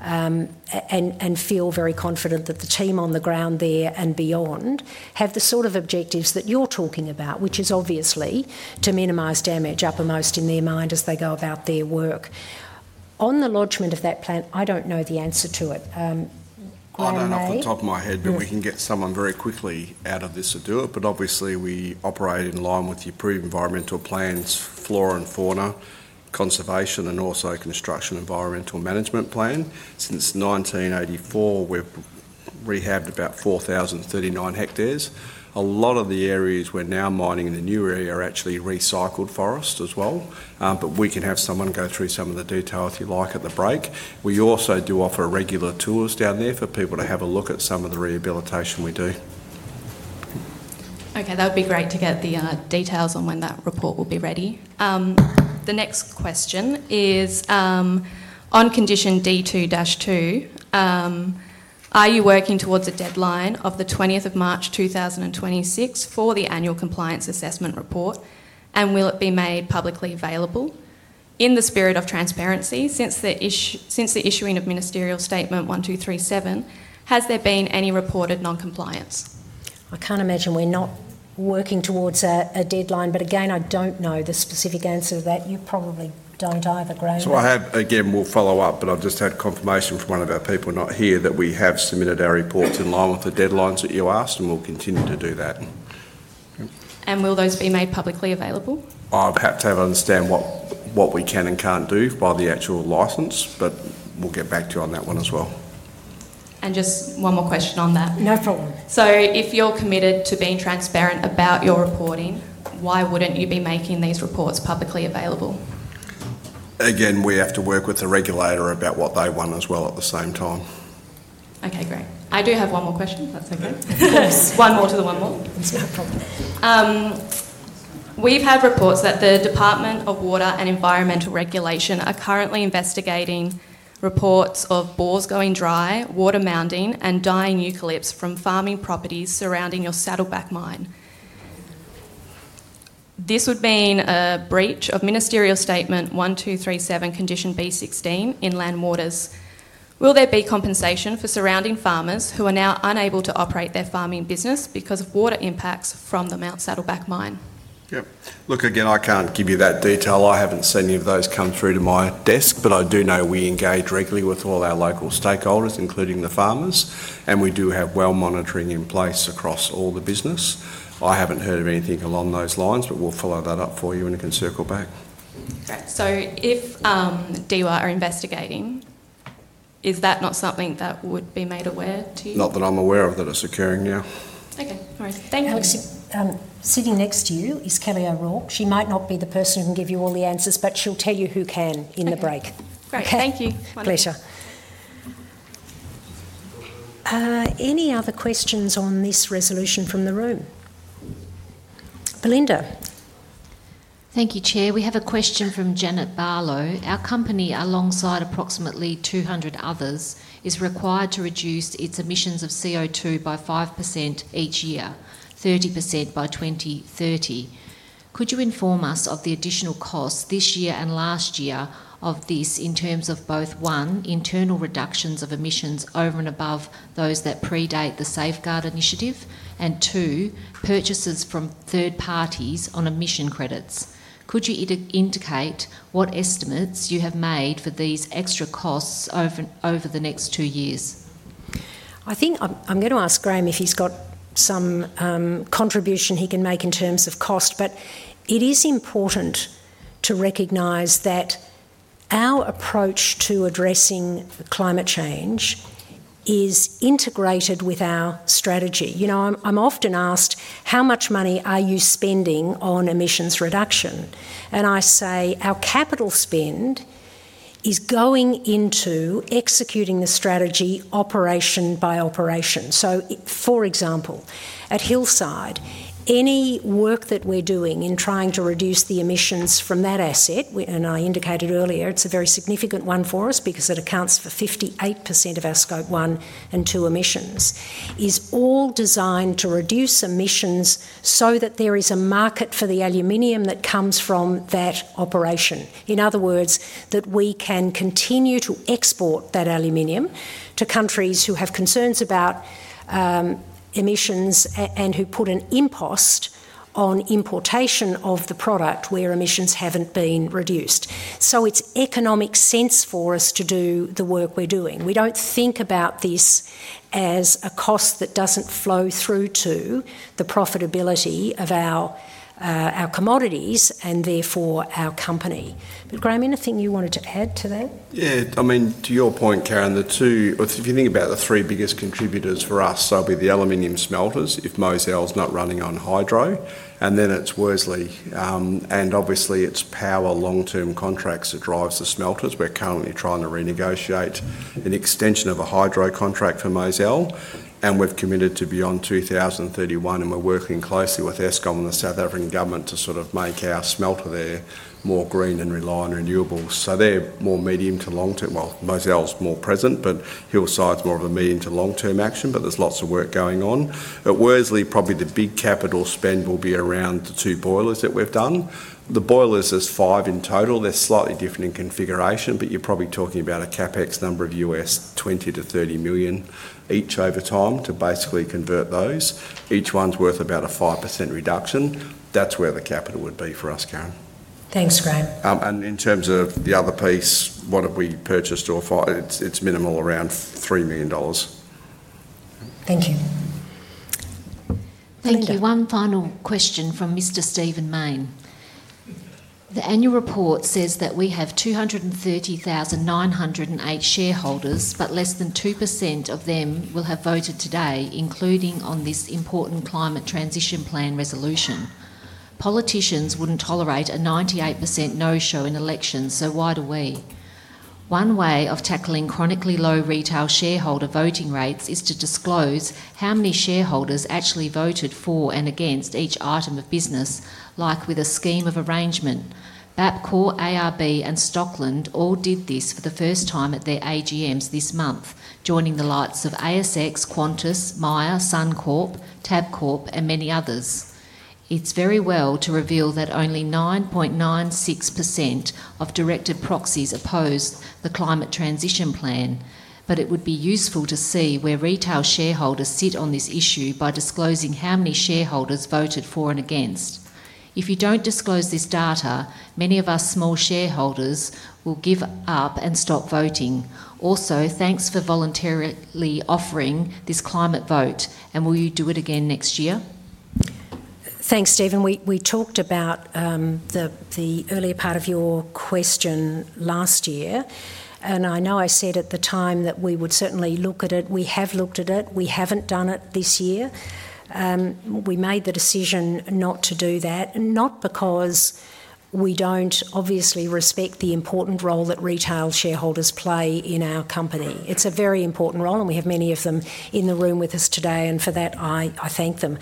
and feel very confident that the team on the ground there and beyond have the sort of objectives that you're talking about, which is obviously to minimize damage uppermost in their mind as they go about their work. On the lodgement of that plan, I don't know the answer to it. Graham may. Not off the top of my head, but we can get someone very quickly out of this to do it. Obviously, we operate in line with the approved environmental plans, Flora and Fauna Conservation, and also Construction Environmental Management Plan. Since 1984, we've rehabbed about 4,039 hectares. A lot of the areas we're now mining in the new area are actually recycled forests as well, but we can have someone go through some of the detail if you like at the break. We also do offer regular tours down there for people to have a look at some of the rehabilitation we do. Okay, that would be great to get the details on when that report will be ready. The next question is, on Condition D2-2, are you working towards a deadline of March 20, 2026, for the annual compliance assessment report, and will it be made publicly available? In the spirit of transparency, since the issuing of Ministerial Statement 1237, has there been any reported non-compliance? I can't imagine we're not working towards a deadline, but again, I don't know the specific answer to that. You probably don't either, Graham. I have, again, we'll follow up, but I've just had confirmation from one of our people not here that we have submitted our reports in line with the deadlines that you asked, and we'll continue to do that. Will those be made publicly available? I'll have to understand what we can and can't do by the actual license, but we'll get back to you on that one as well. Just one more question on that. No problem. If you're committed to being transparent about your reporting, why wouldn't you be making these reports publicly available? Again, we have to work with the regulator about what they want as well at the same time. Okay, great. I do have one more question, if that's okay. Of course. One more to the one more. No problem. We've had reports that the Department of Water and Environmental Regulation are currently investigating reports of bores going dry, water mounding, and dying eucalypts from farming properties surrounding your Saddleback Mine. This would be a breach of Ministerial Statement 1237, Condition B16, in land waters. Will there be compensation for surrounding farmers who are now unable to operate their farming business because of water impacts from the Mount Saddleback Mine? I can't give you that detail. I haven't seen any of those come through to my desk, but I do know we engage regularly with all our local stakeholders, including the farmers, and we do have well monitoring in place across all the business. I haven't heard of anything along those lines, but we'll follow that up for you and it can circle back. Okay, if DEWA are investigating, is that not something that would be made aware to you? Not that I'm aware of that it's occurring now. Okay, all right. Thank you. Alex, sitting next to you is Kelly O'Rourke. She might not be the person who can give you all the answers, but she'll tell you who can in the break. Great, thank you. Pleasure. Any other questions on this resolution from the room? Belinda? Thank you, Chair. We have a question from Janet Barlow. Our company, alongside approximately 200 others, is required to reduce its emissions of CO2 by 5% each year, 30% by 2030. Could you inform us of the additional costs this year and last year of this in terms of both, one, internal reductions of emissions over and above those that predate the Safeguard Initiative, and two, purchases from third parties on emission credits? Could you indicate what estimates you have made for these extra costs over the next two years? I think I'm going to ask Graham if he's got some contribution he can make in terms of cost, but it is important to recognize that our approach to addressing climate change is integrated with our strategy. You know, I'm often asked, how much money are you spending on emissions reduction? I say our capital spend is going into executing the strategy operation by operation. For example, at Hillside, any work that we're doing in trying to reduce the emissions from that asset, and I indicated earlier, it's a very significant one for us because it accounts for 58% of our Scope 1 and 2 emissions, is all designed to reduce emissions so that there is a market for the aluminium that comes from that operation. In other words, that we can continue to export that aluminium to countries who have concerns about emissions and who put an impost on importation of the product where emissions haven't been reduced. It is economic sense for us to do the work we're doing. We don't think about this as a cost that doesn't flow through to the profitability of our commodities and therefore our company. Graham, anything you wanted to add to that? Yeah, I mean, to your point, Karen, the two, if you think about the three biggest contributors for us, they'll be the aluminium smelters if Mozal's not running on hydro. Then it's Worsley. Obviously, it's power long-term contracts that drive the smelters. We're currently trying to renegotiate an extension of a hydro contract for Mozal. We've committed to beyond 2031, and we're working closely with Eskom and the South African government to sort of make our smelter there more green and rely on renewables. They're more medium to long-term. Mozal's more present, but Hillside's more of a medium to long-term action. There's lots of work going on. At Worsley, probably the big capital spend will be around the two boilers that we've done. The boilers, there's five in total. They're slightly different in configuration, but you're probably talking about a CapEx number of $20 million$30 million each over time to basically convert those. Each one's worth about a 5% reduction. That's where the capital would be for us, Karen. Thanks, Graham. In terms of the other piece, what have we purchased? It's minimal, around $3 million. Thank you. Thank you. One final question from Mr. Stephen Main. The annual report says that we have 230,908 shareholders, but less than 2% of them will have voted today, including on this important climate transition plan resolution. Politicians wouldn't tolerate a 98% no-show in elections, so why do we? One way of tackling chronically low retail shareholder voting rates is to disclose how many shareholders actually voted for and against each item of business, like with a scheme of arrangement. BAPCO, ARB, and Stockland all did this for the first time at their AGMs this month, joining the likes of ASX, Qantas, MIA, Suncorp, Tabcorp, and many others. It's very well to reveal that only 9.96% of directed proxies oppose the climate transition plan. It would be useful to see where retail shareholders sit on this issue by disclosing how many shareholders voted for and against. If you don't disclose this data, many of us small shareholders will give up and stop voting. Also, thanks for voluntarily offering this climate vote. Will you do it again next year? Thanks, Stephen. We talked about the earlier part of your question last year. I know I said at the time that we would certainly look at it. We have looked at it. We haven't done it this year. We made the decision not to do that, not because we don't obviously respect the important role that retail shareholders play in our company. It's a very important role. We have many of them in the room with us today. For that, I thank them.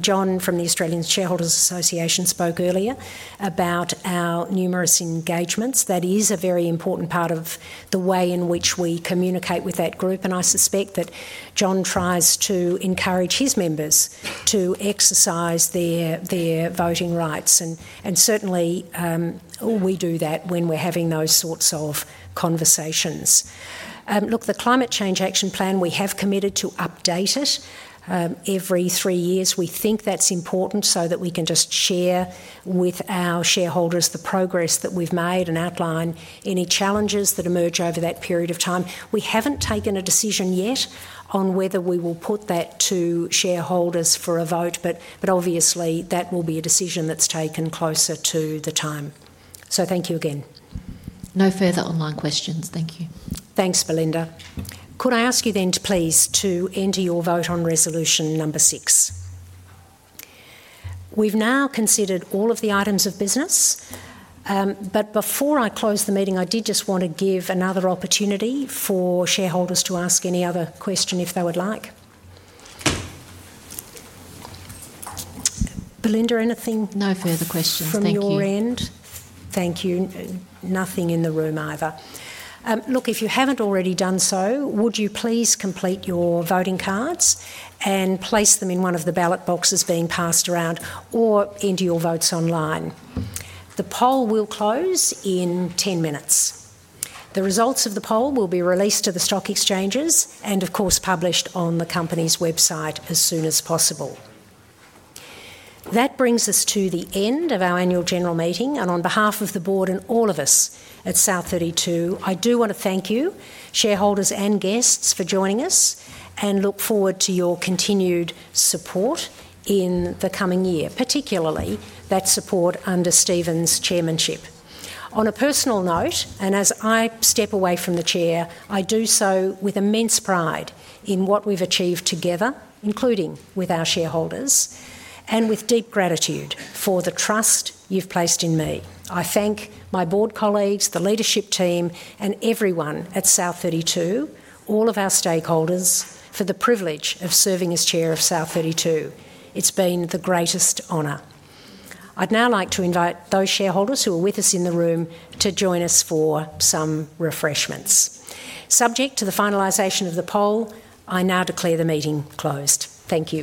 John from the Australian Shareholders Association spoke earlier about our numerous engagements. That is a very important part of the way in which we communicate with that group. I suspect that John tries to encourage his members to exercise their voting rights. Certainly, we do that when we're having those sorts of conversations. The Climate Change Action Plan, we have committed to update it every three years. We think that's important so that we can just share with our shareholders the progress that we've made and outline any challenges that emerge over that period of time. We haven't taken a decision yet on whether we will put that to shareholders for a vote. Obviously, that will be a decision that's taken closer to the time. Thank you again. No further online questions. Thank you. Thanks, Belinda. Could I ask you then to please enter your vote on resolution number six? We've now considered all of the items of business. Before I close the meeting, I did just want to give another opportunity for shareholders to ask any other question if they would like. Belinda, anything? No further questions. Thank you. Nothing in the room either. If you haven't already done so, would you please complete your voting cards and place them in one of the ballot boxes being passed around or enter your votes online. The poll will close in 10 minutes. The results of the poll will be released to the stock exchanges and, of course, published on the company's website as soon as possible. That brings us to the end of our annual general meeting. On behalf of the board and all of us at South32, I do want to thank you, shareholders and guests, for joining us and look forward to your continued support in the coming year, particularly that support under Stephen's chairmanship. On a personal note, as I step away from the chair, I do so with immense pride in what we've achieved together, including with our shareholders, and with deep gratitude for the trust you've placed in me. I thank my board colleagues, the leadership team, and everyone at South32, all of our stakeholders, for the privilege of serving as Chair of South32. It's been the greatest honor. I'd now like to invite those shareholders who are with us in the room to join us for some refreshments. Subject to the finalization of the poll, I now declare the meeting closed. Thank you.